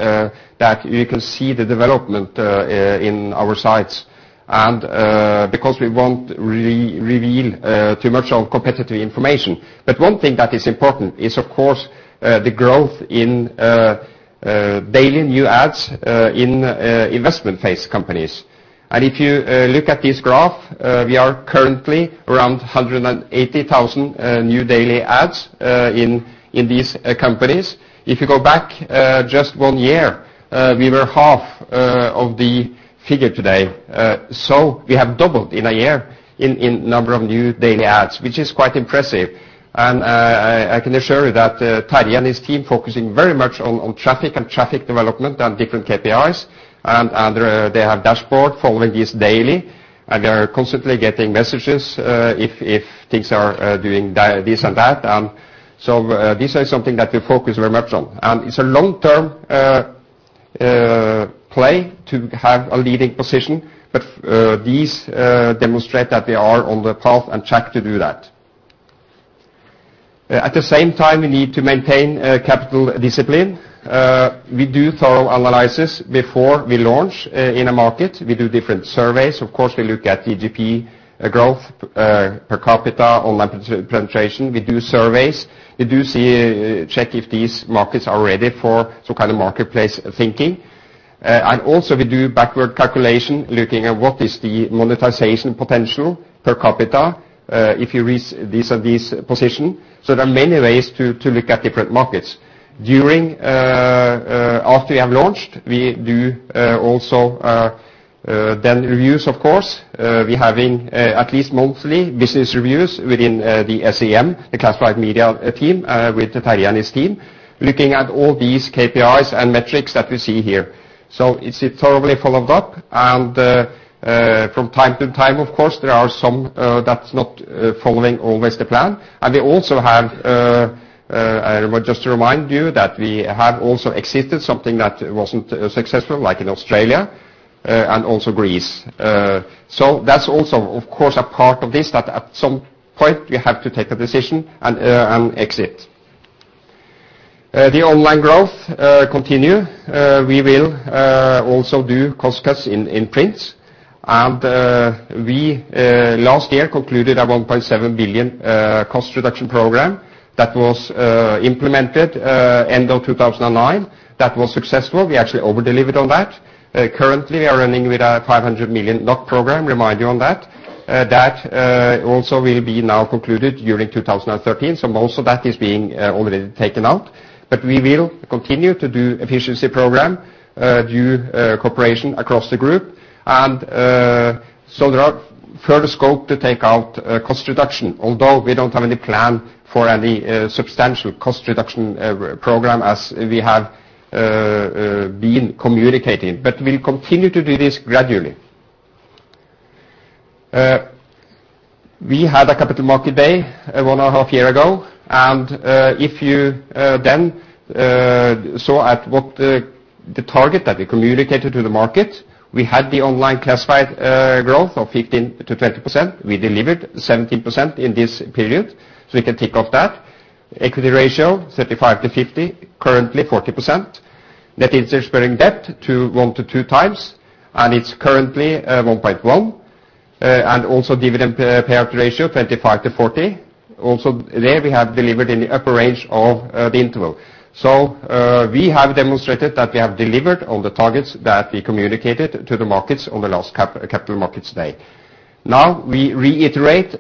that you can see the development in our sites. Because we won't re-reveal too much on competitive information. One thing that is important is, of course, the growth in daily new ads in investment phase companies. If you look at this graph, we are currently around 180,000 new daily ads in these companies. If you go back just one year, we were half of the figure today. We have doubled in a year in number of new daily ads, which is quite impressive. I can assure you that Tarjei and his team focusing very much on traffic and traffic development and different KPIs, and they have dashboard following this daily. They are constantly getting messages if things are doing this and that. This is something that we focus very much on. It's a long-term play to have a leading position. These demonstrate that they are on the path and track to do that. At the same time, we need to maintain capital discipline. We do thorough analysis before we launch in a market. We do different surveys. Of course, we look at the GDP growth per capita, online penetration. We do surveys. We do see, check if these markets are ready for some kind of marketplace thinking. Also we do backward calculation, looking at what is the monetization potential per capita, if you reach this and this position. There are many ways to look at different markets. During after we have launched, we do also then reviews, of course. We're having a, at least monthly business reviews within the SEM, the classified media team, with Tarjei and his team, looking at all these KPIs and metrics that we see here. It's thoroughly followed up. From time to time, of course, there are some that's not following always the plan. We also have, well, just to remind you that we have also exited something that wasn't successful, like in Australia, and also Greece. That's also, of course, a part of this, that at some point we have to take a decision and exit. The online growth continue. We will also do cost cuts in prints. We last year concluded a 1.7 billion cost reduction program that was implemented end of 2009. That was successful. We actually over-delivered on that. Currently, we are running with a 500 million NOK program, remind you on that. That also will be now concluded during 2013. Most of that is being already taken out. We will continue to do efficiency program, do cooperation across the group. There are further scope to take out cost reduction. Although we don't have any plan for any substantial cost reduction program as we have been communicating. We'll continue to do this gradually. We had a capital market day one and a half year ago. If you, then, saw at what the target that we communicated to the market, we had the online classified, growth of 15%-20%. We delivered 17% in this period. We can tick off that. Equity ratio, 35%-50%, currently 40%. Net interest-bearing debt to 1x-2x, and it's currently, 1.1x. Dividend payout ratio 25%-40%. There we have delivered in the upper range of, the interval. We have demonstrated that we have delivered on the targets that we communicated to the markets on the last Capital Markets Day. We reiterate,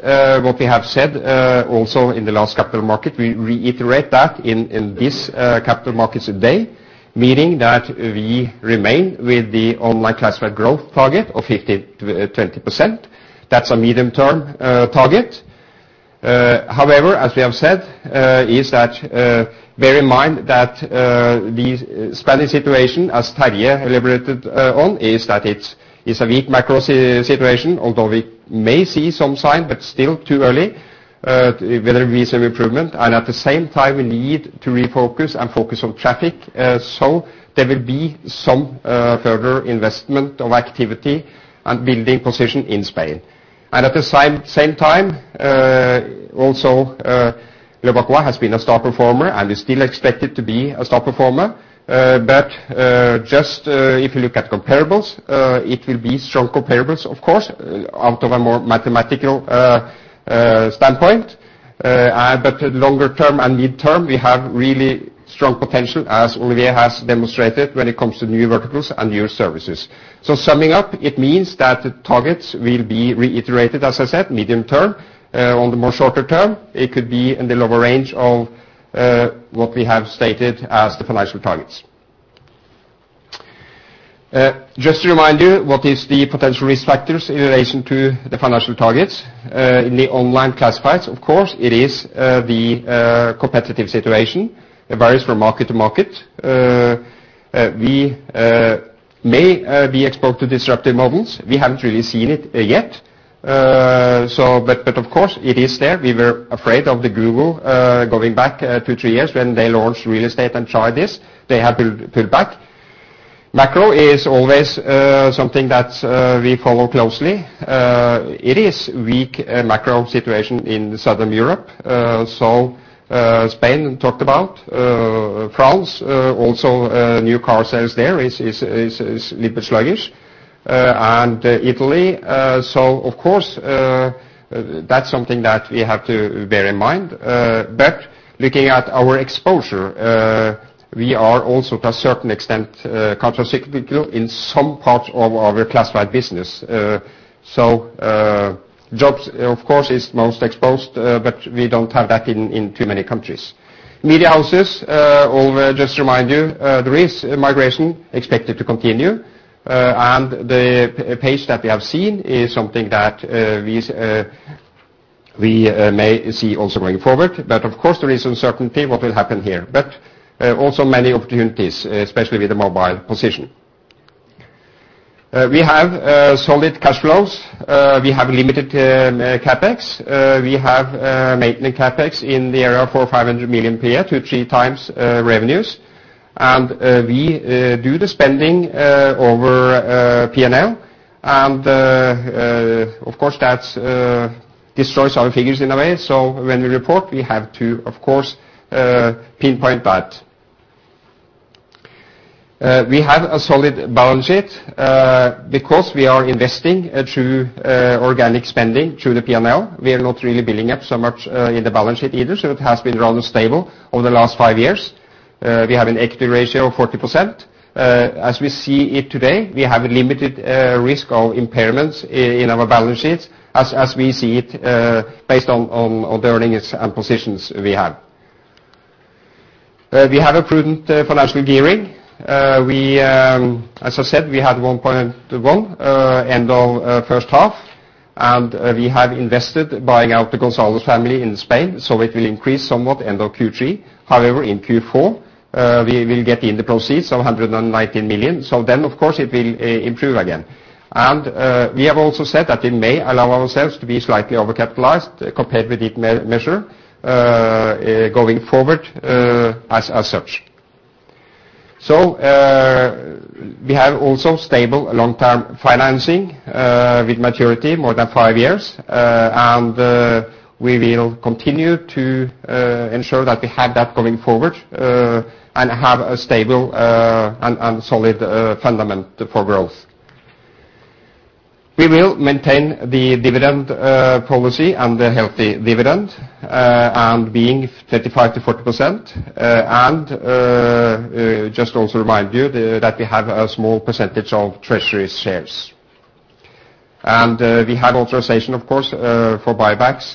what we have said, also in the last capital market. We reiterate that in this capital markets day, meaning that we remain with the online classified growth target of 15% to 20%. That's a medium-term target. However, as we have said, is that bear in mind that the Spanish situation, as Terje elaborated on, is that it's a weak macro situation, although we may see some sign, but still too early whether we see some improvement. At the same time, we need to refocus and focus on traffic. So there will be some further investment of activity and building position in Spain. At the same time, also, Leboncoin has been a star performer and is still expected to be a star performer. Just if you look at comparables, it will be strong comparables, of course, out of a more mathematical standpoint. Longer term and mid-term, we have really strong potential, as Olivier has demonstrated when it comes to new verticals and new services. Summing up, it means that the targets will be reiterated, as I said, medium term. On the more shorter term, it could be in the lower range of what we have stated as the financial targets. Just to remind you what is the potential risk factors in relation to the financial targets, in the online classifieds, of course, it is the competitive situation. It varies from market to market. We may be exposed to disruptive models. We haven't really seen it yet. But of course it is there. We were afraid of the Google going back two, three years when they launched real estate and tried this. They had to pull back. Macro is always something that we follow closely. It is weak macro situation in Southern Europe. Spain talked about. France also new car sales there is little sluggish. And Italy, so of course, that's something that we have to bear in mind. But looking at our exposure, we are also to a certain extent countercyclical in some parts of our classified business. Jobs, of course, is most exposed, but we don't have that in too many countries. Media houses, I'll just remind you, there is migration expected to continue. The pace that we have seen is something that we may see also going forward. Of course, there is uncertainty what will happen here, but also many opportunities, especially with the mobile position. We have solid cash flows. We have limited CapEx. We have maintenance CapEx in the area of 400 or 500 million per year to 3x revenues. We do the spending over PNL. Of course, that destroys our figures in a way. When we report, we have to, of course, pinpoint that. We have a solid balance sheet because we are investing through organic spending through the PNL. We are not really building up so much in the balance sheet either, it has been rather stable over the last five years. We have an equity ratio of 40%. As we see it today, we have limited risk of impairments in our balance sheets as we see it, based on the earnings and positions we have. We have a prudent financial gearing. We, as I said, we had 1.1 end of first half, we have invested buying out the Gonzalez family in Spain, it will increase somewhat end of Q3. In Q4, we will get in the proceeds of 119 million. Of course, it will improve again. We have also said that we may allow ourselves to be slightly overcapitalized compared with each measure going forward as such. We have also stable long-term financing with maturity more than five years. We will continue to ensure that we have that going forward and have a stable and solid fundament for growth. We will maintain the dividend policy and the healthy dividend and being 35%-40%. Just also remind you that we have a small percentage of treasury shares. We have authorization, of course, for buybacks.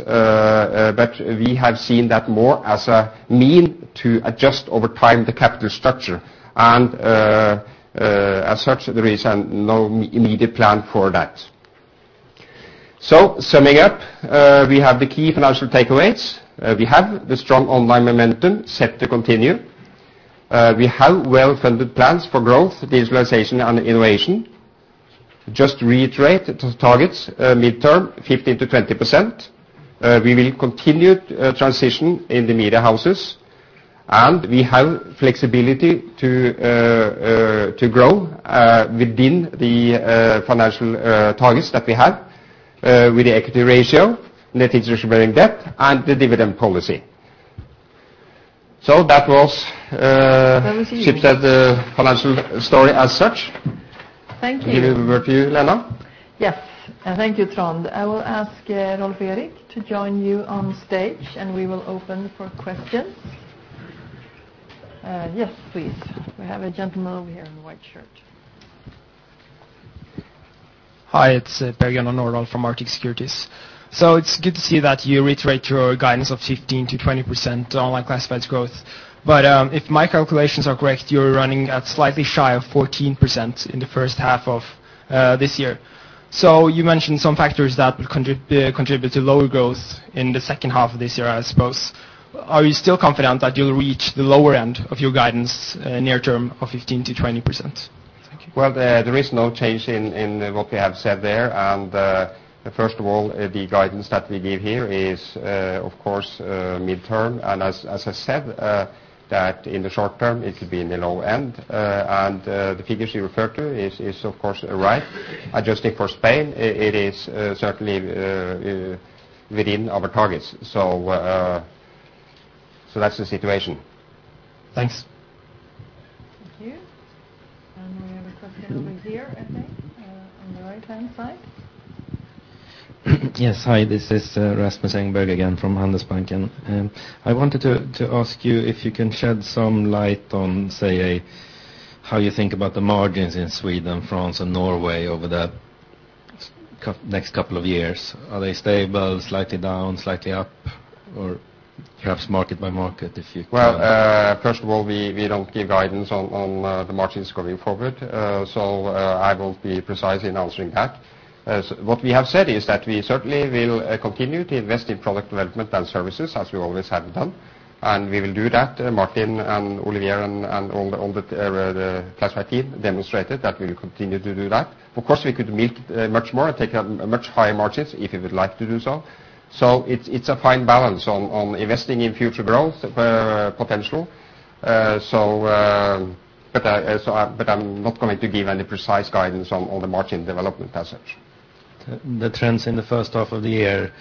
We have seen that more as a mean to adjust over time the capital structure. As such, there is no immediate plan for that. Summing up, we have the key financial takeaways. We have the strong online momentum set to continue. We have well-funded plans for growth, digitalization and innovation. Just to reiterate the targets, mid-term, 15%-20%. We will continue transition in the media houses and we have flexibility to grow within the financial targets that we have with the equity ratio, net interest-bearing debt and the dividend policy. That was. That was you. Schibsted's, financial story as such. Thank you. Give it over to you, Lena. Yes. Thank you, Trond. I will ask Rolv Erik to join you on stage, and we will open for questions. Yes, please. We have a gentleman over here in the white shirt. Hi, it's Bergmann Nordal from Arctic Securities. It's good to see that you reiterate your guidance of 15%-20% online classifieds growth. If my calculations are correct, you're running at slightly shy of 14% in the first half of this year. You mentioned some factors that will contribute to lower growth in the second half of this year, I suppose. Are you still confident that you'll reach the lower end of your guidance, near term of 15%-20%? Thank you. Well, there is no change in what we have said there. First of all, the guidance that we give here is, of course, midterm. As I said, that in the short term, it will be in the low end. The figures you refer to is, of course, right. Adjusting for Spain, it is certainly within our targets. That's the situation. Thanks. Thank you. We have a question over here, I think, on the right-hand side. Yes. Hi, this is Rasmus Engberg again from Handelsbanken. I wanted to ask you if you can shed some light on, say, how you think about the margins in Sweden, France, and Norway over the next couple of years. Are they stable, slightly down, slightly up, or perhaps market by market if you? Well, first of all, we don't give guidance on the margins going forward. I won't be precise in answering that. What we have said is that we certainly will continue to invest in product development and services as we always have done, and we will do that. Martin and Olivier and all the classified team demonstrated that we will continue to do that. Of course, we could meet much more and take up much higher margins if we would like to do so. It's a fine balance on investing in future growth potential. But I'm not going to give any precise guidance on the margin development as such. The trends in the first half of the year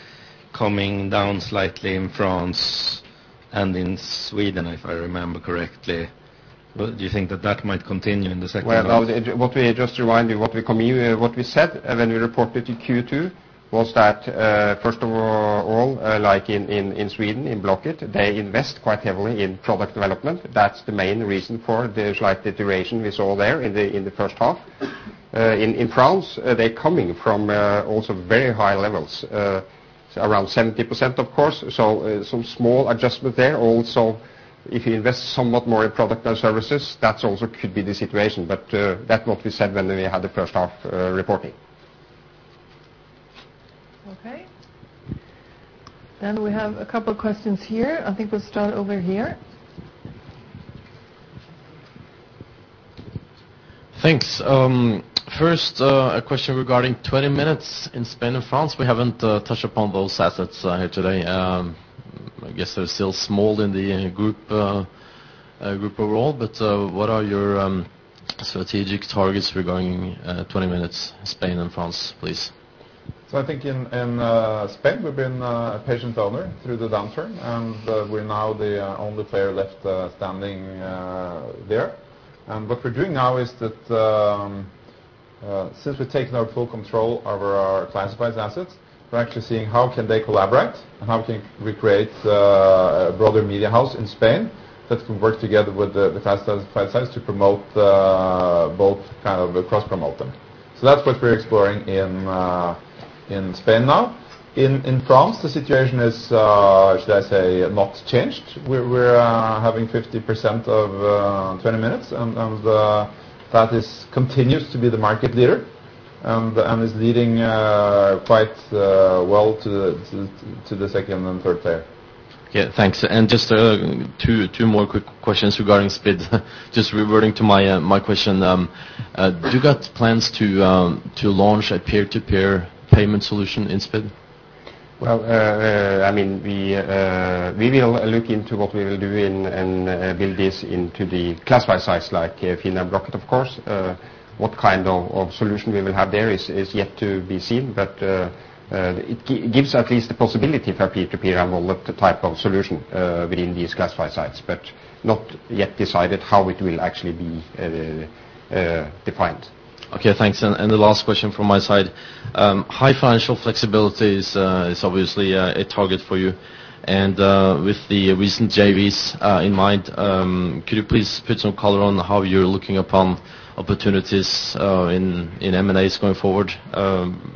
coming down slightly in France and in Sweden, if I remember correctly. Do you think that that might continue in the second half? Well, now, just remind you what we said when we reported in Q2 was that, first of all, like in Sweden, in Blocket, they invest quite heavily in product development. That's the main reason for the slight deterioration we saw there in the first half. In France, they're coming from also very high levels, around 70%, of course. Some small adjustment there. Also, if you invest somewhat more in product and services, that also could be the situation. That's what we said when we had the first half reporting. Okay. We have a couple questions here. I think we'll start over here. Thanks. First, a question regarding 20 minutes in Spain and France. We haven't touched upon those assets here today. I guess they're still small in the group overall, but what are your strategic targets regarding 20 minutes Spain and France, please? I think in Spain, we've been a patient owner through the downturn, and we're now the only player left standing there. What we're doing now is that, since we've taken our full control over our classifieds assets, we're actually seeing how can they collaborate and how can we create a broader media house in Spain that can work together with the classifieds to promote the both, kind of cross-promote them. That's what we're exploring in Spain now. In, in France, the situation is, should I say, not changed. We're having 50% of 20 minutes and that is continues to be the market leader and is leading quite well to the second and third player. Okay, thanks. Just two more quick questions regarding SPiD. Just reverting to my question, do you got plans to launch a peer-to-peer payment solution in SPiD? Well, I mean, we will look into what we will do in and build this into the classified sites like FINN Blocket, of course. What kind of solution we will have there is yet to be seen, but it gives at least the possibility for peer to peer and we'll look to type of solution within these classified sites, but not yet decided how it will actually be defined. Okay, thanks. The last question from my side. High financial flexibility is obviously a target for you. With the recent JVs in mind, could you please put some color on how you're looking upon opportunities in M&As going forward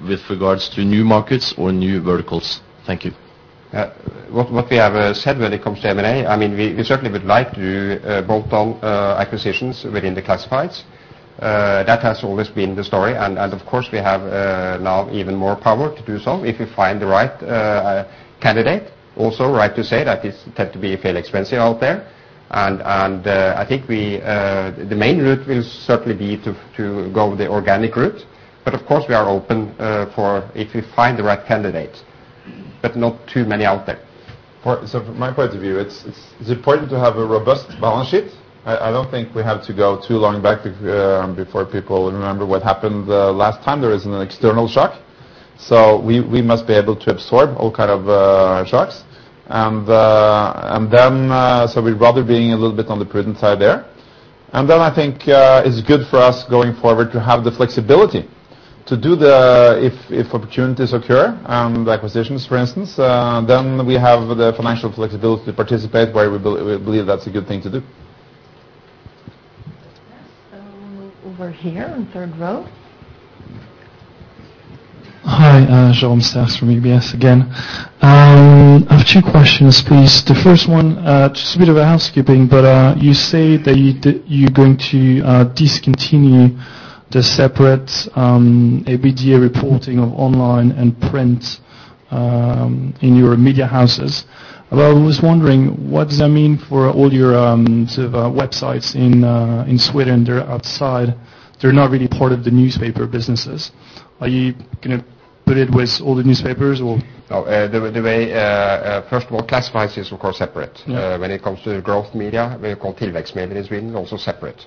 with regards to new markets or new verticals? Thank you. What we have said when it comes to M&A, I mean, we certainly would like to bolt on acquisitions within the classifieds. That has always been the story. Of course, we have now even more power to do so if we find the right candidate. Also right to say that it's tend to be fairly expensive out there. I think we the main route will certainly be to go the organic route. Of course, we are open for if we find the right candidate, but not too many out there. From my point of view, it's important to have a robust balance sheet. I don't think we have to go too long back before people remember what happened the last time there is an external shock. We must be able to absorb all kind of shocks. We'd rather being a little bit on the prudent side there. I think it's good for us going forward to have the flexibility to do if opportunities occur, acquisitions for instance, then we have the financial flexibility to participate where we believe that's a good thing to do. Yes. Over here on third row. Hi. Jean Staff from EBS again. I have two questions, please. The first one, just a bit of a housekeeping, but you say that you're going to discontinue the separate ABDA reporting of online and print in your media houses. Well, I was wondering, what does that mean for all your sort of websites in Sweden that are outside? They're not really part of the newspaper businesses. Are you gonna put it with all the newspapers or? No. The way, first of all classifieds is of course separate. Yeah. When it comes to the growth media, we call Tillväxtmedier in Sweden, also separate.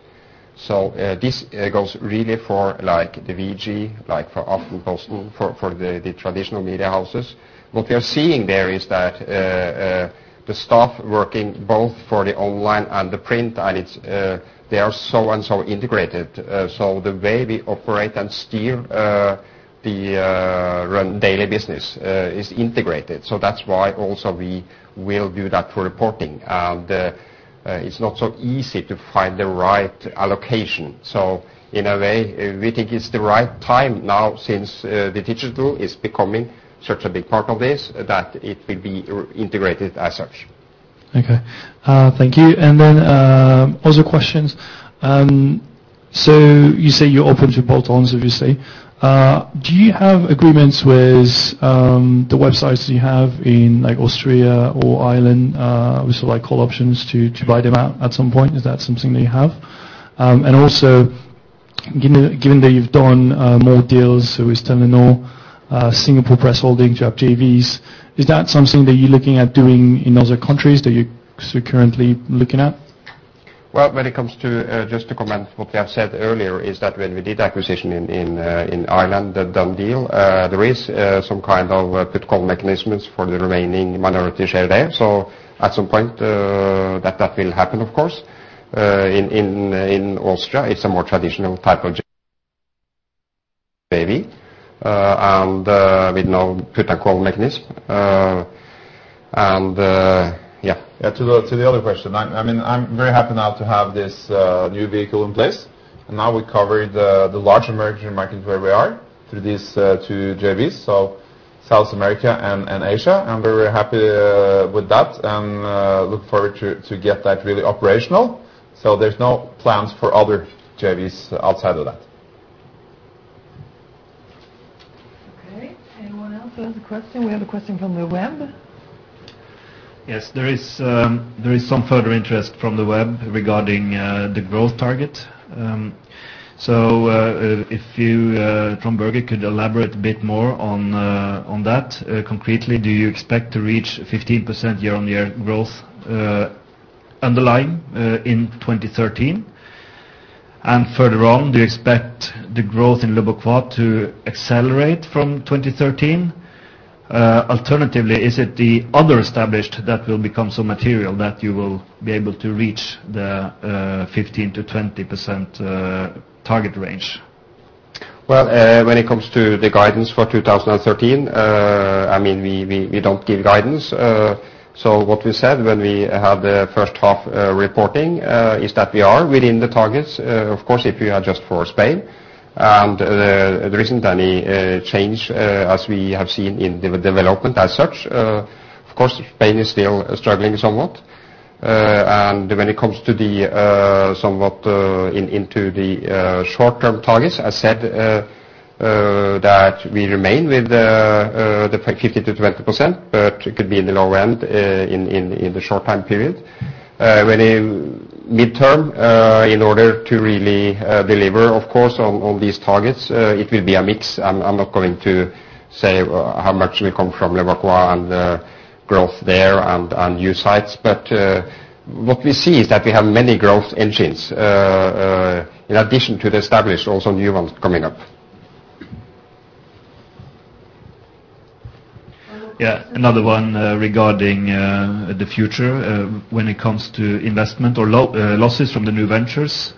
This goes really for like the VG, like for Aftenposten, for the traditional media houses. What we are seeing there is that the staff working both for the online and the print, and it's they are so and so integrated. The way we operate and steer the run daily business is integrated. That's why also we will do that for reporting. It's not so easy to find the right allocation. In a way, we think it's the right time now, since the digital is becoming such a big part of this, that it will be or integrated as such. Okay. Thank you. Other questions. So you say you're open to bolt-ons, obviously. Do you have agreements with the websites that you have in, like, Austria or Ireland, with, like, call options to buy them out at some point? Is that something that you have? Given that you've done more deals with Telenor, Singapore Press Holdings, you have JVs, is that something that you're looking at doing in other countries that you're sort of currently looking at? Well, when it comes to just to comment what we have said earlier, is that when we did acquisition in Ireland, the done deal, there is some kind of put call mechanisms for the remaining minority share there. At some point, that will happen of course. In Austria, it's a more traditional type of JV, and with no put and call mechanism. Yeah. Yeah. To the other question, I mean, I'm very happy now to have this new vehicle in place. Now we cover the larger emerging markets where we are through these two JVs, so South America and Asia. I'm very happy with that, and look forward to get that really operational. There's no plans for other JVs outside of that. Okay. Anyone else who has a question? We have a question from the web. Yes. There is some further interest from the web regarding the growth target. If you from Berg could elaborate a bit more on that. Concretely, do you expect to reach 15% year-over-year growth, underlying, in 2013? Further on, do you expect the growth inLeboncoin to accelerate from 2013? Alternatively, is it the other established that will become so material that you will be able to reach the 15%-20% target range? When it comes to the guidance for 2013, I mean, we don't give guidance. What we said when we had the first half reporting is that we are within the targets. Of course, if you adjust for Spain, there isn't any change as we have seen in development as such. Of course, Spain is still struggling somewhat. When it comes to the somewhat into the short-term targets, I said that we remain with the 15%-20%, but it could be in the low end in the short-time period. When in midterm, in order to really deliver, of course, on these targets, it will be a mix. I'm not going to say how much will come fromLeboncoin and growth there and new sites. What we see is that we have many growth engines in addition to the established, also new ones coming up. Yeah. Another one regarding the future, when it comes to investment or losses from the new ventures.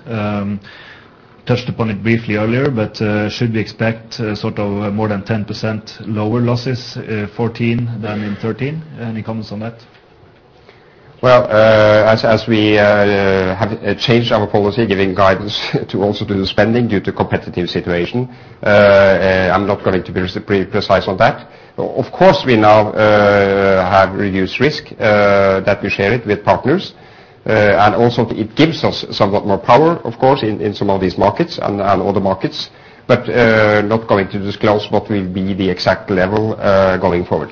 Touched upon it briefly earlier, but should we expect sort of more than 10% lower losses, 14 than in 13? Any comments on that? Well, as we have changed our policy, giving guidance to also do the spending due to competitive situation, I'm not going to be pre-precise on that. Of course, we now have reduced risk that we share it with partners. And also it gives us somewhat more power, of course, in some of these markets and other markets. Not going to disclose what will be the exact level going forward.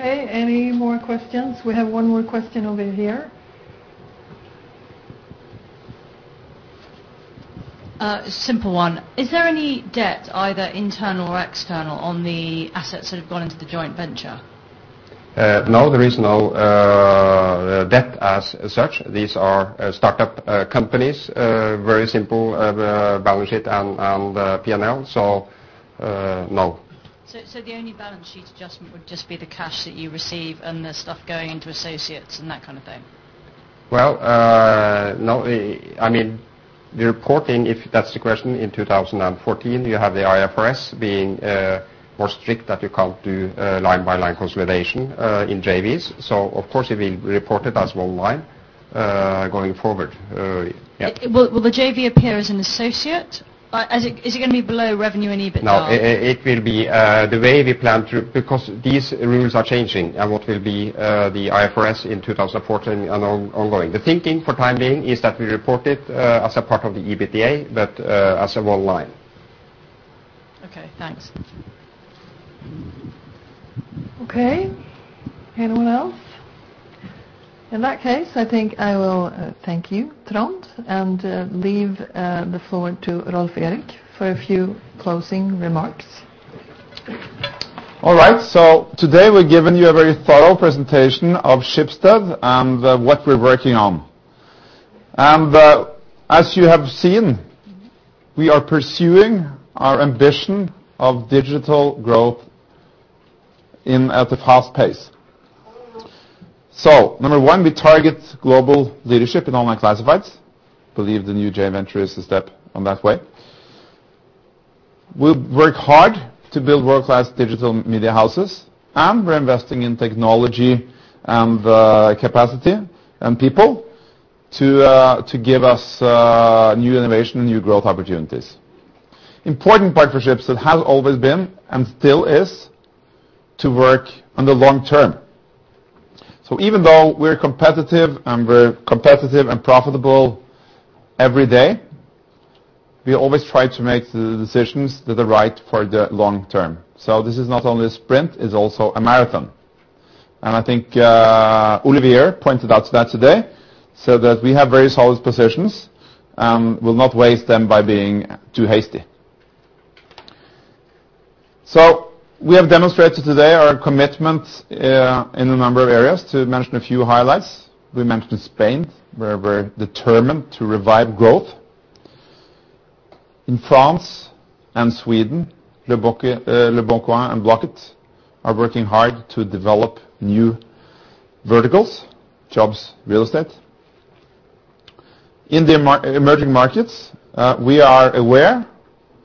Okay. Any more questions? We have one more question over here. Simple one. Is there any debt, either internal or external, on the assets that have gone into the joint venture? No, there is no debt as such. These are startup companies, very simple balance sheet and PNL. No. The only balance sheet adjustment would just be the cash that you receive and the stuff going into associates and that kind of thing? Well, no. I mean, the reporting, if that's the question, in 2014, you have the IFRS being more strict that you can't do line by line consolidation in JVs. Of course it will be reported as one line going forward. Yeah. Will the JV appear as an associate? Is it gonna be below revenue and EBITDA? No. It will be the way we plan to. These rules are changing, and what will be the IFRS in 2014 and ongoing. The thinking for time being is that we report it as a part of the EBITDA, but as 1 line. Okay, thanks. Okay. Anyone else? In that case, I think I will thank you, Trond, and leave the floor to Rolv Erik for a few closing remarks. All right, today we've given you a very thorough presentation of Schibsted and what we're working on. As you have seen, we are pursuing our ambition of digital growth at a fast pace. Number one, we target global leadership in online classifieds. Believe the new joint venture is a step on that way. We work hard to build world-class digital media houses, and we're investing in technology and capacity and people to give us new innovation and new growth opportunities. Important partnerships that have always been and still is to work on the long term. Even though we're competitive and profitable every day, we always try to make the decisions that are right for the long term. This is not only a sprint, it's also a marathon. I think Olivier pointed out to that today, so that we have very solid positions and will not waste them by being too hasty. We have demonstrated today our commitment in a number of areas. To mention a few highlights, we mentioned Spain, where we're determined to revive growth. In France and Sweden, Leboncoin and Blocket are working hard to develop new verticals, jobs, real estate. In the emerging markets, we are aware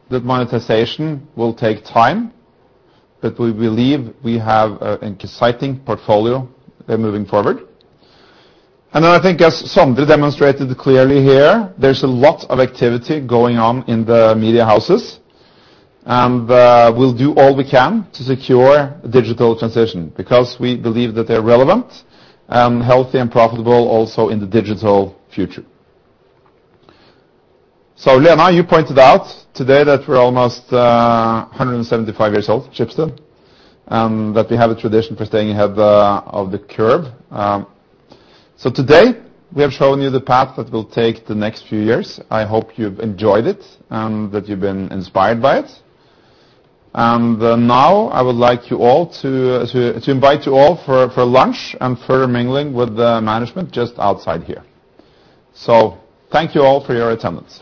that monetization will take time, but we believe we have an exciting portfolio moving forward. I think as Sandra demonstrated clearly here, there's a lot of activity going on in the media houses, and we'll do all we can to secure digital transition because we believe that they're relevant and healthy and profitable also in the digital future. Lena, you pointed out today that we're almost 175 years old, Schibsted, and that we have a tradition for staying ahead of the curve. Today we have shown you the path that we'll take the next few years. I hope you've enjoyed it, and that you've been inspired by it. Now I would like you all to invite you all for lunch and for mingling with the management just outside here. Thank you all for your attendance.